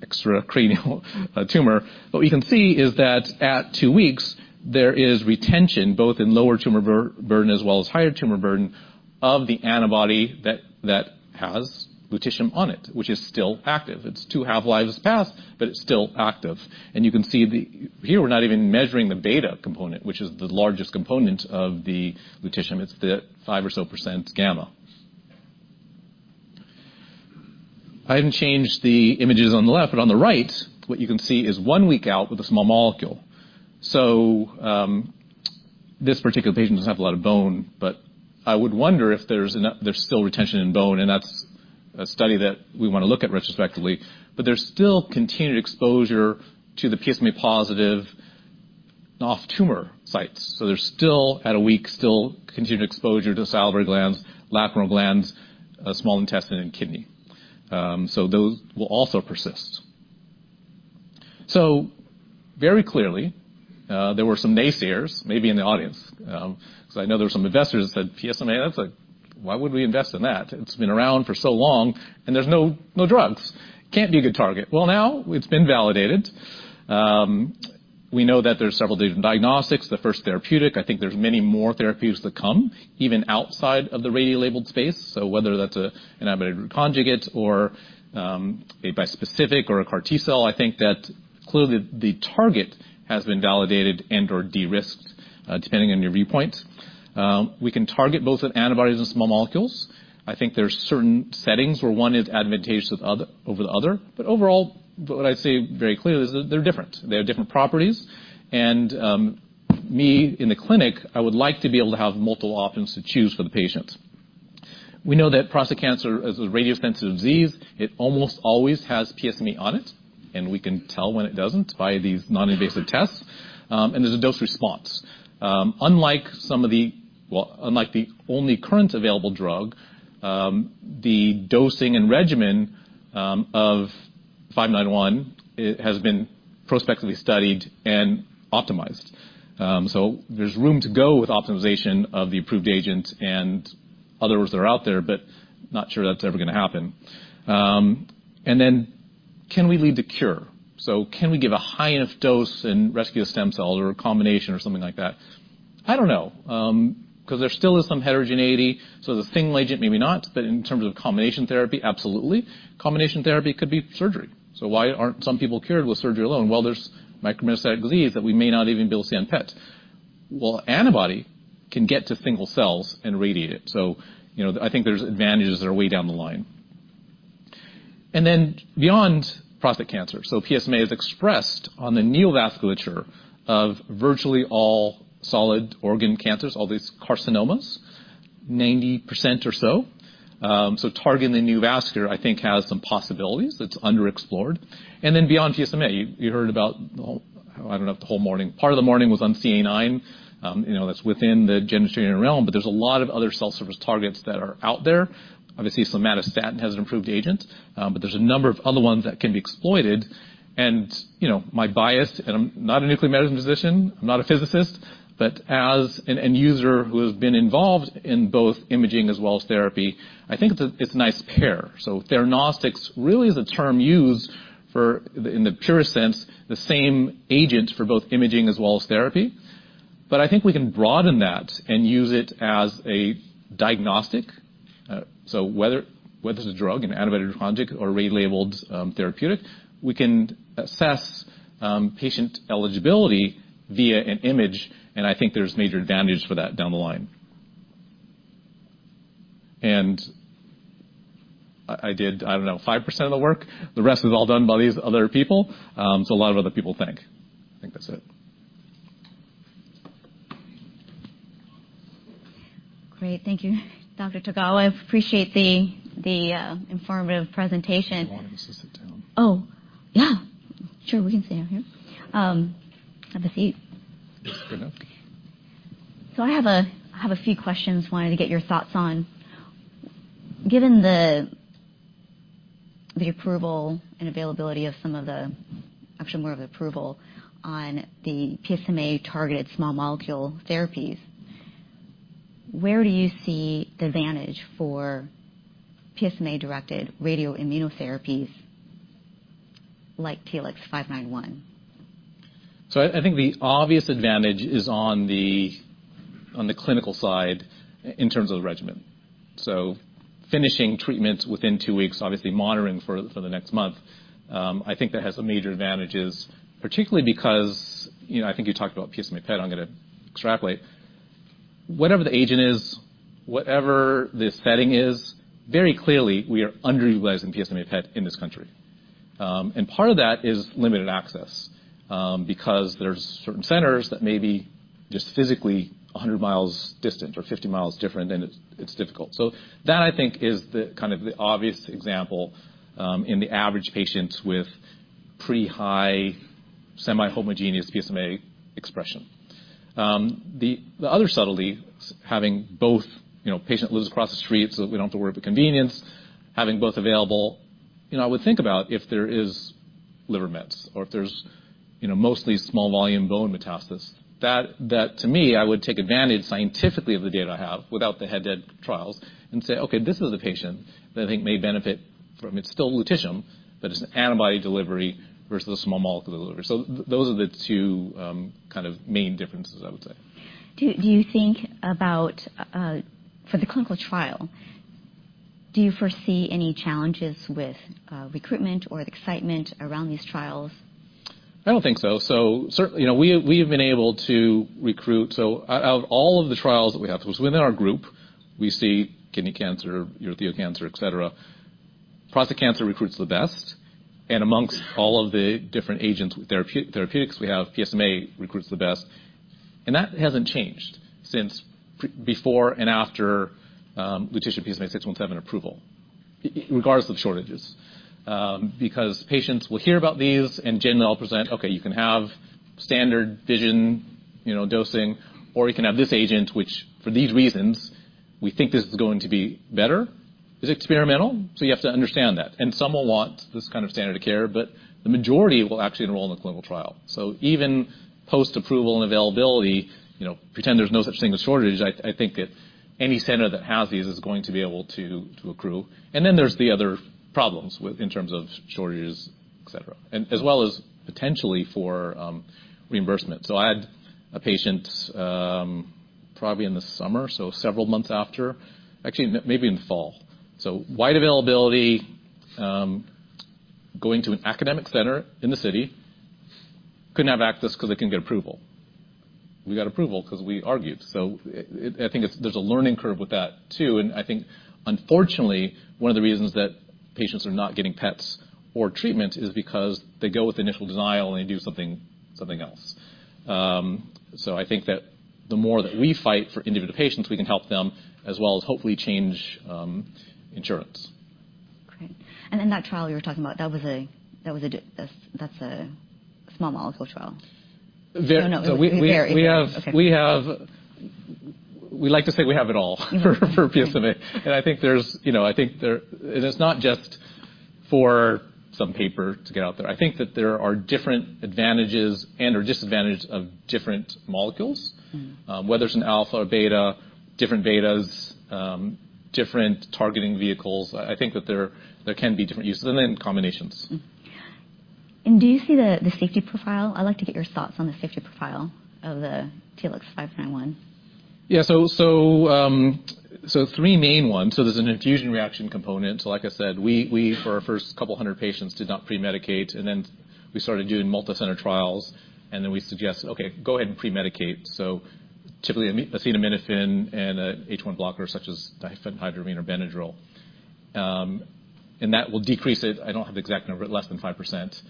extracranial tumor. What we can see is that at 2 weeks, there is retention, both in lower tumor burden, as well as higher tumor burden of the antibody that has lutetium on it, which is still active. It's 2 half-lives passed, but it's still active. You can see. Here, we're not even measuring the beta component, which is the largest component of the lutetium. It's the 5% gamma. I haven't changed the images on the left. On the right, what you can see is 1 week out with a small molecule. This particular patient doesn't have a lot of bone. I would wonder if there's still retention in bone, and that's a study that we wanna look at retrospectively. There's still continued exposure to the PSMA-positive off-tumor sites. There's still, at a week, still continued exposure to salivary glands, lacrimal glands, small intestine, and kidney. Those will also persist. Very clearly, there were some naysayers, maybe in the audience, because I know there were some investors that said, "PSMA, that's like, why would we invest in that? It's been around for so long, and there's no drugs. Can't be a good target." Now it's been validated. We know that there's several diagnostics, the first therapeutic, I think there's many more therapeutics to come, even outside of the radiolabeled space. Whether that's an antibody conjugate or a bispecific or a CAR T cell, I think that clearly, the target has been validated and/or de-risked, depending on your viewpoint. We can target both at antibodies and small molecules. I think there are certain settings where one is advantageous over the other. Overall, what I'd say very clearly is that they're different. They have different properties, and me, in the clinic, I would like to be able to have multiple options to choose for the patients. We know that prostate cancer is a radiosensitive disease. It almost always has PSMA on it, and we can tell when it doesn't by these non-invasive tests, and there's a dose response. Well, unlike the only current available drug, the dosing and regimen of five nine one, it has been prospectively studied and optimized. There's room to go with optimization of the approved agent and others that are out there, but not sure that's ever gonna happen. Can we lead to cure? Can we give a high enough dose and rescue a stem cell or a combination or something like that? I don't know, 'cause there still is some heterogeneity, the single agent, maybe not, but in terms of combination therapy, absolutely. Combination therapy could be surgery. Why aren't some people cured with surgery alone? Well, there's micrometastatic disease that we may not even be able to see on PET. Well, antibody can get to single cells and radiate it. You know, I think there's advantages that are way down the line. Beyond prostate cancer, PSMA is expressed on the neovasculature of virtually all solid organ cancers, all these carcinomas, 90% or so. Targeting the neovasculature, I think, has some possibilities that's underexplored. Beyond PSMA, you heard about, I don't know, the whole morning. Part of the morning was on CA9, you know, that's within the girentuximab realm, but there's a lot of other cell surface targets that are out there. Obviously, somatostatin has an improved agent, but there's a number of other ones that can be exploited. You know, my bias, and I'm not a nuclear medicine physician, I'm not a physicist, but as an end user who has been involved in both imaging as well as therapy, I think it's a, it's a nice pair. Theranostics really is a term used for, in the purest sense, the same agent for both imaging as well as therapy. I think we can broaden that and use it as a diagnostic. Whether it's a drug, an antibody project, or relabeled therapeutic, we can assess patient eligibility via an image, and I think there's major advantage for that down the line. I did, I don't know, 5% of the work, the rest was all done by these other people, so a lot of other people thank. I think that's it. Great, thank you, Dr. Tagawa. I appreciate the informative presentation. A lot of us sit down. Oh, yeah! Sure, we can stay out here. Have a seat. Good enough. I have a few questions I wanted to get your thoughts on. Given the approval and availability of actually, more of approval on the PSMA-targeted small molecule therapies, where do you see the advantage for PSMA-directed radio immunotherapies like TLX591? I think the obvious advantage is on the clinical side in terms of regimen. Finishing treatments within 2 weeks, obviously monitoring for the next month, I think that has some major advantages, particularly because, you know, I think you talked about PSMA PET, I'm gonna extrapolate. Whatever the agent is, whatever the setting is, very clearly, we are underutilizing PSMA PET in this country. Part of that is limited access, because there's certain centers that may be just physically 100 miles distant or 50 miles different, and it's difficult. That, I think, is the kind of the obvious example, in the average patients with pretty high semi-homogeneous PSMA expression. The other subtlety, having both, you know, patient lives across the street, so we don't have to worry about the convenience, having both available. I would think about if there is liver mets or if there's, mostly small volume bone metastasis, that to me, I would take advantage scientifically of the data I have without the head-to-head trials and say, "Okay, this is the patient that I think may benefit from... it's still lutetium, but it's an antibody delivery versus a small molecule delivery." Those are the two, kind of main differences, I would say. Do you think about, for the clinical trial, do you foresee any challenges with recruitment or excitement around these trials? I don't think so. Certain, you know, we have been able to recruit. Out of all of the trials that we have, which within our group, we see kidney cancer, urothelial cancer, et cetera, prostate cancer recruits the best, and amongst all of the different agents with therapeutics, we have PSMA recruits the best, and that hasn't changed since before and after lutetium PSMA-617 approval, regardless of shortages. Because patients will hear about these, and generally, I'll present, "Okay, you can have standard VISION, you know, dosing, or you can have this agent, which for these reasons, we think this is going to be better. It's experimental, so you have to understand that." Some will want this kind of standard of care, but the majority will actually enroll in a clinical trial. Even post-approval and availability, you know, pretend there's no such thing as shortage, I think that any center that has these is going to be able to accrue. Then there's the other problems with in terms of shortages, et cetera, and as well as potentially for reimbursement. I had a patient, probably in the summer, several months after, actually, maybe in the fall. Wide availability, going to an academic center in the city, couldn't have access 'cause they couldn't get approval. We got approval 'cause we argued. I think there's a learning curve with that, too. I think, unfortunately, one of the reasons that patients are not getting PETs or treatment is because they go with initial denial, and they do something else. I think that the more that we fight for individual patients, we can help them as well as hopefully change insurance. Great. In that trial you were talking about, that's a small molecule trial? Ve- No, no. We Okay. We like to say we have it all for PSMA. Mm-hmm. I think there's, you know, it's not just for some paper to get out there. I think that there are different advantages and/or disadvantages of different molecules. Mm-hmm. Whether it's an alpha or beta, different betas, different targeting vehicles, I think that there can be different uses and then combinations. Mm-hmm. Yeah. Do you see the safety profile? I'd like to get your thoughts on the safety profile of the TLX591. Three main ones. There's an infusion reaction component. Like I said, we, for our first couple hundred patients, did not pre-medicate, and then we started doing multicenter trials, and then we suggest, "Okay, go ahead and pre-medicate." Typically, acetaminophen and a H1 blocker, such as diphenhydramine or Benadryl. That will decrease it. I don't have the exact number, less than 5%.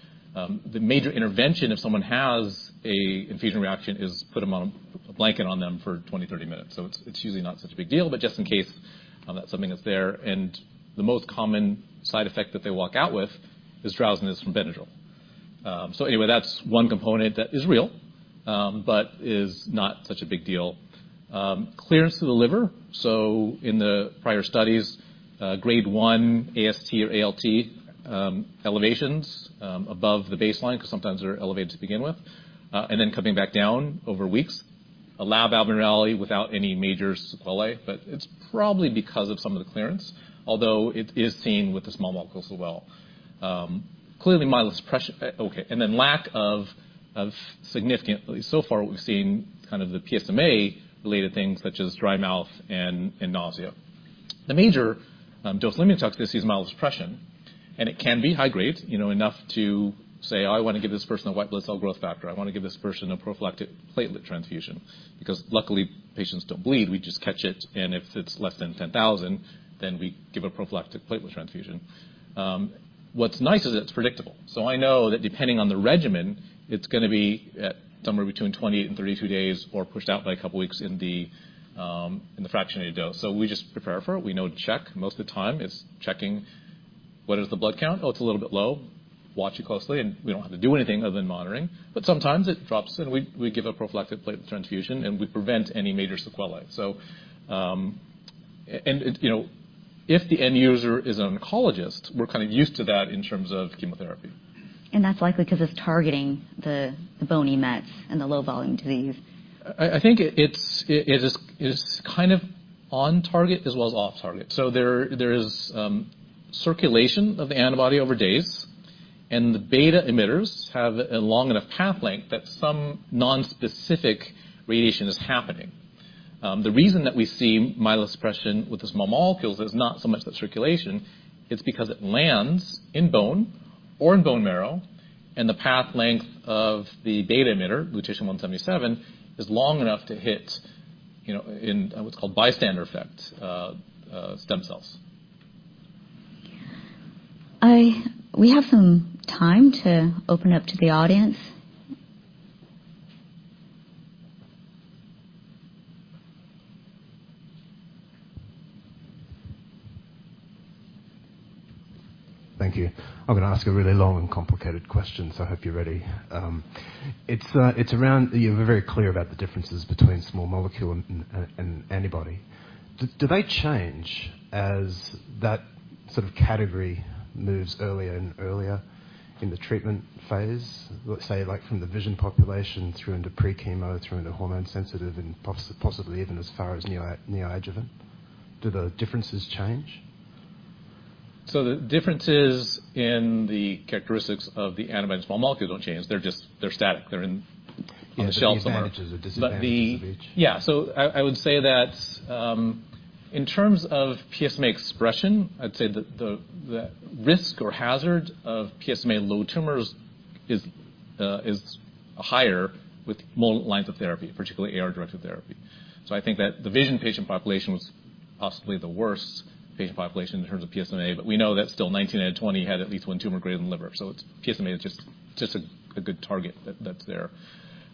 The major intervention, if someone has a infusion reaction, is put them on a blanket on them for 20, 30 minutes. It's usually not such a big deal, but just in case, that's something that's there. And the most common side effect that they walk out with is drowsiness from Benadryl. That's one component that is real, but is not such a big deal. Clearance to the liver. In the prior studies, grade one AST or ALT elevations above the baseline, 'cause sometimes they're elevated to begin with, and then coming back down over weeks. A lab abnormality without any major sequelae, but it's probably because of some of the clearance, although it is seen with the small molecules as well. Clearly, mild expression... lack of significant so far, we've seen kind of the PSMA-related things, such as dry mouth and nausea. The major dose limit toxicity is mild suppression, and it can be high grade, you know, enough to say, "I wanna give this person a white blood cell growth factor. I wanna give this person a prophylactic platelet transfusion." Luckily, patients don't bleed. We just catch it, and if it's less than 10,000, then we give a prophylactic platelet transfusion. What's nice is it's predictable. I know that depending on the regimen, it's gonna be at somewhere between 28 and 32 days or pushed out by a couple of weeks in the fractionated dose. We just prepare for it. We know to check. Most of the time, it's checking what is the blood count? Oh, it's a little bit low. Watch it closely, and we don't have to do anything other than monitoring. Sometimes it drops, and we give a prophylactic platelet transfusion, and we prevent any major sequelae. And, you know, if the end user is an oncologist, we're kind of used to that in terms of chemotherapy. That's likely 'cause it's targeting the bony mets and the low-volume disease. I think it's kind of on target as well as off target. There is circulation of the antibody over days, and the beta emitters have a long enough path length that some nonspecific radiation is happening. The reason that we see myelosuppression with the small molecules is not so much the circulation, it's because it lands in bone or in bone marrow, and the path length of the beta emitter, lutetium-177, is long enough to hit, you know, in what's called bystander effect, stem cells. We have some time to open up to the audience. Thank you. I'm gonna ask a really long and complicated question, so I hope you're ready. You're very clear about the differences between small molecule and antibody. Do they change as that sort of category moves earlier and earlier in the treatment phase, let's say, like from the VISION population through into pre-chemo, through into hormone sensitive, and possibly even as far as neoadjuvant? Do the differences change? The differences in the characteristics of the antibody and small molecules don't change. They're static. They're in the shelf somewhere. The advantages or disadvantages of each? Yeah. I would say that in terms of PSMA expression, I'd say that the risk or hazard of PSMA low tumors is higher with more lines of therapy, particularly AR-directed therapy. I think that the VISION patient population was possibly the worst patient population in terms of PSMA, but we know that still 19 out of 20 had at least one tumor greater than liver. PSMA is just a good target that's there.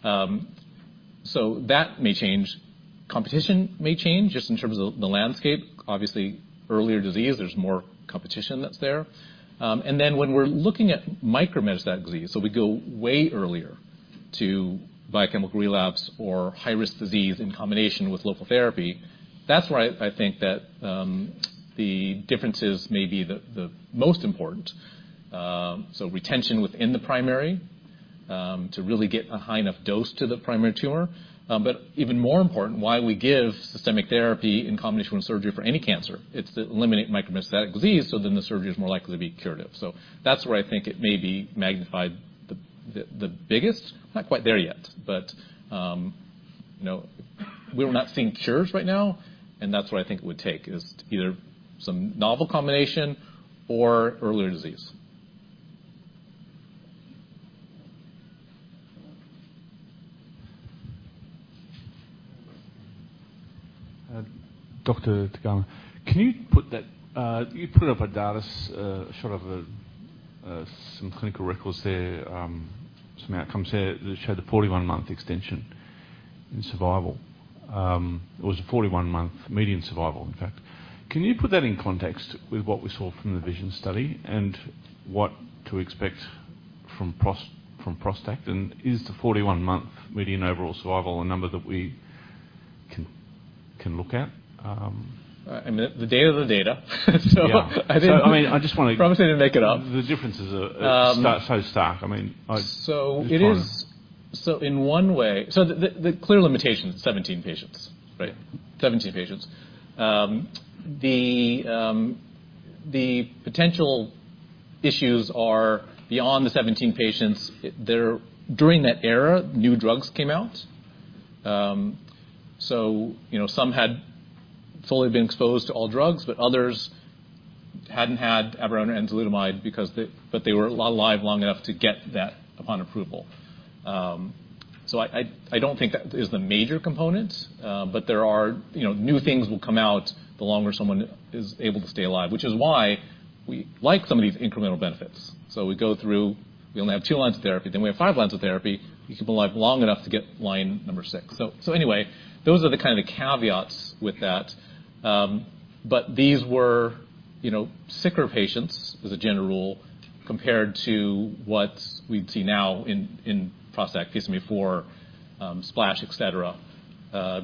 That may change. Competition may change, just in terms of the landscape. Obviously, earlier disease, there's more competition that's there. And then when we're looking at micrometastatic disease, we go way earlier to biochemical relapse or high-risk disease in combination with local therapy, that's where I think that the differences may be the most important. Retention within the primary, to really get a high enough dose to the primary tumor. Even more important, why we give systemic therapy in combination with surgery for any cancer, it's to eliminate micrometastatic disease, so then the surgery is more likely to be curative. That's where I think it may be magnified the biggest. Not quite there yet, but, you know, we're not seeing cures right now, and that's what I think it would take, is either some novel combination or earlier disease. Dr. Scott Tagawa, can you put that you put up a data shot of some clinical records there, some outcomes there that showed the 41-month extension in survival. It was a 41-month median survival, in fact. Can you put that in context with what we saw from the VISION study and what to expect from ProstACT? Is the 41-month median overall survival a number that we can look at? I mean, the data are the data. Yeah. I didn't- I mean, I just. I promise I didn't make it up. The differences are so stark. I mean, In one way, the clear limitation is 17 patients, right? 17 patients. The potential issues are beyond the 17 patients. During that era, new drugs came out. You know, some had fully been exposed to all drugs, but others hadn't had abiraterone and enzalutamide because they were alive long enough to get that upon approval. I don't think that is the major component, but there are. You know, new things will come out the longer someone is able to stay alive, which is why we like some of these incremental benefits. We go through, we only have 2 lines of therapy, then we have 5 lines of therapy. You can be live long enough to get line number 6. Anyway, those are the kind of caveats with that. These were, you know, sicker patients, as a general rule, compared to what we'd see now in PSMAfore, SPLASH, et cetera,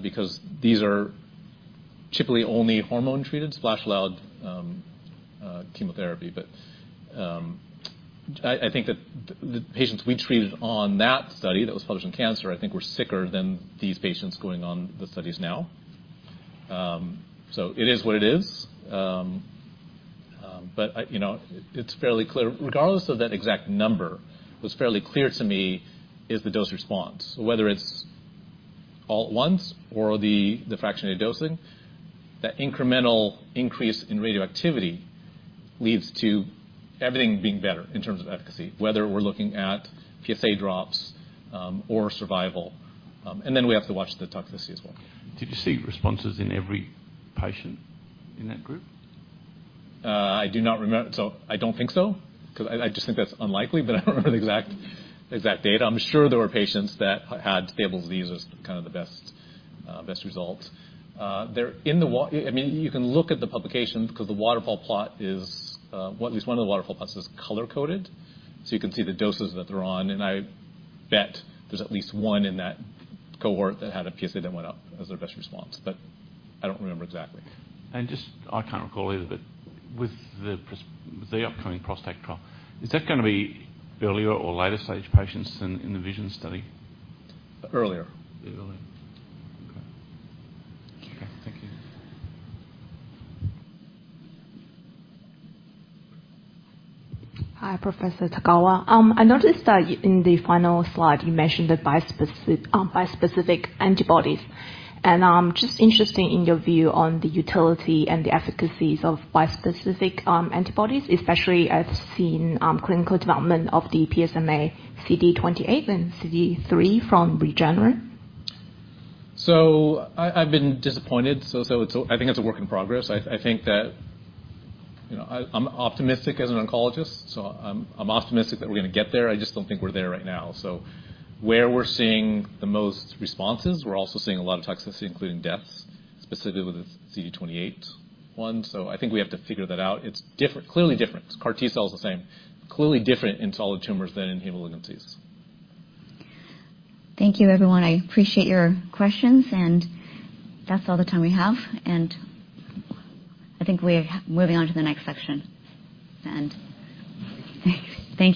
because these are typically only hormone-treated, SPLASH allowed chemotherapy. I think that the patients we treated on that study, that was published in Cancer, I think were sicker than these patients going on the studies now. It is what it is. I, you know, it's fairly clear. Regardless of that exact number, what's fairly clear to me is the dose response, whether it's all at once or the fractionated dosing, that incremental increase in radioactivity leads to everything being better in terms of efficacy, whether we're looking at PSA drops or survival. We have to watch the toxicity as well. Did you see responses in every patient in that group? I do not remember. I don't think so, because I just think that's unlikely. I don't remember the exact data. I'm sure there were patients that had stable disease as kind of the best result. They're in the I mean, you can look at the publication because the waterfall plot is, well, at least one of the waterfall plots is color-coded. You can see the doses that they're on. I bet there's at least one in that cohort that had a PSA that went up as their best response. I don't remember exactly. Just, I can't recall either, but with the upcoming ProstACT trial, is that gonna be earlier or later-stage patients than in the VISION study? Earlier. Earlier. Okay. Thank you. Hi, Tagawa. I noticed that in the final slide, you mentioned the bispecific antibodies. I'm just interested in your view on the utility and the efficacies of bispecific antibodies, especially as seen clinical development of the PSMA CD28 and CD3 from Regeneron. I've been disappointed, it's a work in progress. I think that, you know, I'm optimistic as an oncologist, I'm optimistic that we're gonna get there. I just don't think we're there right now. Where we're seeing the most responses, we're also seeing a lot of toxicity, including deaths, specifically with the CD28 one. I think we have to figure that out. It's different, clearly different. CAR T is the same, clearly different in solid tumors than in hematologic diseases. Thank you, everyone. I appreciate your questions, and that's all the time we have, and I think we're moving on to the next section. Thank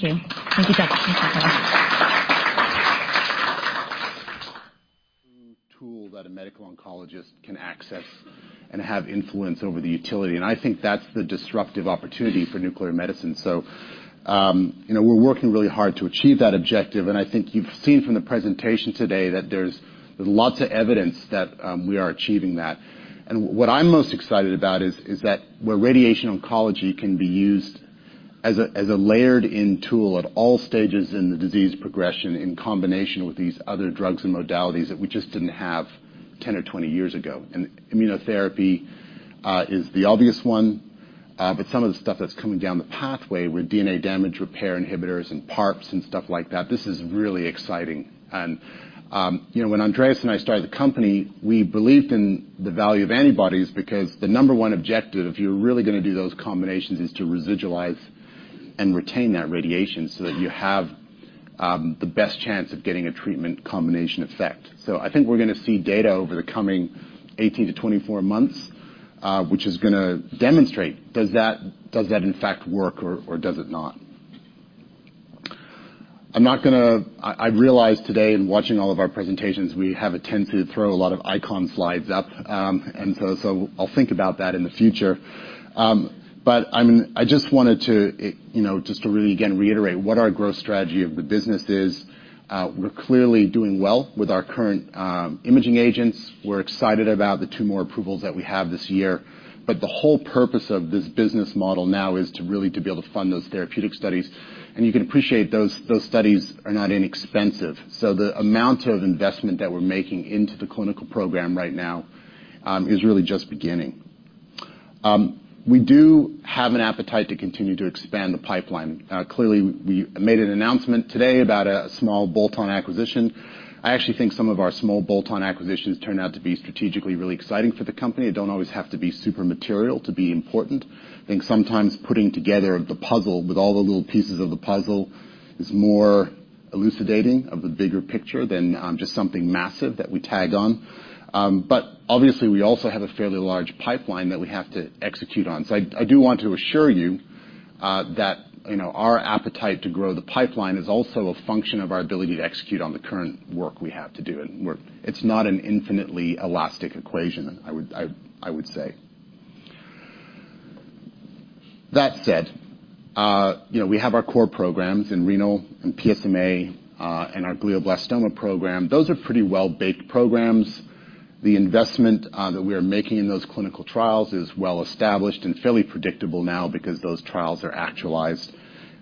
you. Thank you, Dr. Tagawa. Tool that a medical oncologist can access and have influence over the utility. I think that's the disruptive opportunity for nuclear medicine. You know, we're working really hard to achieve that objective. I think you've seen from the presentation today that there's lots of evidence that we are achieving that. What I'm most excited about is that where radiation oncology can be used as a layered-in tool at all stages in the disease progression in combination with these other drugs and modalities that we just didn't have 10 or 20 years ago. Immunotherapy is the obvious one, but some of the stuff that's coming down the pathway with DNA damage repair inhibitors and PARPs and stuff like that, this is really exciting. You know, when Andreas Kluge and I started the company, we believed in the value of antibodies because the number one objective, if you're really gonna do those combinations, is to residualize and retain that radiation so that you have the best chance of getting a treatment combination effect. I think we're gonna see data over the coming 18 to 24 months, which is gonna demonstrate, does that in fact work or does it not? I realize today in watching all of our presentations, we have a tendency to throw a lot of icon slides up, and so I'll think about that in the future. I mean, I just wanted to, you know, just to really, again, reiterate what our growth strategy of the business is. We're clearly doing well with our current imaging agents. We're excited about the two more approvals that we have this year, but the whole purpose of this business model now is to really to be able to fund those therapeutic studies, and you can appreciate those studies are not inexpensive. The amount of investment that we're making into the clinical program right now is really just beginning. We do have an appetite to continue to expand the pipeline. Clearly, we made an announcement today about a small bolt-on acquisition. I actually think some of our small bolt-on acquisitions turn out to be strategically really exciting for the company. They don't always have to be super material to be important. I think sometimes putting together the puzzle with all the little pieces of the puzzle is. elucidating of the bigger picture than just something massive that we tag on. Obviously, we also have a fairly large pipeline that we have to execute on. I do want to assure you that, you know, our appetite to grow the pipeline is also a function of our ability to execute on the current work we have to do, and it's not an infinitely elastic equation, I would say. That said, you know, we have our core programs in renal and PSMA and our glioblastoma program. Those are pretty well-baked programs. The investment that we are making in those clinical trials is well established and fairly predictable now because those trials are actualized.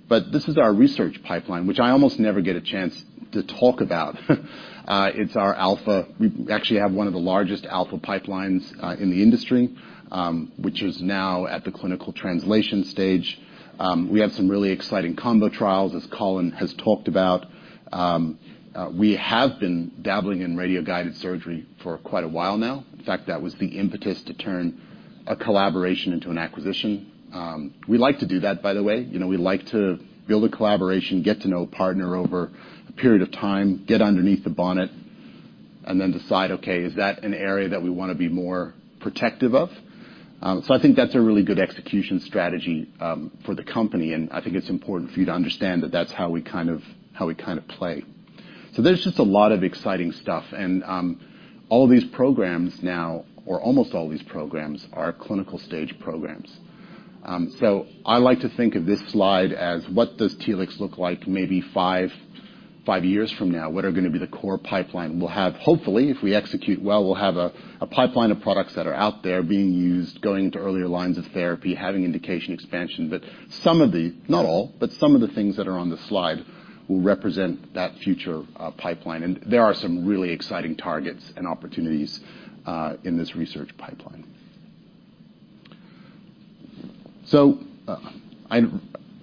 This is our research pipeline, which I almost never get a chance to talk about. It's our alpha. We actually have one of the largest alpha pipelines in the industry, which is now at the clinical translation stage. We have some really exciting combo trials, as Colin has talked about. We have been dabbling in radio-guided surgery for quite a while now. That was the impetus to turn a collaboration into an acquisition. We like to do that, by the way. You know, we like to build a collaboration, get to know a partner over a period of time, get underneath the bonnet, and then decide, okay, is that an area that we wanna be more protective of? I think that's a really good execution strategy for the company, and I think it's important for you to understand that that's how we kind of play. There's just a lot of exciting stuff, and all these programs now, or almost all these programs, are clinical stage programs. I like to think of this slide as what does Telix look like maybe five years from now? What are gonna be the core pipeline? We'll have Hopefully, if we execute well, we'll have a pipeline of products that are out there being used, going into earlier lines of therapy, having indication expansion. Some of the, not all, but some of the things that are on the slide will represent that future pipeline. There are some really exciting targets and opportunities in this research pipeline.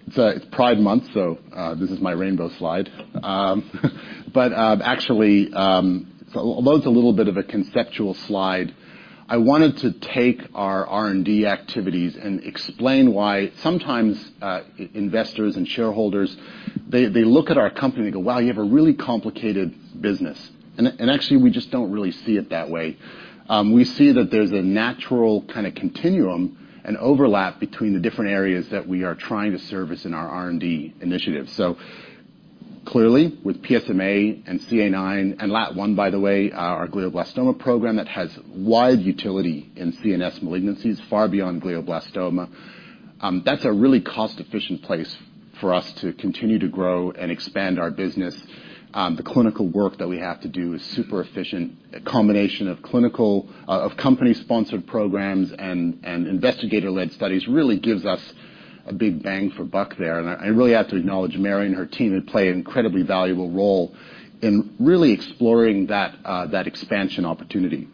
It's Pride Month, so this is my rainbow slide. Although it's a little bit of a conceptual slide, I wanted to take our R&D activities and explain why sometimes investors and shareholders, they look at our company and go, "Wow, you have a really complicated business." Actually, we just don't really see it that way. We see that there's a natural kind of continuum and overlap between the different areas that we are trying to service in our R&D initiative. Clearly, with PSMA and CA9 and LAT1, by the way, our glioblastoma program that has wide utility in CNS malignancies, far beyond glioblastoma, that's a really cost-efficient place for us to continue to grow and expand our business. The clinical work that we have to do is super efficient. A combination of clinical of company-sponsored programs and investigator-led studies really gives us a big bang for buck there. I really have to acknowledge Mary and her team, who play an incredibly valuable role in really exploring that expansion opportunity.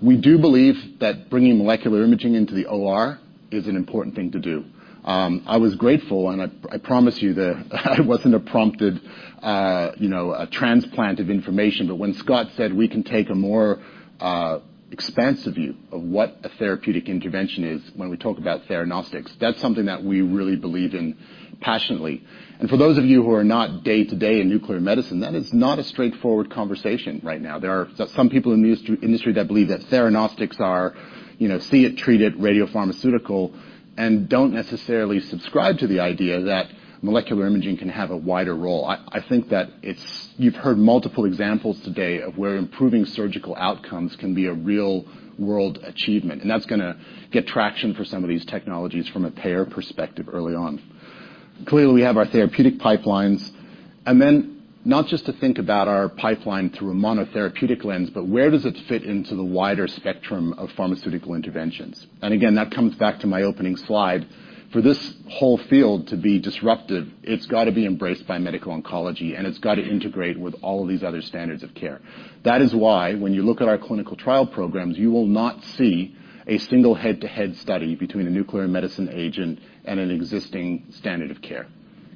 We do believe that bringing molecular imaging into the OR is an important thing to do. I was grateful, and I promise you that it wasn't a prompted, you know, a transplant of information. When Scott said, we can take a more expansive view of what a therapeutic intervention is when we talk about theranostics, that's something that we really believe in passionately. For those of you who are not day-to-day in nuclear medicine, that is not a straightforward conversation right now. There are some people in the industry that believe that theranostics are, you know, see it, treat it, radiopharmaceutical, and don't necessarily subscribe to the idea that molecular imaging can have a wider role. I think that it's. You've heard multiple examples today of where improving surgical outcomes can be a real-world achievement, and that's gonna get traction for some of these technologies from a payer perspective early on. Clearly, we have our therapeutic pipelines, and then not just to think about our pipeline through a monotherapeutic lens, but where does it fit into the wider spectrum of pharmaceutical interventions? Again, that comes back to my opening slide. For this whole field to be disruptive, it's got to be embraced by medical oncology, and it's got to integrate with all of these other standards of care. That is why when you look at our clinical trial programs, you will not see a single head-to-head study between a nuclear medicine agent and an existing standard of care,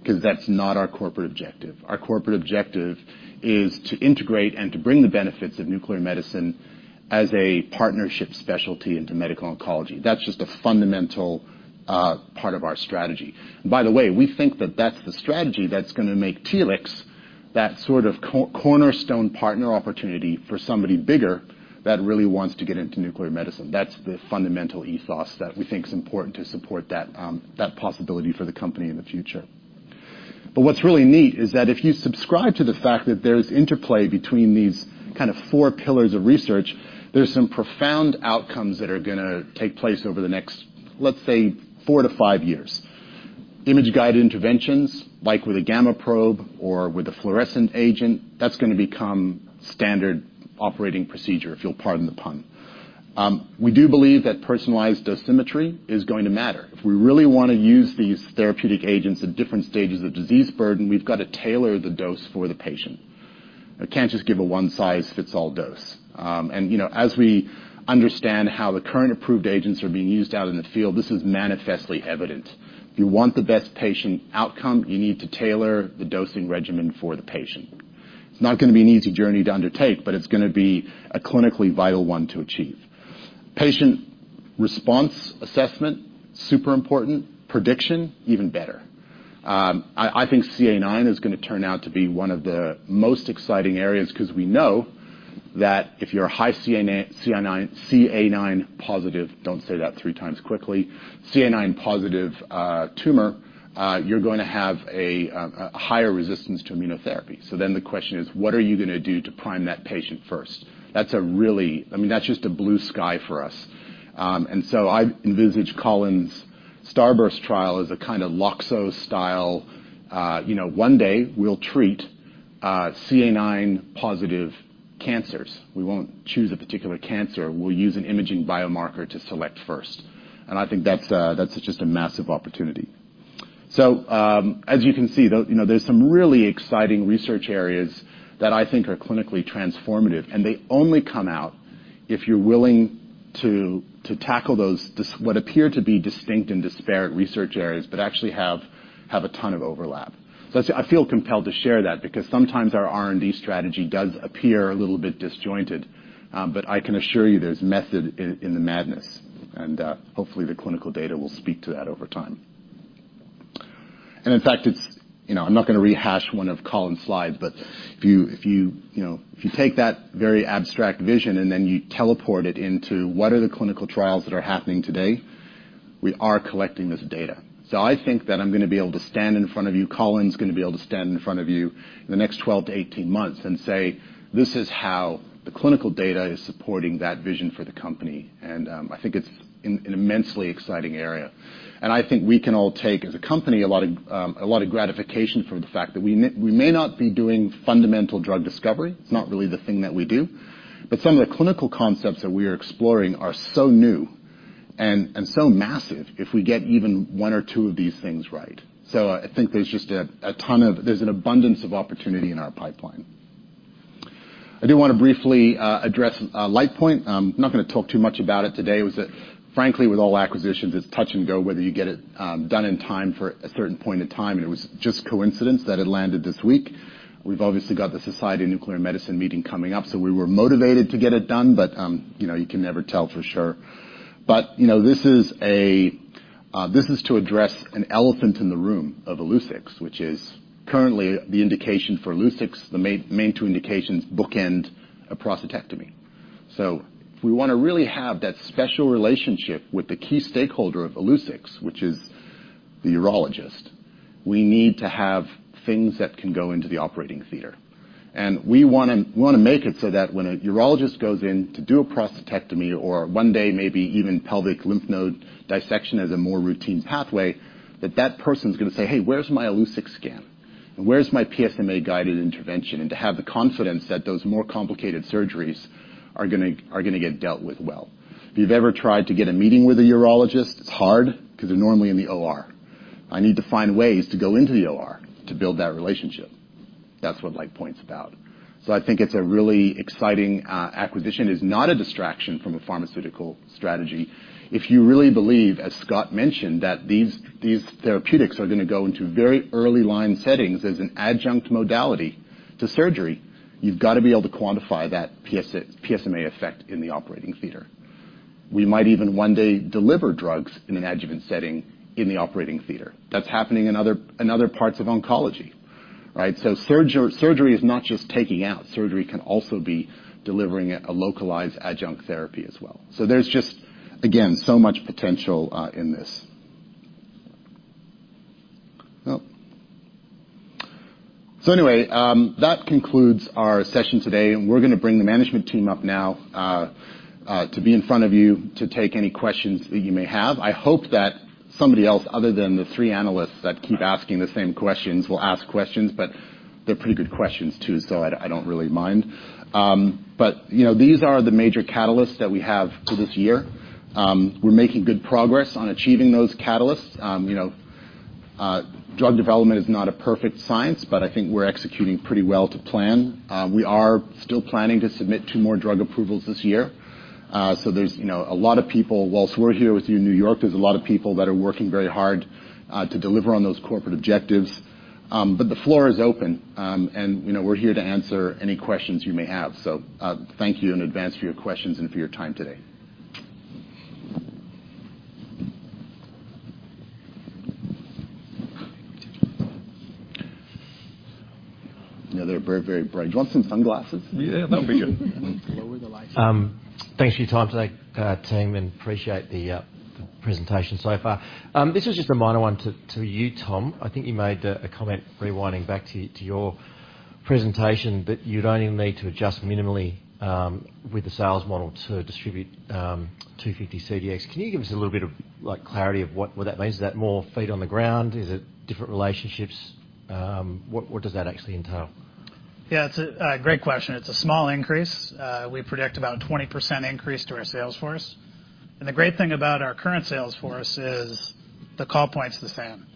'cause that's not our corporate objective. Our corporate objective is to integrate and to bring the benefits of nuclear medicine as a partnership specialty into medical oncology. That's just a fundamental part of our strategy. By the way, we think that that's the strategy that's gonna make Telix that sort of co- cornerstone partner opportunity for somebody bigger that really wants to get into nuclear medicine. That's the fundamental ethos that we think is important to support that possibility for the company in the future. What's really neat is that if you subscribe to the fact that there's interplay between these kind of 4 pillars of research, there's some profound outcomes that are gonna take place over the next, let's say, 4 to 5 years. Image-guided interventions, like with a gamma probe or with a fluorescent agent, that's gonna become standard operating procedure, if you'll pardon the pun. We do believe that personalized dosimetry is going to matter. If we really wanna use these therapeutic agents at different stages of disease burden, we've got to tailor the dose for the patient. We can't just give a one-size-fits-all dose. You know, as we understand how the current approved agents are being used out in the field, this is manifestly evident. If you want the best patient outcome, you need to tailor the dosing regimen for the patient. It's not gonna be an easy journey to undertake, but it's gonna be a clinically vital one to achieve. Patient response assessment, super important. Prediction, even better. I think CA9 is gonna turn out to be one of the most exciting areas, because we know that if you're a high CA9 positive, don't say that three times quickly, CA9 positive tumor, you're going to have a higher resistance to immunotherapy. The question is, what are you gonna do to prime that patient first? That's a really, I mean, that's just a blue sky for us. I envisage Colin's STARBURST trial as a kind of Loxo style. You know, one day, we'll treat CA9 positive cancers. We won't choose a particular cancer. We'll use an imaging biomarker to select first. I think that's just a massive opportunity. As you can see, you know, there's some really exciting research areas that I think are clinically transformative, and they only come out if you're willing to tackle those what appear to be distinct and disparate research areas, but actually have a ton of overlap. I feel compelled to share that because sometimes our R&D strategy does appear a little bit disjointed, but I can assure you there's method in the madness, and hopefully, the clinical data will speak to that over time. In fact, it's, you know, I'm not gonna rehash one of Colin's slides, but if you know, if you take that very abstract vision, and then you teleport it into what are the clinical trials that are happening today, we are collecting this data. I think that I'm gonna be able to stand in front of you, Colin's gonna be able to stand in front of you in the next 12-18 months and say, "This is how the clinical data is supporting that vision for the company." I think it's an immensely exciting area. I think we can all take, as a company, a lot of gratification from the fact that we may not be doing fundamental drug discovery. It's not really the thing that we do, but some of the clinical concepts that we are exploring are so new and so massive if we get even one or two of these things right. I think there's just a ton of opportunity in our pipeline. I do wanna briefly address Lightpoint. I'm not gonna talk too much about it today. It was that, frankly, with all acquisitions, it's touch and go, whether you get it done in time for a certain point in time, and it was just coincidence that it landed this week. We've obviously got the Society of Nuclear Medicine meeting coming up, so we were motivated to get it done, but, you know, you can never tell for sure. You know, this is to address an elephant in the room of Illuccix, which is currently the indication for Illuccix, the main 2 indications, bookend a prostatectomy. If we want to really have that special relationship with the key stakeholder of Illuccix, which is the urologist, we need to have things that can go into the operating theater. We want to make it so that when a urologist goes in to do a prostatectomy, or 1 day, maybe even pelvic lymph node dissection as a more routine pathway, that that person's going to say, "Hey, where's my Illuccix scan? Where's my PSMA-guided intervention?" To have the confidence that those more complicated surgeries are going to get dealt with well. If you've ever tried to get a meeting with a urologist, it's hard because they're normally in the OR. I need to find ways to go into the OR to build that relationship. That's what Lightpoint's about. I think it's a really exciting acquisition. It's not a distraction from a pharmaceutical strategy. If you really believe, as Scott mentioned, that these therapeutics are gonna go into very early line settings as an adjunct modality to surgery, you've got to be able to quantify that PSMA effect in the operating theater. We might even one day deliver drugs in an adjuvant setting in the operating theater. That's happening in other parts of oncology, right? Surgery is not just taking out. Surgery can also be delivering a localized adjunct therapy as well. There's just, again, so much potential in this. That concludes our session today, and we're gonna bring the management team up now to be in front of you to take any questions that you may have. I hope that somebody else other than the three analysts that keep asking the same questions will ask questions, but they're pretty good questions, too, so I don't really mind. You know, these are the major catalysts that we have for this year. We're making good progress on achieving those catalysts. You know, drug development is not a perfect science, but I think we're executing pretty well to plan. We are still planning to submit two more drug approvals this year. There's, you know, a lot of people, whilst we're here with you in New York, there's a lot of people that are working very hard to deliver on those corporate objectives. The floor is open, and, you know, we're here to answer any questions you may have. Thank you in advance for your questions and for your time today. You know, they're very, very bright. Do you want some sunglasses? Yeah, that'll be good. Lower the lights. Thanks for your time today, team, appreciate the presentation so far. This is just a minor one to you, Tom. I think you made a comment, rewinding back to your presentation, that you'd only need to adjust minimally with the sales model to distribute 250 CDx. Can you give us a little bit of like clarity of what that means? Is that more feet on the ground? Is it different relationships? What does that actually entail? It's a great question. It's a small increase. We predict about a 20% increase to our sales force. The great thing about our current sales force is the call point's the same.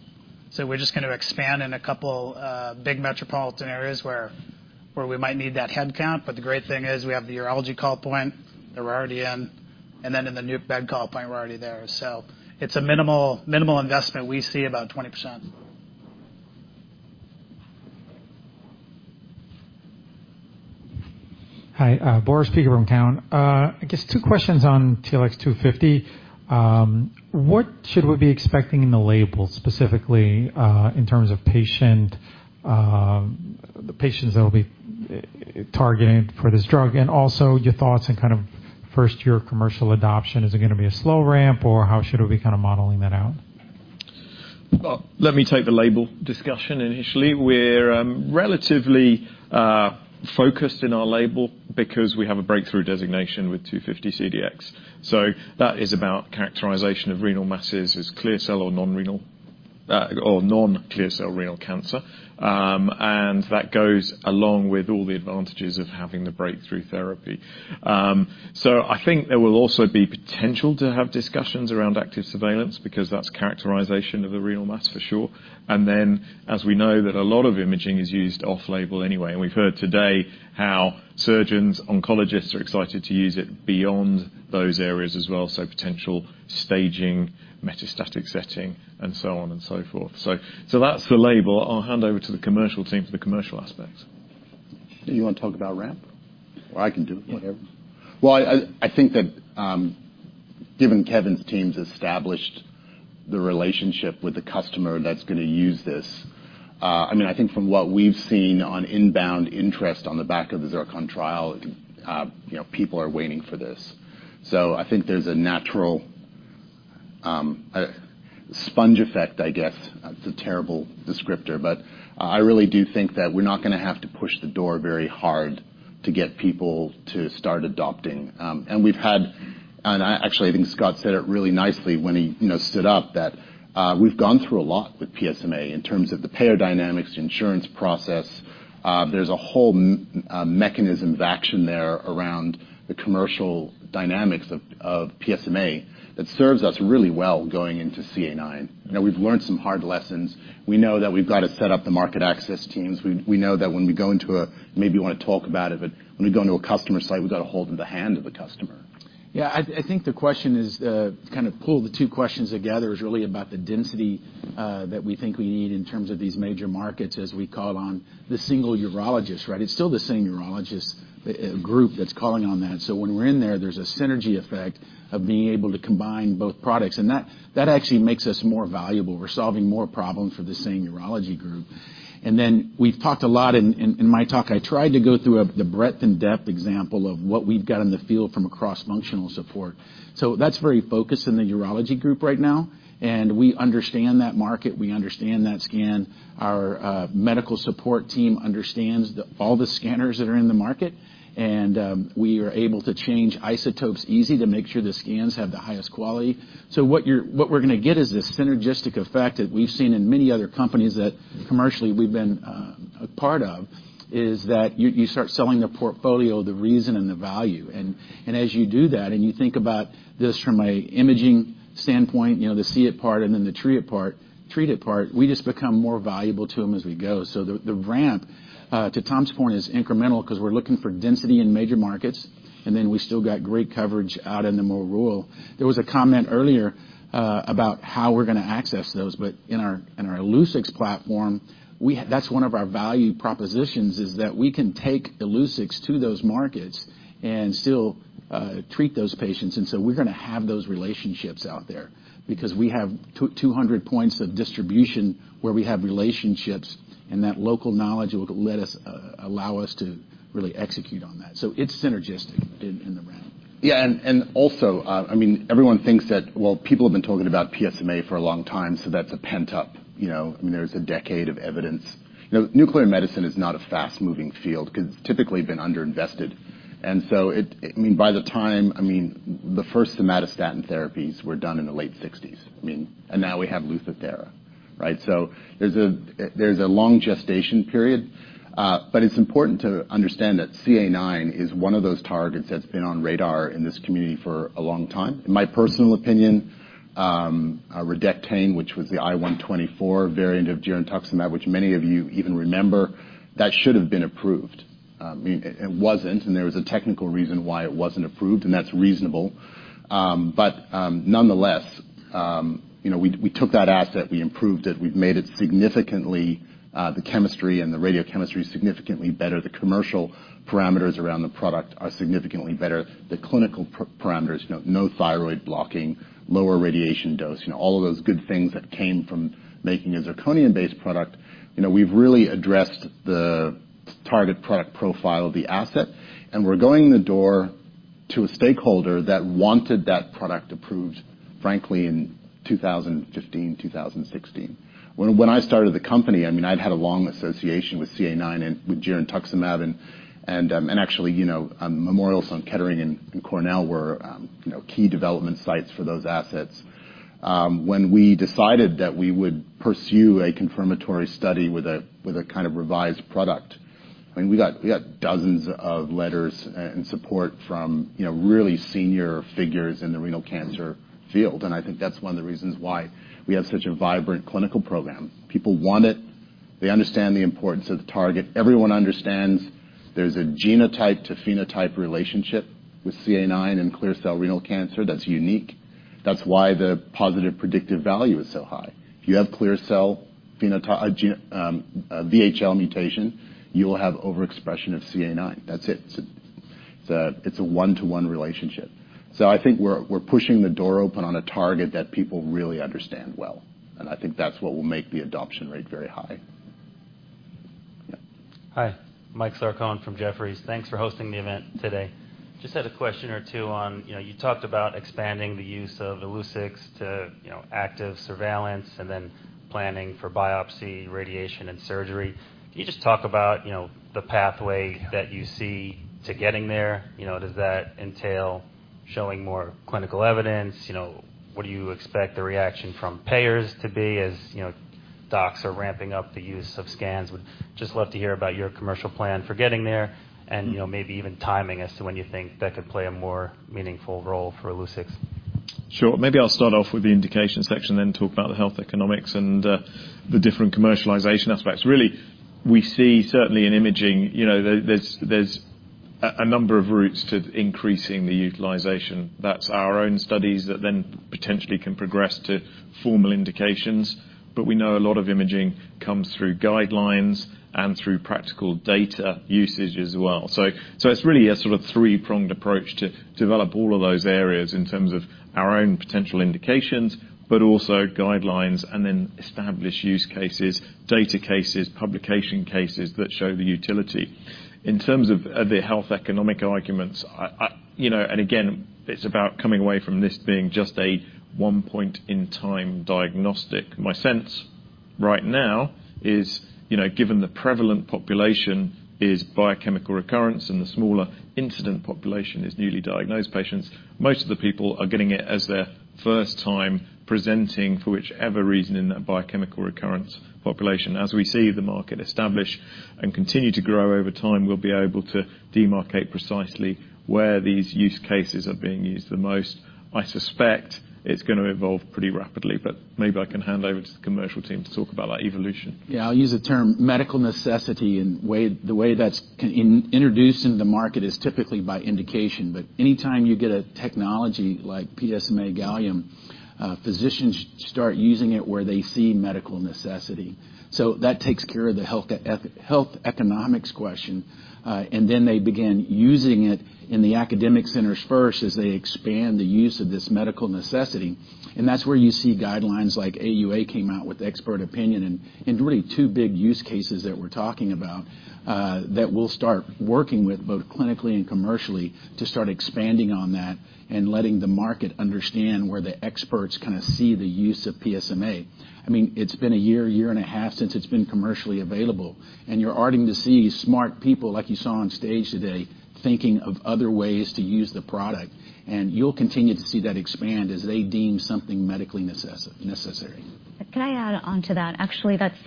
We're just gonna expand in a couple big metropolitan areas where we might need that headcount. The great thing is we have the urology call point that we're already in. In the nuc med call point, we're already there. It's a minimal investment. We see about 20%. Hi, Boris Peaker from TD Cowen. I guess two questions on TLX250. What should we be expecting in the label, specifically, in terms of patient, the patients that will be targeting for this drug? Also your thoughts and kind of first-year commercial adoption. Is it gonna be a slow ramp, or how should we be kind of modeling that out? Let me take the label discussion initially. We're relatively focused in our label because we have a breakthrough designation with 250-CDx. That is about characterization of renal masses as clear cell or non-renal or non-clear cell renal cancer. And that goes along with all the advantages of having the breakthrough therapy. I think there will also be potential to have discussions around active surveillance because that's characterization of a renal mass for sure. As we know that a lot of imaging is used off-label anyway, and we've heard today how surgeons, oncologists are excited to use it beyond those areas as well, so potential staging, metastatic setting, and so on and so forth. That's the label. I'll hand over to the commercial team for the commercial aspects. You want to talk about ramp? I can do it, whatever. Well, I think that, given Kevin's team's established the relationship with the customer that's going to use this, I mean, I think from what we've seen on inbound interest on the back of the ZIRCON trial, you know, people are waiting for this. I think there's a natural, a sponge effect, I guess. That's a terrible descriptor, but, I really do think that we're not going to have to push the door very hard to get people to start adopting. I actually, I think Scott said it really nicely when he, you know, stood up, that, we've gone through a lot with PSMA in terms of the payer dynamics, the insurance process. There's a whole, mechanism of action there around the commercial dynamics of PSMA that serves us really well going into CA9. We've learned some hard lessons. We know that we've got to set up the market access teams. We know that when we go into a customer site, we've got to hold in the hand of a customer. Yeah, I think the question is, to kind of pull the two questions together, is really about the density that we think we need in terms of these major markets as we call on the single urologist, right? It's still the same urologist group that's calling on that. When we're in there's a synergy effect of being able to combine both products, and that actually makes us more valuable. We're solving more problems for the same urology group. We've talked a lot in my talk, I tried to go through a, the breadth and depth example of what we've got in the field from a cross-functional support. That's very focused in the urology group right now, and we understand that market, we understand that scan. Our medical support team understands all the scanners that are in the market, and we are able to change isotopes easy to make sure the scans have the highest quality. What we're gonna get is this synergistic effect that we've seen in many other companies that commercially we've been a part of, is that you start selling the portfolio, the reason and the value. As you do that, and you think about this from an imaging standpoint, you know, the see it part and then the treat it part, we just become more valuable to them as we go. The ramp to Tom's point, is incremental because we're looking for density in major markets, and then we still got great coverage out in the more rural. There was a comment earlier, about how we're going to access those. In our Illuccix platform, that's one of our value propositions, is that we can take Illuccix to those markets and still treat those patients. We're gonna have those relationships out there because we have 200 points of distribution where we have relationships, and that local knowledge will let us allow us to really execute on that. It's synergistic in the round. Also, I mean, everyone thinks that, well, people have been talking about PSMA for a long time, so that's a pent-up, you know. I mean, there's a decade of evidence. You know, nuclear medicine is not a fast-moving field because it's typically been underinvested. It, I mean, by the time, I mean, the first somatostatin therapies were done in the late sixties. I mean, and now we have Lutathera, right. There's a long gestation period, but it's important to understand that CA9 is one of those targets that's been on radar in this community for a long time. In my personal opinion, Redectane, which was the I-124 variant of girentuximab, which many of you even remember, that should have been approved. It wasn't, and there was a technical reason why it wasn't approved, and that's reasonable. Nonetheless, you know, we took that asset, we improved it, we've made it significantly, the chemistry and the radiochemistry, significantly better. The commercial parameters around the product are significantly better. The clinical parameters, you know, no thyroid blocking, lower radiation dose, you know, all of those good things that came from making a zirconium-based product. You know, we've really addressed the target product profile of the asset, and we're going in the door to a stakeholder that wanted that product approved, frankly, in 2015, 2016. When I started the company, I mean, I'd had a long association with CA9 and with girentuximab, and actually, Memorial Sloan Kettering and Cornell were key development sites for those assets. When we decided that we would pursue a confirmatory study with a kind of revised product, I mean, we got dozens of letters and support from, you know, really senior figures in the renal cancer field, and I think that's one of the reasons why we have such a vibrant clinical program. People want it. They understand the importance of the target. Everyone understands there's a genotype to phenotype relationship with CA9 and clear cell renal cancer that's unique. That's why the positive predictive value is so high. If you have clear cell VHL mutation, you will have overexpression of CA9. That's it. It's a one-to-one relationship. I think we're pushing the door open on a target that people really understand well, and I think that's what will make the adoption rate very high. Yeah. Hi, Michael Sarcone from Jefferies. Thanks for hosting the event today. Just had a question or two on, you know, you talked about expanding the use of Illuccix to, you know, active surveillance and then planning for biopsy, radiation, and surgery. Can you just talk about, you know, the pathway that you see to getting there? Does that entail showing more clinical evidence? What do you expect the reaction from payers to be, as, you know, docs are ramping up the use of scans? Would just love to hear about your commercial plan for getting there, and, you know, maybe even timing as to when you think that could play a more meaningful role for Illuccix. Sure. Maybe I'll start off with the indication section, then talk about the health economics and the different commercialization aspects. Really, we see certainly in imaging, you know, there's a number of routes to increasing the utilization. That's our own studies that then potentially can progress to formal indications, but we know a lot of imaging comes through guidelines and through practical data usage as well. It's really a sort of three-pronged approach to develop all of those areas in terms of our own potential indications, but also guidelines and then establish use cases, data cases, publication cases that show the utility. In terms of the health economic arguments, I, you know, again, it's about coming away from this being just a one point in time diagnostic. My sense right now is, you know, given the prevalent population is biochemical recurrence, and the smaller incident population is newly diagnosed patients, most of the people are getting it as their first time presenting for whichever reason in that biochemical recurrence population. As we see the market establish and continue to grow over time, we'll be able to demarcate precisely where these use cases are being used the most. I suspect it's gonna evolve pretty rapidly, but maybe I can hand over to the commercial team to talk about that evolution. Yeah, I'll use the term medical necessity, and the way that's introduced into the market is typically by indication. Anytime you get a technology like PSMA gallium, physicians start using it where they see medical necessity. That takes care of the health economics question, and then they begin using it in the academic centers first, as they expand the use of this medical necessity. That's where you see guidelines like AUA came out with expert opinion, and really two big use cases that we're talking about, that we'll start working with both clinically and commercially to start expanding on that and letting the market understand where the experts kind of see the use of PSMA. I mean, it's been a year and a half since it's been commercially available, and you're already to see smart people, like you saw on stage today, thinking of other ways to use the product, and you'll continue to see that expand as they deem something medically necessary. Can I add on to that? Actually, that's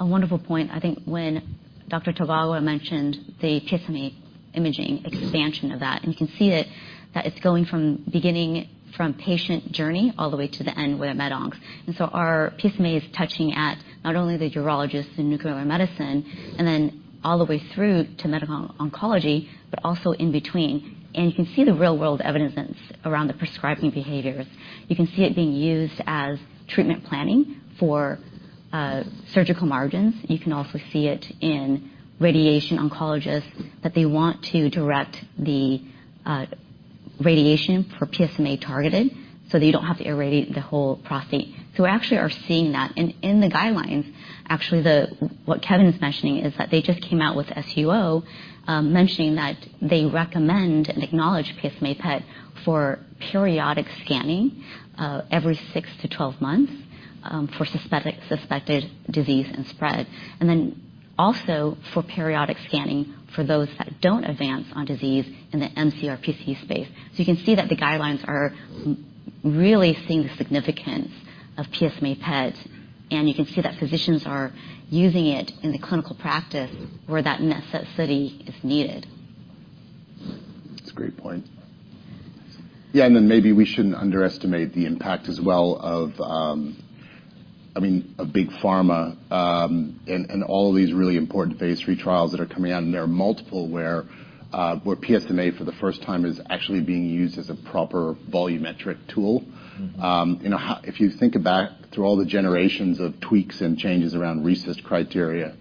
a wonderful point. I think when Dr. Tagawa mentioned the PSMA imaging expansion of that, and you can see it, that it's going from beginning from patient journey all the way to the end, with med oncs. Our PSMA is touching at not only the urologists in nuclear medicine. Yes all the way through to medical oncology, but also in between. You can see the real-world evidence around the prescribing behaviors. You can see it being used as treatment planning for surgical margins. You can also see it in radiation oncologists, that they want to direct the radiation for PSMA-targeted, so that you don't have to irradiate the whole prostate. We actually are seeing that. In the guidelines, actually, what Kevin is mentioning, is that they just came out with SUO, mentioning that they recommend and acknowledge PSMA PET for periodic scanning, every 6 to 12 months, for suspected disease and spread, and then also for periodic scanning for those that don't advance on disease in the mCRPC space. You can see that the guidelines are really seeing the significance of PSMA PET, and you can see that physicians are using it in the clinical practice where that necessity is needed. That's a great point. Maybe we shouldn't underestimate the impact as well of, I mean, of big pharma, and all of these really important Phase III trials that are coming out, and there are multiple where PSMA, for the first time, is actually being used as a proper volumetric tool. You know, how... If you think back through all the generations of tweaks and changes around RECIST criteria,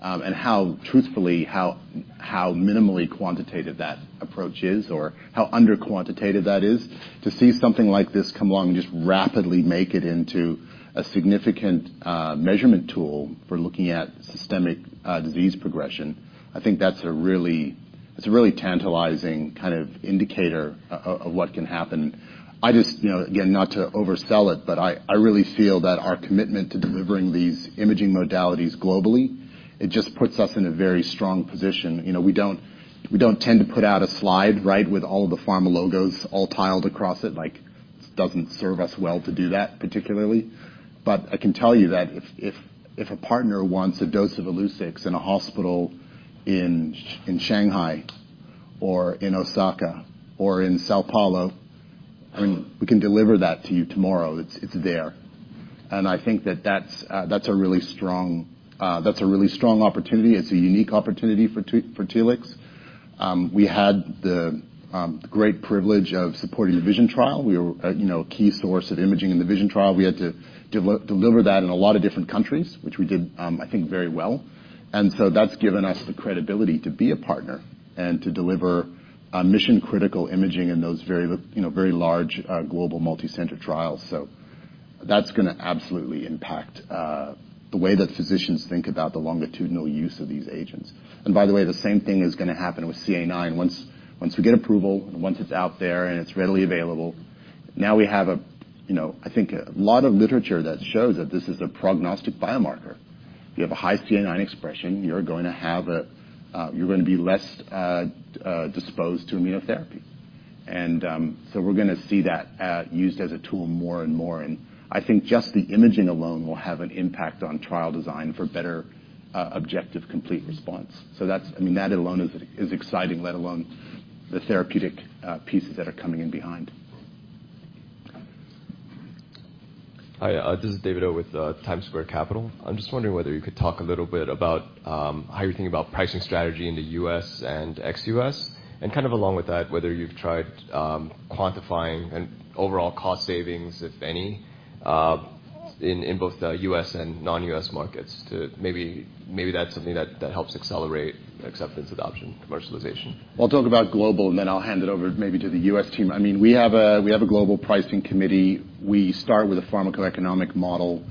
and how, truthfully, how minimally quantitative that approach is or how under quantitative that is, to see something like this come along and just rapidly make it into a significant measurement tool for looking at systemic disease progression, I think that's a really, it's a really tantalizing kind of indicator of what can happen. I just, you know, again, not to oversell it, but I really feel that our commitment to delivering these imaging modalities globally, it just puts us in a very strong position. You know, we don't tend to put out a slide, right, with all the pharma logos all tiled across it. Like, doesn't serve us well to do that, particularly. I can tell you that if a partner wants a dose of Illuccix in a hospital in Shanghai or in Osaka or in São Paulo, I mean, we can deliver that to you tomorrow. It's there. I think that that's a really strong, that's a really strong opportunity. It's a unique opportunity for Telix. We had the great privilege of supporting the VISION trial. We were, you know, a key source of imaging in the VISION trial. We had to deliver that in a lot of different countries, which we did, I think very well. That's given us the credibility to be a partner and to deliver mission-critical imaging in those very, you know, very large global multi-center trials. That's gonna absolutely impact the way that physicians think about the longitudinal use of these agents. By the way, the same thing is gonna happen with CA9. Once we get approval, and once it's out there and it's readily available, now we have a, you know, I think a lot of literature that shows that this is a prognostic biomarker. If you have a high CA9 expression, you're going to have a, you're going to be less disposed to immunotherapy. We're gonna see that used as a tool more and more, and I think just the imaging alone will have an impact on trial design for better objective, complete response. I mean, that alone is exciting, let alone the therapeutic pieces that are coming in behind. Hi, this is David Oh, with Times Square Capital. I'm just wondering whether you could talk a little bit about how you're thinking about pricing strategy in the US and ex-US, and kind of along with that, whether you've tried quantifying an overall cost savings, if any, in both the US and non-US markets to maybe that's something that helps accelerate acceptance, adoption, commercialization. Well, I'll talk about global, and then I'll hand it over maybe to the U.S. team. I mean, we have a global pricing committee. We start with a pharmacoeconomic model,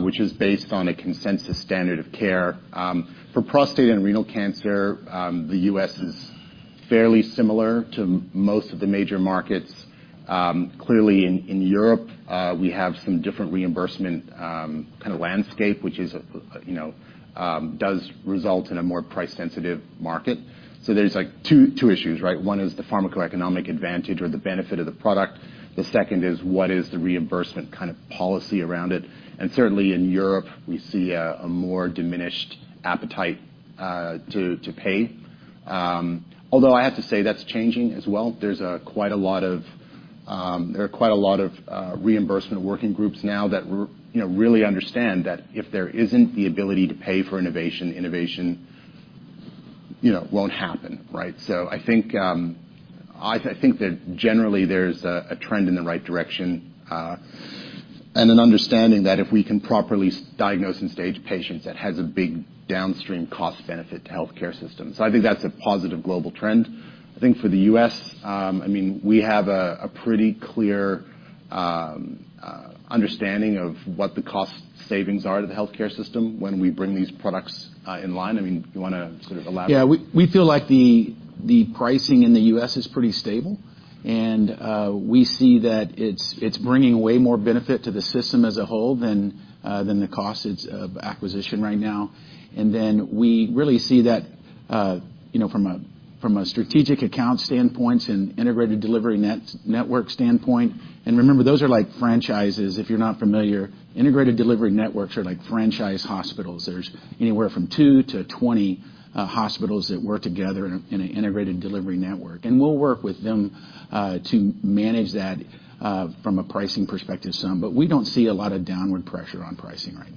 which is based on a consensus standard of care. For prostate and renal cancer, the U.S. is fairly similar to most of the major markets. Clearly, in Europe, we have some different reimbursement kind of landscape, which is, you know, does result in a more price-sensitive market. There's, like, 2 issues, right? One is the pharmacoeconomic advantage or the benefit of the product. The second is, what is the reimbursement kind of policy around it? Certainly, in Europe, we see a more diminished appetite to pay. Although I have to say, that's changing as well. There's quite a lot of, there are quite a lot of reimbursement working groups now that you know, really understand that if there isn't the ability to pay for innovation, you know, won't happen, right? I think that generally, there's a trend in the right direction, and an understanding that if we can properly diagnose and stage patients, that has a big downstream cost benefit to healthcare systems. I think that's a positive global trend. I think for the U.S., I mean, we have a pretty clear understanding of what the cost savings are to the healthcare system when we bring these products in line. I mean, you wanna sort of elaborate? Yeah, we feel like the pricing in the US is pretty stable, and we see that it's bringing way more benefit to the system as a whole than the cost of acquisition right now. We really see that, you know, from a, from a strategic account standpoint and integrated delivery network standpoint. Remember, those are like franchises. If you're not familiar, integrated delivery networks are like franchise hospitals. There's anywhere from 2 to 20 hospitals that work together in a integrated delivery network. We'll work with them to manage that from a pricing perspective, some, but we don't see a lot of downward pressure on pricing right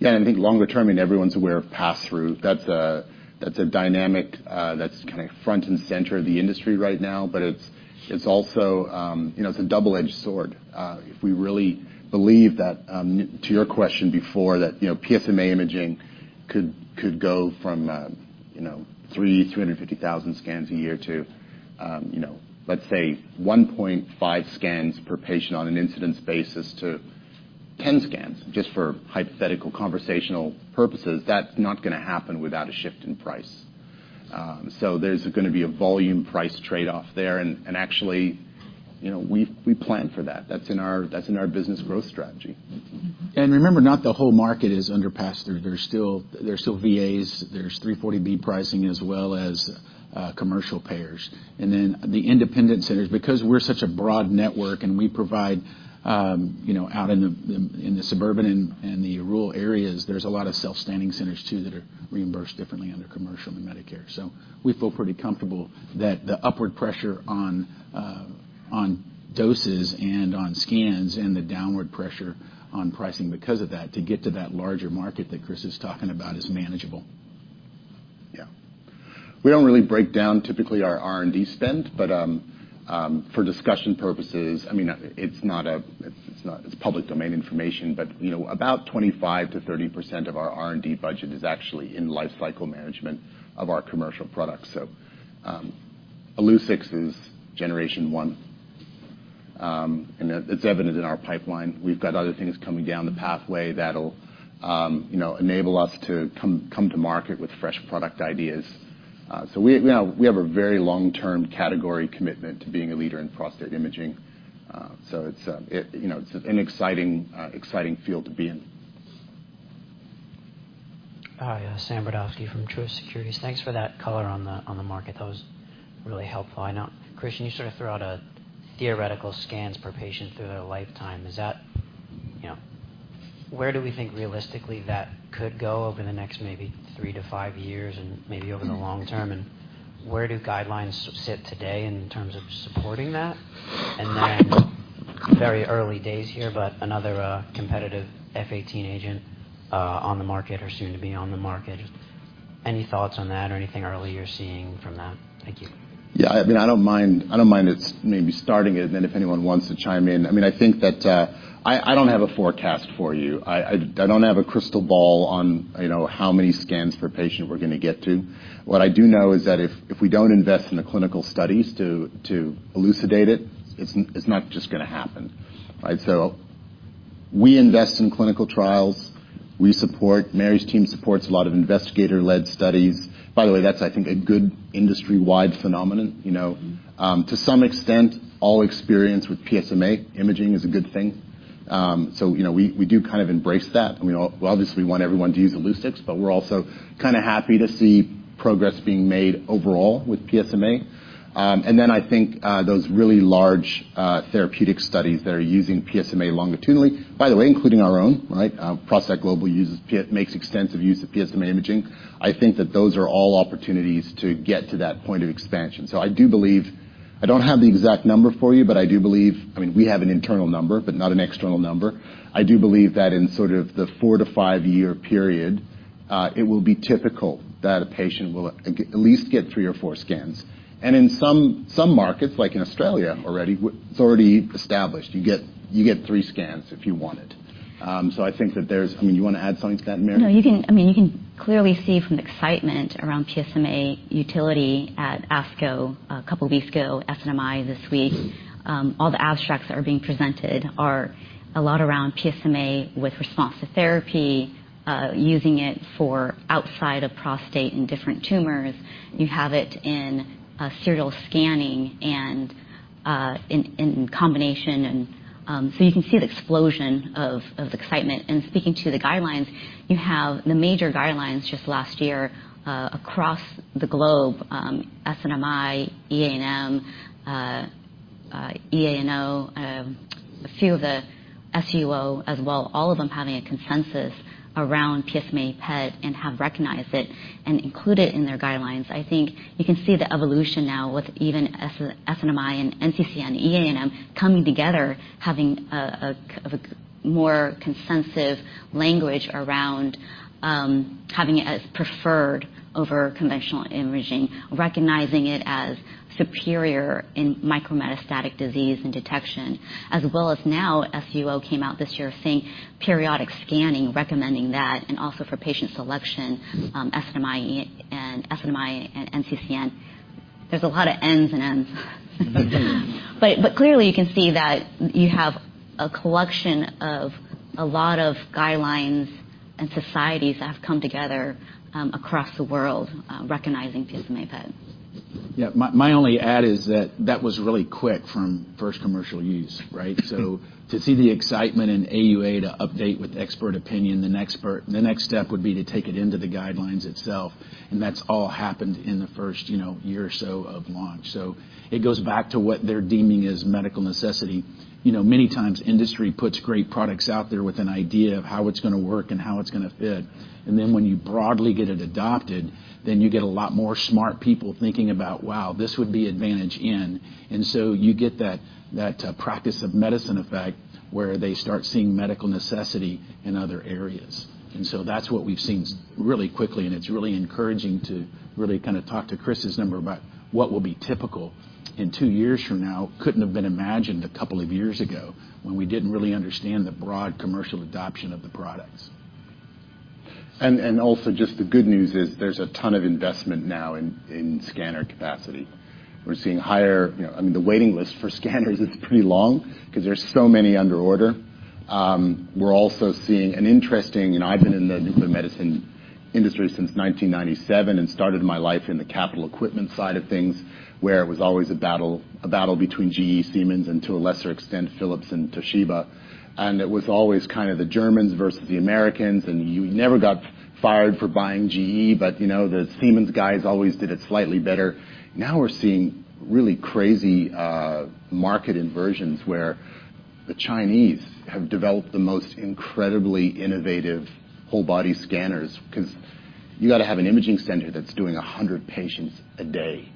now. I think longer term, I mean, everyone's aware of pass-through. That's a dynamic that's kind of front and center of the industry right now, but it's also, you know, it's a double-edged sword. If we really believe that, to your question before, that, you know, PSMA imaging could go from, you know, 3 to 150,000 scans a year to, you know, let's say 1.5 scans per patient on an incidence basis to 10 scans, just for hypothetical conversational purposes, that's not gonna happen without a shift in price. So there's gonna be a volume price trade-off there, and actually, you know, we plan for that. That's in our business growth strategy. Remember, not the whole market is under pass-through. There's still VAs, there's 340B pricing, as well as commercial payers. The independent centers, because we're such a broad network and we provide, you know, out in the, in the suburban and the rural areas, there's a lot of self-standing centers, too, that are reimbursed differently under commercial and Medicare. We feel pretty comfortable that the upward pressure on doses and on scans, and the downward pressure on pricing because of that, to get to that larger market that Chris is talking about, is manageable. Yeah. We don't really break down typically our R&D spend, but, for discussion purposes, I mean, it's public domain information, but, you know, about 25%-30% of our R&D budget is actually in lifecycle management of our commercial products. Illuccix is generation one, and it's evident in our pipeline. We've got other things coming down the pathway that'll, you know, enable us to come to market with fresh product ideas. we, you know, we have a very long-term category commitment to being a leader in prostate imaging. it's, you know, it's an exciting field to be in. Hi, Sam Brodovsky from Truist Securities. Thanks for that color on the, on the market. That was really helpful. I know, Christian, you sort of threw out a theoretical scans per patient through their lifetime. Is that, you know, where do we think realistically that could go over the next maybe 3-5 years and maybe over the long term? Where do guidelines sit today in terms of supporting that? Very early days here, but another competitive F-18 agent on the market or soon to be on the market. Any thoughts on that or anything early you're seeing from that? Thank you. I mean, I don't mind it's maybe starting it, and then if anyone wants to chime in. I mean, I think that, I don't have a forecast for you. I don't have a crystal ball on, you know, how many scans per patient we're gonna get to. What I do know is that if we don't invest in the clinical studies to elucidate it's not just gonna happen, right? We invest in clinical trials, Mary's team supports a lot of investigator-led studies. By the way, that's, I think, a good industry-wide phenomenon, you know. To some extent, all experience with PSMA imaging is a good thing. You know, we do kind of embrace that. I mean, obviously, we want everyone to use Illuccix, but we're also kind of happy to see progress being made overall with PSMA. Then I think, those really large, therapeutic studies that are using PSMA longitudinally, by the way, including our own, right? ProstACT GLOBAL uses makes extensive use of PSMA imaging. I think that those are all opportunities to get to that point of expansion. I do believe. I don't have the exact number for you, but I do believe, I mean, we have an internal number, but not an external number. I do believe that in sort of the 4 to 5-year period, it will be typical that a patient will at least get 3 or 4 scans. In some markets, like in Australia already, it's already established. You get, you get three scans if you want it. I think that there's... I mean, you wanna add something to that, Mary? No, I mean, you can clearly see from the excitement around PSMA utility at ASCO, a couple weeks ago, SNMMI this week. All the abstracts that are being presented are a lot around PSMA with response to therapy, using it for outside of prostate and different tumors. You have it in serial scanning and in combination. You can see the explosion of excitement. Speaking to the guidelines, you have the major guidelines just last year, across the globe, SNMMI, EANM, EANO, a few of the SUO as well, all of them having a consensus around PSMA PET and have recognized it and include it in their guidelines. I think you can see the evolution now with even SNMMI and NCCN, EANM coming together, having a more consensus language around having it as preferred over conventional imaging, recognizing it as superior in micrometastatic disease and detection, as well as now, SUO came out this year saying periodic scanning, recommending that, and also for patient selection, SNMMI and NCCN. There's a lot of Ns and Ms. Clearly, you can see that you have a collection of a lot of guidelines and societies that have come together across the world recognizing PSMA PET. My only add is that that was really quick from first commercial use, right? To see the excitement in AUA to update with expert opinion, the next step would be to take it into the guidelines itself, and that's all happened in the first, you know, year or so of launch. It goes back to what they're deeming as medical necessity. You know, many times, industry puts great products out there with an idea of how it's gonna work and how it's gonna fit, and then when you broadly get it adopted, then you get a lot more smart people thinking about, "Wow, this would be advantage in." You get that practice of medicine effect, where they start seeing medical necessity in other areas. That's what we've seen really quickly, and it's really encouraging to really kind of talk to Chris's number about what will be typical in 2 years from now, couldn't have been imagined a couple of years ago, when we didn't really understand the broad commercial adoption of the products. Also, just the good news is there's a ton of investment now in scanner capacity. We're seeing higher. You know, I mean, the waiting list for scanners is pretty long because there's so many under order. We're also seeing an interesting. I've been in the nuclear medicine industry since 1997 and started my life in the capital equipment side of things, where it was always a battle between GE, Siemens, and to a lesser extent, Philips and Toshiba. It was always kind of the Germans versus the Americans, and you never got fired for buying GE, but, you know, the Siemens guys always did it slightly better. We're seeing really crazy market inversions where the Chinese have developed the most incredibly innovative whole-body scanners, 'cause you got to have an imaging center that's doing 100 patients a day.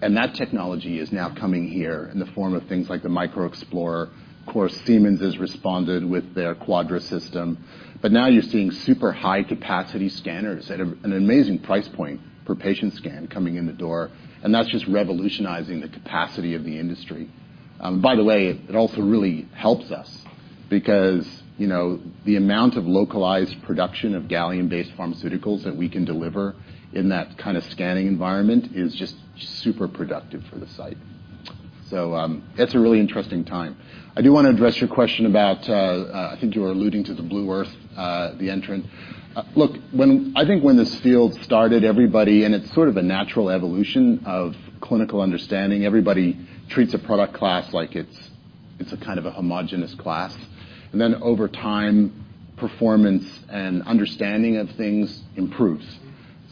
That technology is now coming here in the form of things like the MicroExplorer. Of course, Siemens has responded with their Quadra system. Now you're seeing super high-capacity scanners at an amazing price point per patient scan coming in the door, and that's just revolutionizing the capacity of the industry. By the way, it also really helps us because, you know, the amount of localized production of gallium-based pharmaceuticals that we can deliver in that kind of scanning environment is just super productive for the site. It's a really interesting time. I do want to address your question about, I think you were alluding to the Blue Earth, the entrant. Look, I think when this field started, everybody, and it's sort of a natural evolution of clinical understanding, everybody treats a product class like it's a kind of a homogenous class. Then over time, performance and understanding of things improves.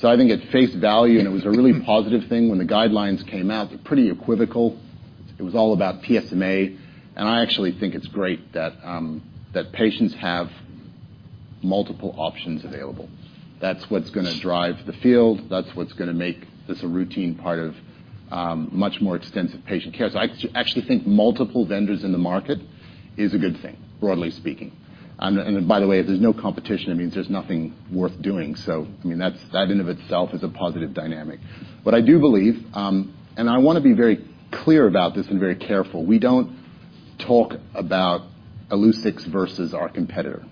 I think at face value, and it was a really positive thing when the guidelines came out, they're pretty equivocal. It was all about PSMA, and I actually think it's great that patients have multiple options available. That's what's gonna drive the field, that's what's gonna make this a routine part of much more extensive patient care. I actually think multiple vendors in the market is a good thing, broadly speaking. By the way, if there's no competition, it means there's nothing worth doing. I mean, that's, that in of itself is a positive dynamic. I do believe, and I wanna be very clear about this and very careful, we don't talk about Illuccix versus our competitor,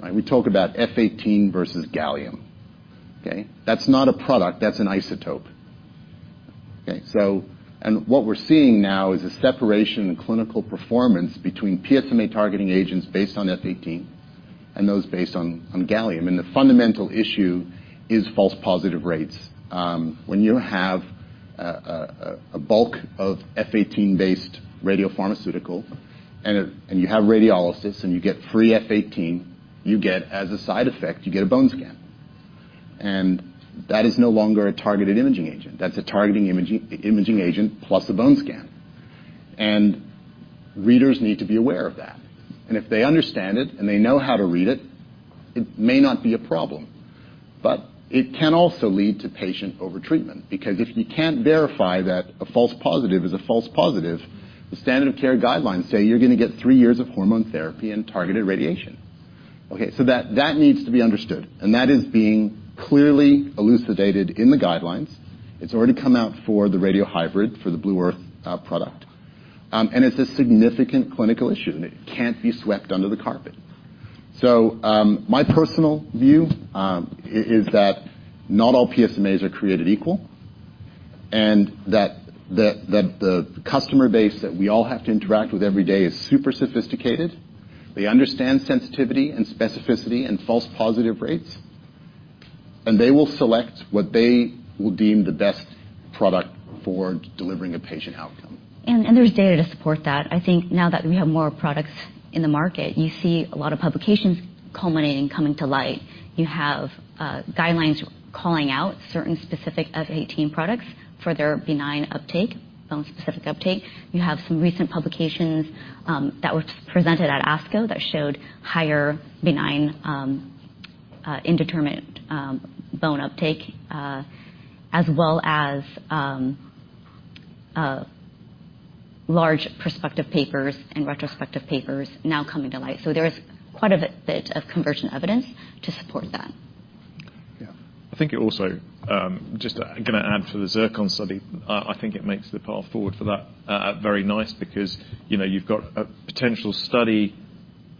right? We talk about F-18 versus gallium, okay? That's not a product, that's an isotope, okay? What we're seeing now is a separation in clinical performance between PSMA-targeting agents based on F-18 and those based on gallium. The fundamental issue is false positive rates. When you have a bulk of F-18-based radiopharmaceutical and you have radiolysis, and you get free F-18, you get, as a side effect, you get a bone scan. That is no longer a targeted imaging agent. That's a targeting imaging agent plus a bone scan. Readers need to be aware of that. If they understand it, and they know how to read it may not be a problem. It can also lead to patient overtreatment, because if you can't verify that a false positive is a false positive, the standard of care guidelines say you're gonna get three years of hormone therapy and targeted radiation, okay? That needs to be understood, and that is being clearly elucidated in the guidelines. It's already come out for the radiohybrid, for the Blue Earth product. And it's a significant clinical issue, and it can't be swept under the carpet. My personal view is that not all PSMAs are created equal, and that the customer base that we all have to interact with every day is super sophisticated. They understand sensitivity and specificity and false positive rates, and they will select what they will deem the best product for delivering a patient outcome. There's data to support that. I think now that we have more products in the market, you see a lot of publications culminating, coming to light. You have guidelines calling out certain specific F-18 products for their benign uptake, bone-specific uptake. You have some recent publications that were presented at ASCO that showed higher benign, indeterminate, bone uptake, as well as large prospective papers and retrospective papers now coming to light. There is quite a bit of conversion evidence to support that. Yeah. I think it also, Just gonna add to the ZIRCON study, I think it makes the path forward for that, very nice because, you know, you've got a potential study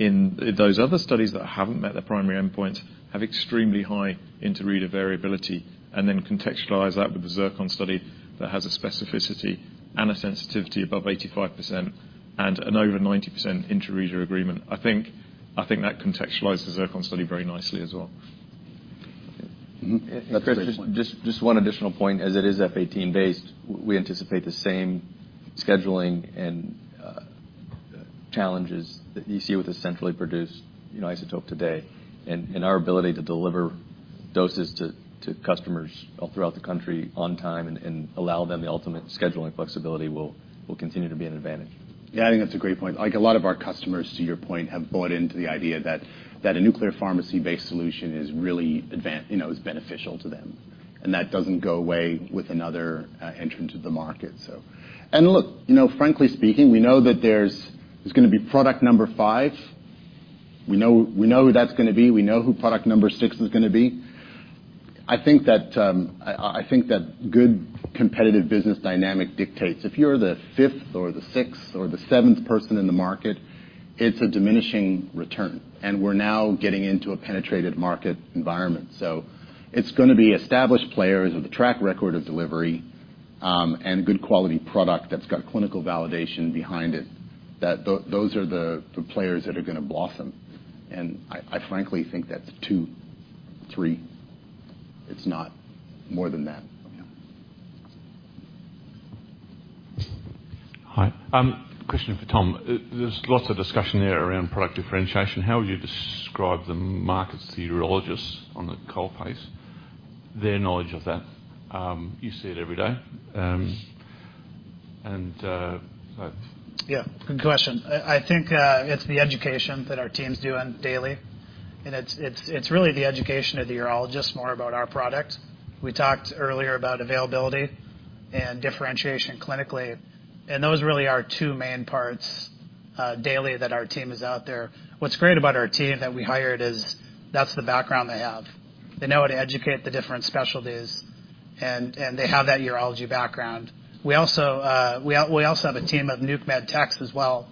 those other studies that haven't met their primary endpoint, have extremely high inter-reader variability, and then contextualize that with the ZIRCON study that has a specificity and a sensitivity above 85% and an over 90% inter-reader agreement. I think that contextualizes ZIRCON study very nicely as well. Chris, just one additional point, as it is F-18 based, we anticipate the same scheduling and challenges that you see with this centrally produced, you know, isotope today. Our ability to deliver doses to customers all throughout the country on time and allow them the ultimate scheduling flexibility will continue to be an advantage. Yeah, I think that's a great point. Like, a lot of our customers, to your point, have bought into the idea that a nuclear pharmacy-based solution is really, you know, is beneficial to them, and that doesn't go away with another entrant to the market, so. Look, you know, frankly speaking, we know that there's gonna be product number 5. We know who that's gonna be. We know who product number 6 is gonna be. I think that good competitive business dynamic dictates, if you're the fifth or the sixth or the seventh person in the market, it's a diminishing return, and we're now getting into a penetrated market environment. It's gonna be established players with a track record of delivery, and good quality product that's got clinical validation behind it, that those are the players that are gonna blossom. I frankly think that's 2, 3. It's not more than that. Yeah. Hi. Question for Tom. There's lots of discussion here around product differentiation. How would you describe the market's urologists on the call pace, their knowledge of that? You see it every day, and. Good question. I think it's the education that our team's doing daily. It's really the education of the urologist more about our product. We talked earlier about availability and differentiation clinically. Those really are two main parts daily that our team is out there. What's great about our team that we hired is that's the background they have. They know how to educate the different specialties. They have that urology background. We also have a team of nuc med techs as well.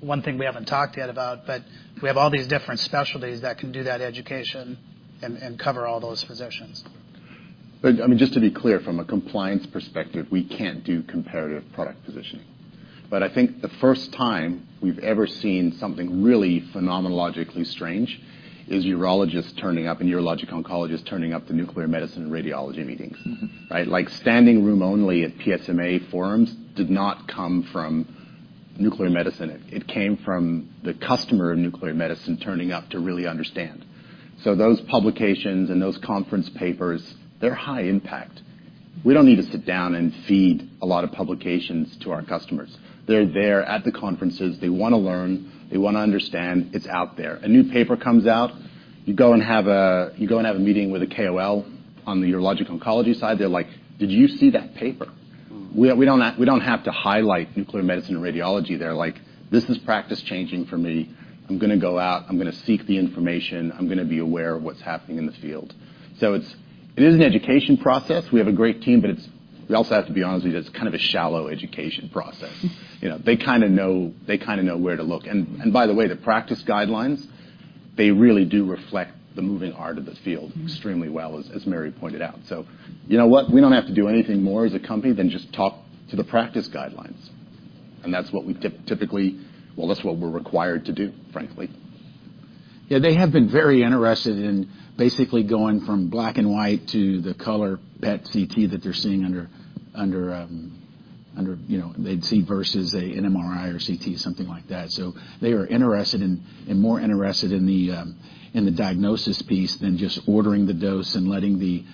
One thing we haven't talked yet about, but we have all these different specialties that can do that education and cover all those physicians. I mean, just to be clear, from a compliance perspective, we can't do comparative product positioning. I think the first time we've ever seen something really phenomenologically strange is urologists turning up and urologic oncologists turning up to nuclear medicine and radiology meetings. Mm-hmm. Right? Like, standing room only at PSMA forums did not come from nuclear medicine. It came from the customer of nuclear medicine turning up to really understand. Those publications and those conference papers, they're high impact. We don't need to sit down and feed a lot of publications to our customers. They're there at the conferences. They want to learn, they want to understand, it's out there. A new paper comes out, you go and have a meeting with a KOL on the urologic oncology side. They're like: Did you see that paper? We don't have to highlight nuclear medicine and radiology. They're like: This is practice-changing for me. I'm going to go out, I'm going to seek the information. I'm going to be aware of what's happening in the field. It is an education process. We have a great team, but we also have to be honest with you, it's kind of a shallow education process. You know, they kind of know where to look. By the way, the practice guidelines, they really do reflect the moving art of this field extremely well, as Mary pointed out. You know what? We don't have to do anything more as a company than just talk to the practice guidelines. That's what we typically... Well, that's what we're required to do, frankly. Yeah, they have been very interested in basically going from black and white to the color PET/CT that they're seeing under, you know, they'd see versus a MRI or CT, something like that. They are interested in, and more interested in the diagnosis piece than just ordering the dose and letting the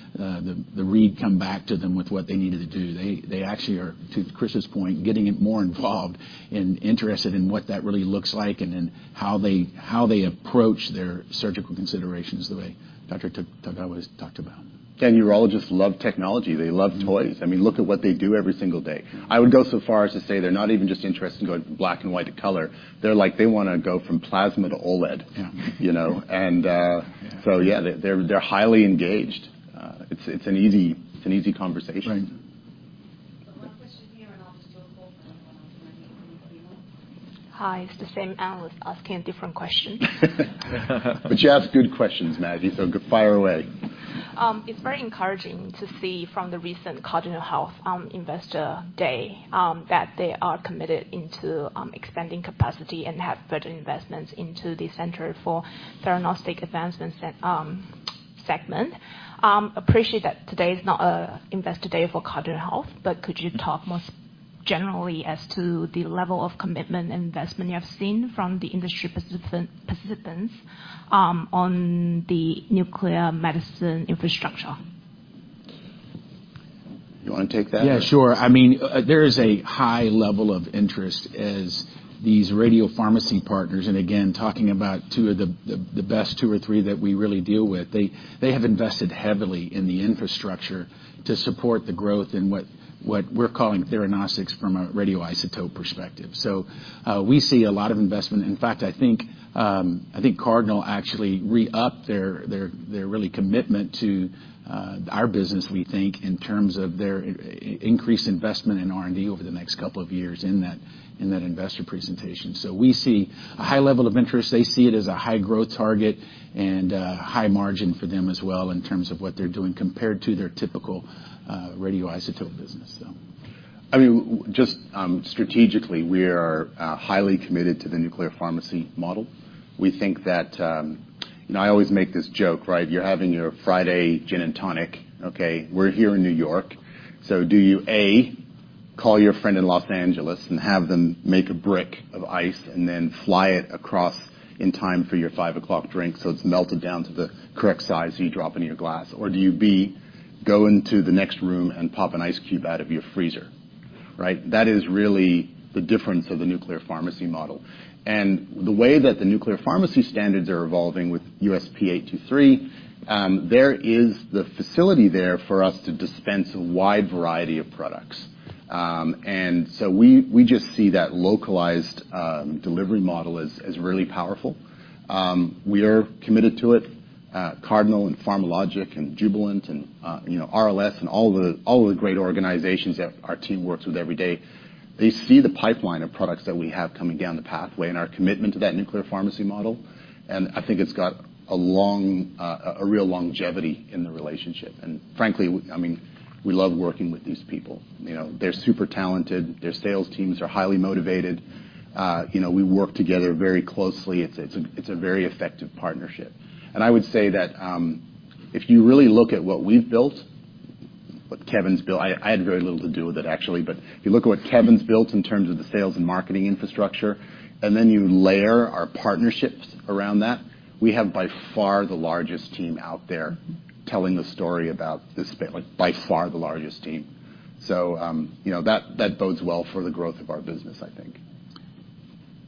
read come back to them with what they needed to do. They actually are, to Chris's point, getting more involved and interested in what that really looks like and then how they approach their surgical considerations the way Dr. Tagawa has talked about. Urologists love technology. They love toys. I mean, look at what they do every single day. I would go so far as to say they're not even just interested in going from black and white to color. They're like, they want to go from plasma to OLED. Yeah. You know? Yeah, they're highly engaged. It's, it's an easy, it's an easy conversation. Right. One question here, and I'll just go forward. Hi, it's the same analyst asking a different question. You ask good questions, Maggie. Fire away. It's very encouraging to see from the recent Cardinal Health Investor Day that they are committed into expanding capacity and have further investments into the Center for Theranostic Advancement segment. Appreciate that today is not a investor day for Cardinal Health, could you talk more generally as to the level of commitment and investment you have seen from the industry participants on the nuclear medicine infrastructure? You want to take that? Yeah, sure. I mean, there is a high level of interest as these radiopharmacy partners, and again, talking about two of the best two or three that we really deal with, they have invested heavily in the infrastructure to support the growth in what we're calling theranostics from a radioisotope perspective. We see a lot of investment. In fact, I think, I think Cardinal actually re-up their really commitment to our business, we think, in terms of their increased investment in R&D over the next couple of years in that investor presentation. We see a high level of interest. They see it as a high-growth target and high margin for them as well in terms of what they're doing compared to their typical radioisotope business, so. I mean, just strategically, we are highly committed to the nuclear pharmacy model. We think that. I always make this joke, right? You're having your Friday gin and tonic, okay? We're here in New York, so do you, A, call your friend in Los Angeles and have them make a brick of ice and then fly it across in time for your 5 o'clock drink, so it's melted down to the correct size you drop in your glass, or do you, B, go into the next room and pop an ice cube out of your freezer, right? That is really the difference of the nuclear pharmacy model. The way that the nuclear pharmacy standards are evolving with USP 823, there is the facility there for us to dispense a wide variety of products. We just see that localized delivery model as really powerful. We are committed to it, Cardinal Health and PharmaLogic and Jubilant Radiopharma and, you know, RLS Radiopharmacies and all of the great organizations that our team works with every day, they see the pipeline of products that we have coming down the pathway and our commitment to that nuclear pharmacy model, and I think it's got a long, a real longevity in the relationship. Frankly, I mean, we love working with these people. You know, they're super talented, their sales teams are highly motivated. You know, we work together very closely. It's a very effective partnership. I would say that, if you really look at what we've built, what Kevin's built, I had very little to do with it, actually, but you look at what Kevin's built in terms of the sales and marketing infrastructure, and then you layer our partnerships around that, we have by far the largest team out there telling the story about this, by far the largest team. You know, that bodes well for the growth of our business, I think.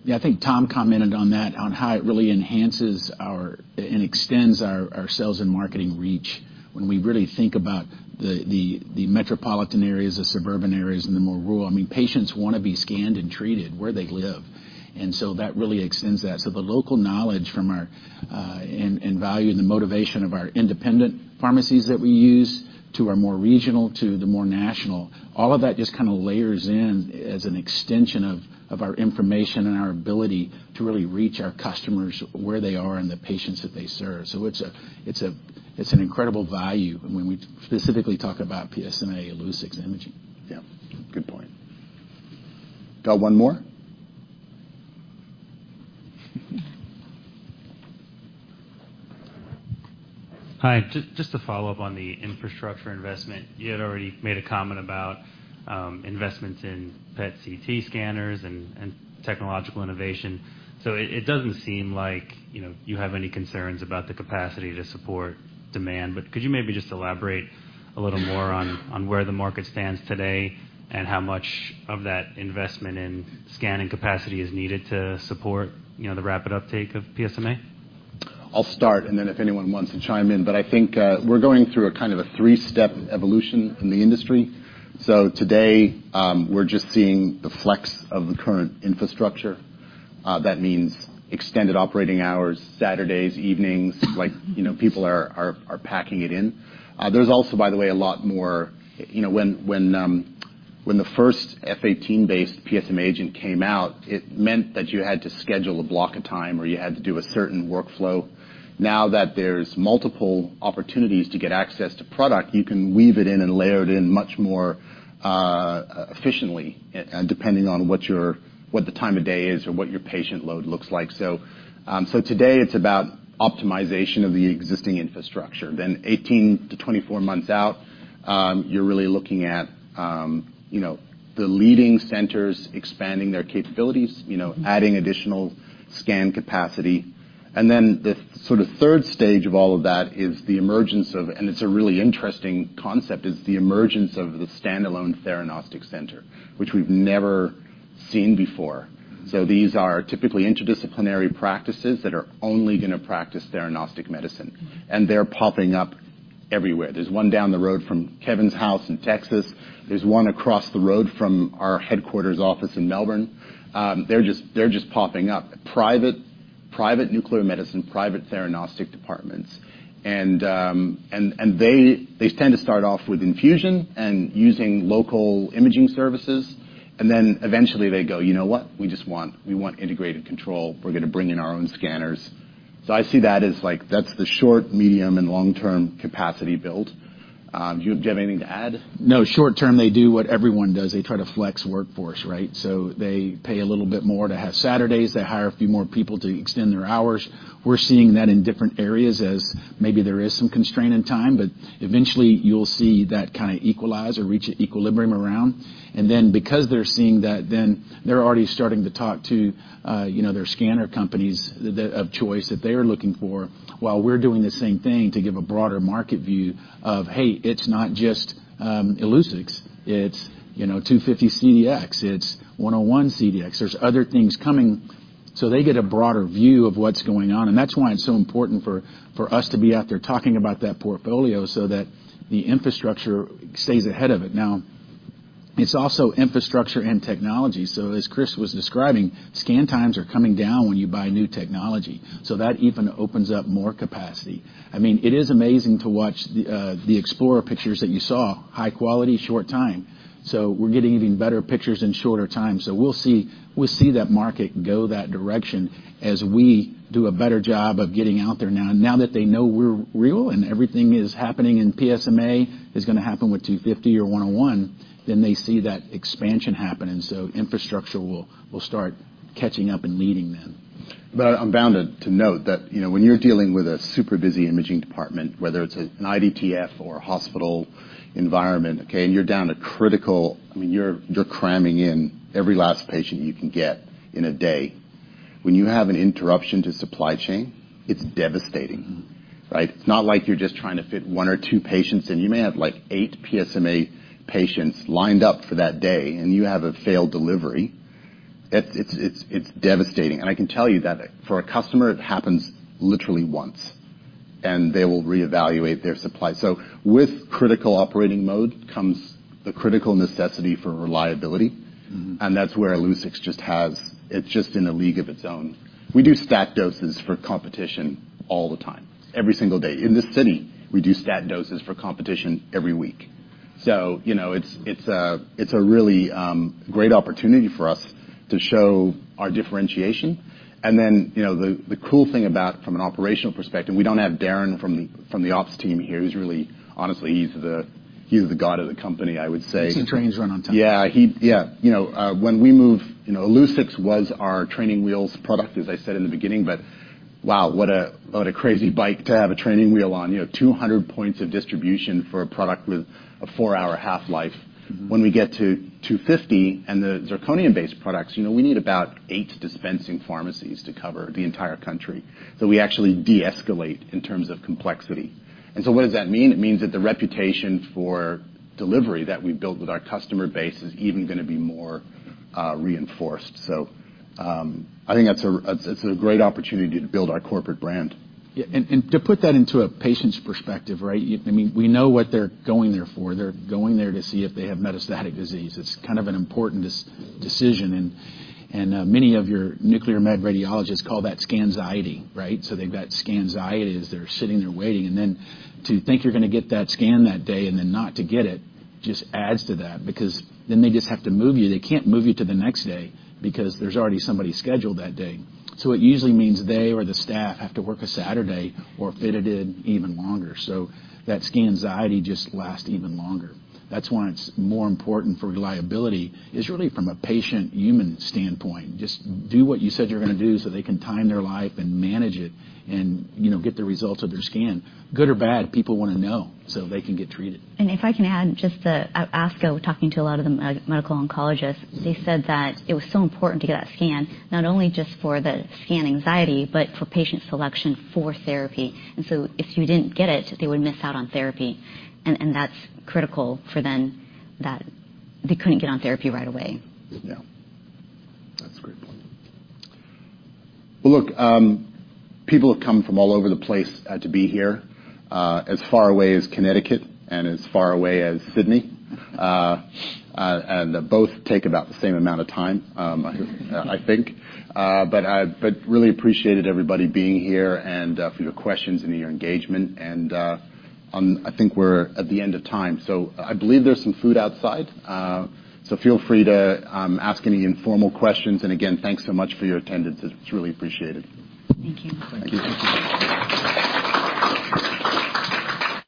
Yeah, I think Tom commented on that, on how it really enhances our and extends our sales and marketing reach when we really think about the metropolitan areas, the suburban areas, and the more rural. I mean, patients want to be scanned and treated where they live, that really extends that. The local knowledge from our and value and the motivation of our independent pharmacies that we use to our more regional, to the more national, all of that just kind of layers in as an extension of our information and our ability to really reach our customers where they are and the patients that they serve. It's an incredible value when we specifically talk about PSMA and Illuccix imaging. Yeah, good point. Got one more? Hi. Just to follow up on the infrastructure investment, you had already made a comment about investments in PET/CT scanners and technological innovation. It doesn't seem like, you know, you have any concerns about the capacity to support demand, but could you maybe just elaborate a little more on where the market stands today and how much of that investment in scanning capacity is needed to support, you know, the rapid uptake of PSMA? I'll start, and then if anyone wants to chime in, but I think, we're going through a kind of a three-step evolution in the industry. Today, we're just seeing the flex of the current infrastructure. That means extended operating hours, Saturdays, evenings, like, you know, people are packing it in. There's also, by the way, a lot more. You know, when the first F-18-based PSMA agent came out, it meant that you had to schedule a block of time, or you had to do a certain workflow. Now that there's multiple opportunities to get access to product, you can weave it in and layer it in much more efficiently, and depending on what the time of day is or what your patient load looks like. Today it's about optimization of the existing infrastructure. Eighteen to 24 months out, you're really looking at, you know, the leading centers expanding their capabilities, you know, adding additional scan capacity. The sort of third stage of all of that is the emergence of, and it's a really interesting concept, is the emergence of the standalone theranostic center, which we've never seen before. These are typically interdisciplinary practices that are only gonna practice theranostic medicine, and they're popping up everywhere. There's one down the road from Kevin's house in Texas. There's one across the road from our headquarters office in Melbourne. They're just, they're just popping up. Private, private nuclear medicine, private theranostic departments. They tend to start off with infusion and using local imaging services, and then eventually they go, "You know what? We want integrated control. We're gonna bring in our own scanners. I see that as, like, that's the short, medium, and long-term capacity build. Do you have anything to add? No. Short term, they do what everyone does. They try to flex workforce, right? They pay a little bit more to have Saturdays, they hire a few more people to extend their hours. We're seeing that in different areas as maybe there is some constraint in time, but eventually you'll see that kind of equalize or reach an equilibrium around. Because they're seeing that, they're already starting to talk to, you know, their scanner companies of choice that they are looking for, while we're doing the same thing to give a broader market view of, hey, it's not just Illuccix, it's, you know, TLX250-CDx, it's TLX101-CDx. There's other things coming. They get a broader view of what's going on, and that's why it's so important for us to be out there talking about that portfolio so that the infrastructure stays ahead of it. It's also infrastructure and technology. As Chris was describing, scan times are coming down when you buy new technology, so that even opens up more capacity. I mean, it is amazing to watch the Explorer pictures that you saw, high quality, short time. We're getting even better pictures in shorter time. We'll see that market go that direction as we do a better job of getting out there now. Now that they know we're real and everything is happening in PSMA, is gonna happen with 250 or 101, then they see that expansion happening, so infrastructure will start catching up and leading then. I'm bounded to note that, you know, when you're dealing with a super busy imaging department, whether it's an IDTF or a hospital environment, okay, I mean, you're cramming in every last patient you can get in a day. When you have an interruption to supply chain, it's devastating. Mm-hmm. Right? It's not like you're just trying to fit 1 or 2 patients in. You may have, like, 8 PSMA patients lined up for that day, and you have a failed delivery. It's devastating. I can tell you that for a customer, it happens literally once, and they will reevaluate their supply. With critical operating mode comes the critical necessity for reliability. Mm-hmm. That's where Illuccix just has. It's just in a league of its own. We do stat doses for competition all the time, every single day. In this city, we do stat doses for competition every week. You know, it's a, it's a really, great opportunity for us to show our differentiation. Then, you know, the cool thing about, from an operational perspective, we don't have Darren from the ops team here. honestly, he's the god of the company, I would say. He makes the trains run on time. Yeah. Yeah. You know, when we moved, you know, Illuccix was our training wheels product, as I said in the beginning, but wow, what a crazy bike to have a training wheel on. You know, 200 points of distribution for a product with a 4-hour half-life. Mm-hmm. When we get to 250 and the zirconium-based products, you know, we need about 8 dispensing pharmacies to cover the entire country. We actually deescalate in terms of complexity. What does that mean? It means that the reputation for delivery that we've built with our customer base is even gonna be more, reinforced. I think that's a, that's a great opportunity to build our corporate brand. Yeah, to put that into a patient's perspective, right? I mean, we know what they're going there for. They're going there to see if they have metastatic disease. It's kind of an important decision, and many of your nuclear med radiologists call that scanxiety, right? They've got scanxiety as they're sitting there waiting. Then to think you're gonna get that scan that day, and then not to get it, just adds to that, because then they just have to move you. They can't move you to the next day because there's already somebody scheduled that day. It usually means they or the staff have to work a Saturday or fit it in even longer. That scanxiety just lasts even longer. That's why it's more important for reliability, is really from a patient-human standpoint. Just do what you said you're gonna do, so they can time their life and manage it and, you know, get the results of their scan. Good or bad, people wanna know, so they can get treated. If I can add just to, at ASCO, talking to a lot of the medical oncologists, they said that it was so important to get that scan, not only just for the scan anxiety, but for patient selection for therapy. If you didn't get it, they would miss out on therapy, and that's critical for them, that they couldn't get on therapy right away. Yeah. That's a great point. Well, look, people have come from all over the place to be here as far away as Connecticut and as far away as Sydney. Both take about the same amount of time, I think. Really appreciated everybody being here and for your questions and your engagement. I think we're at the end of time. I believe there's some food outside. Feel free to ask any informal questions. Again, thanks so much for your attendance. It's really appreciated. Thank you. Thank you.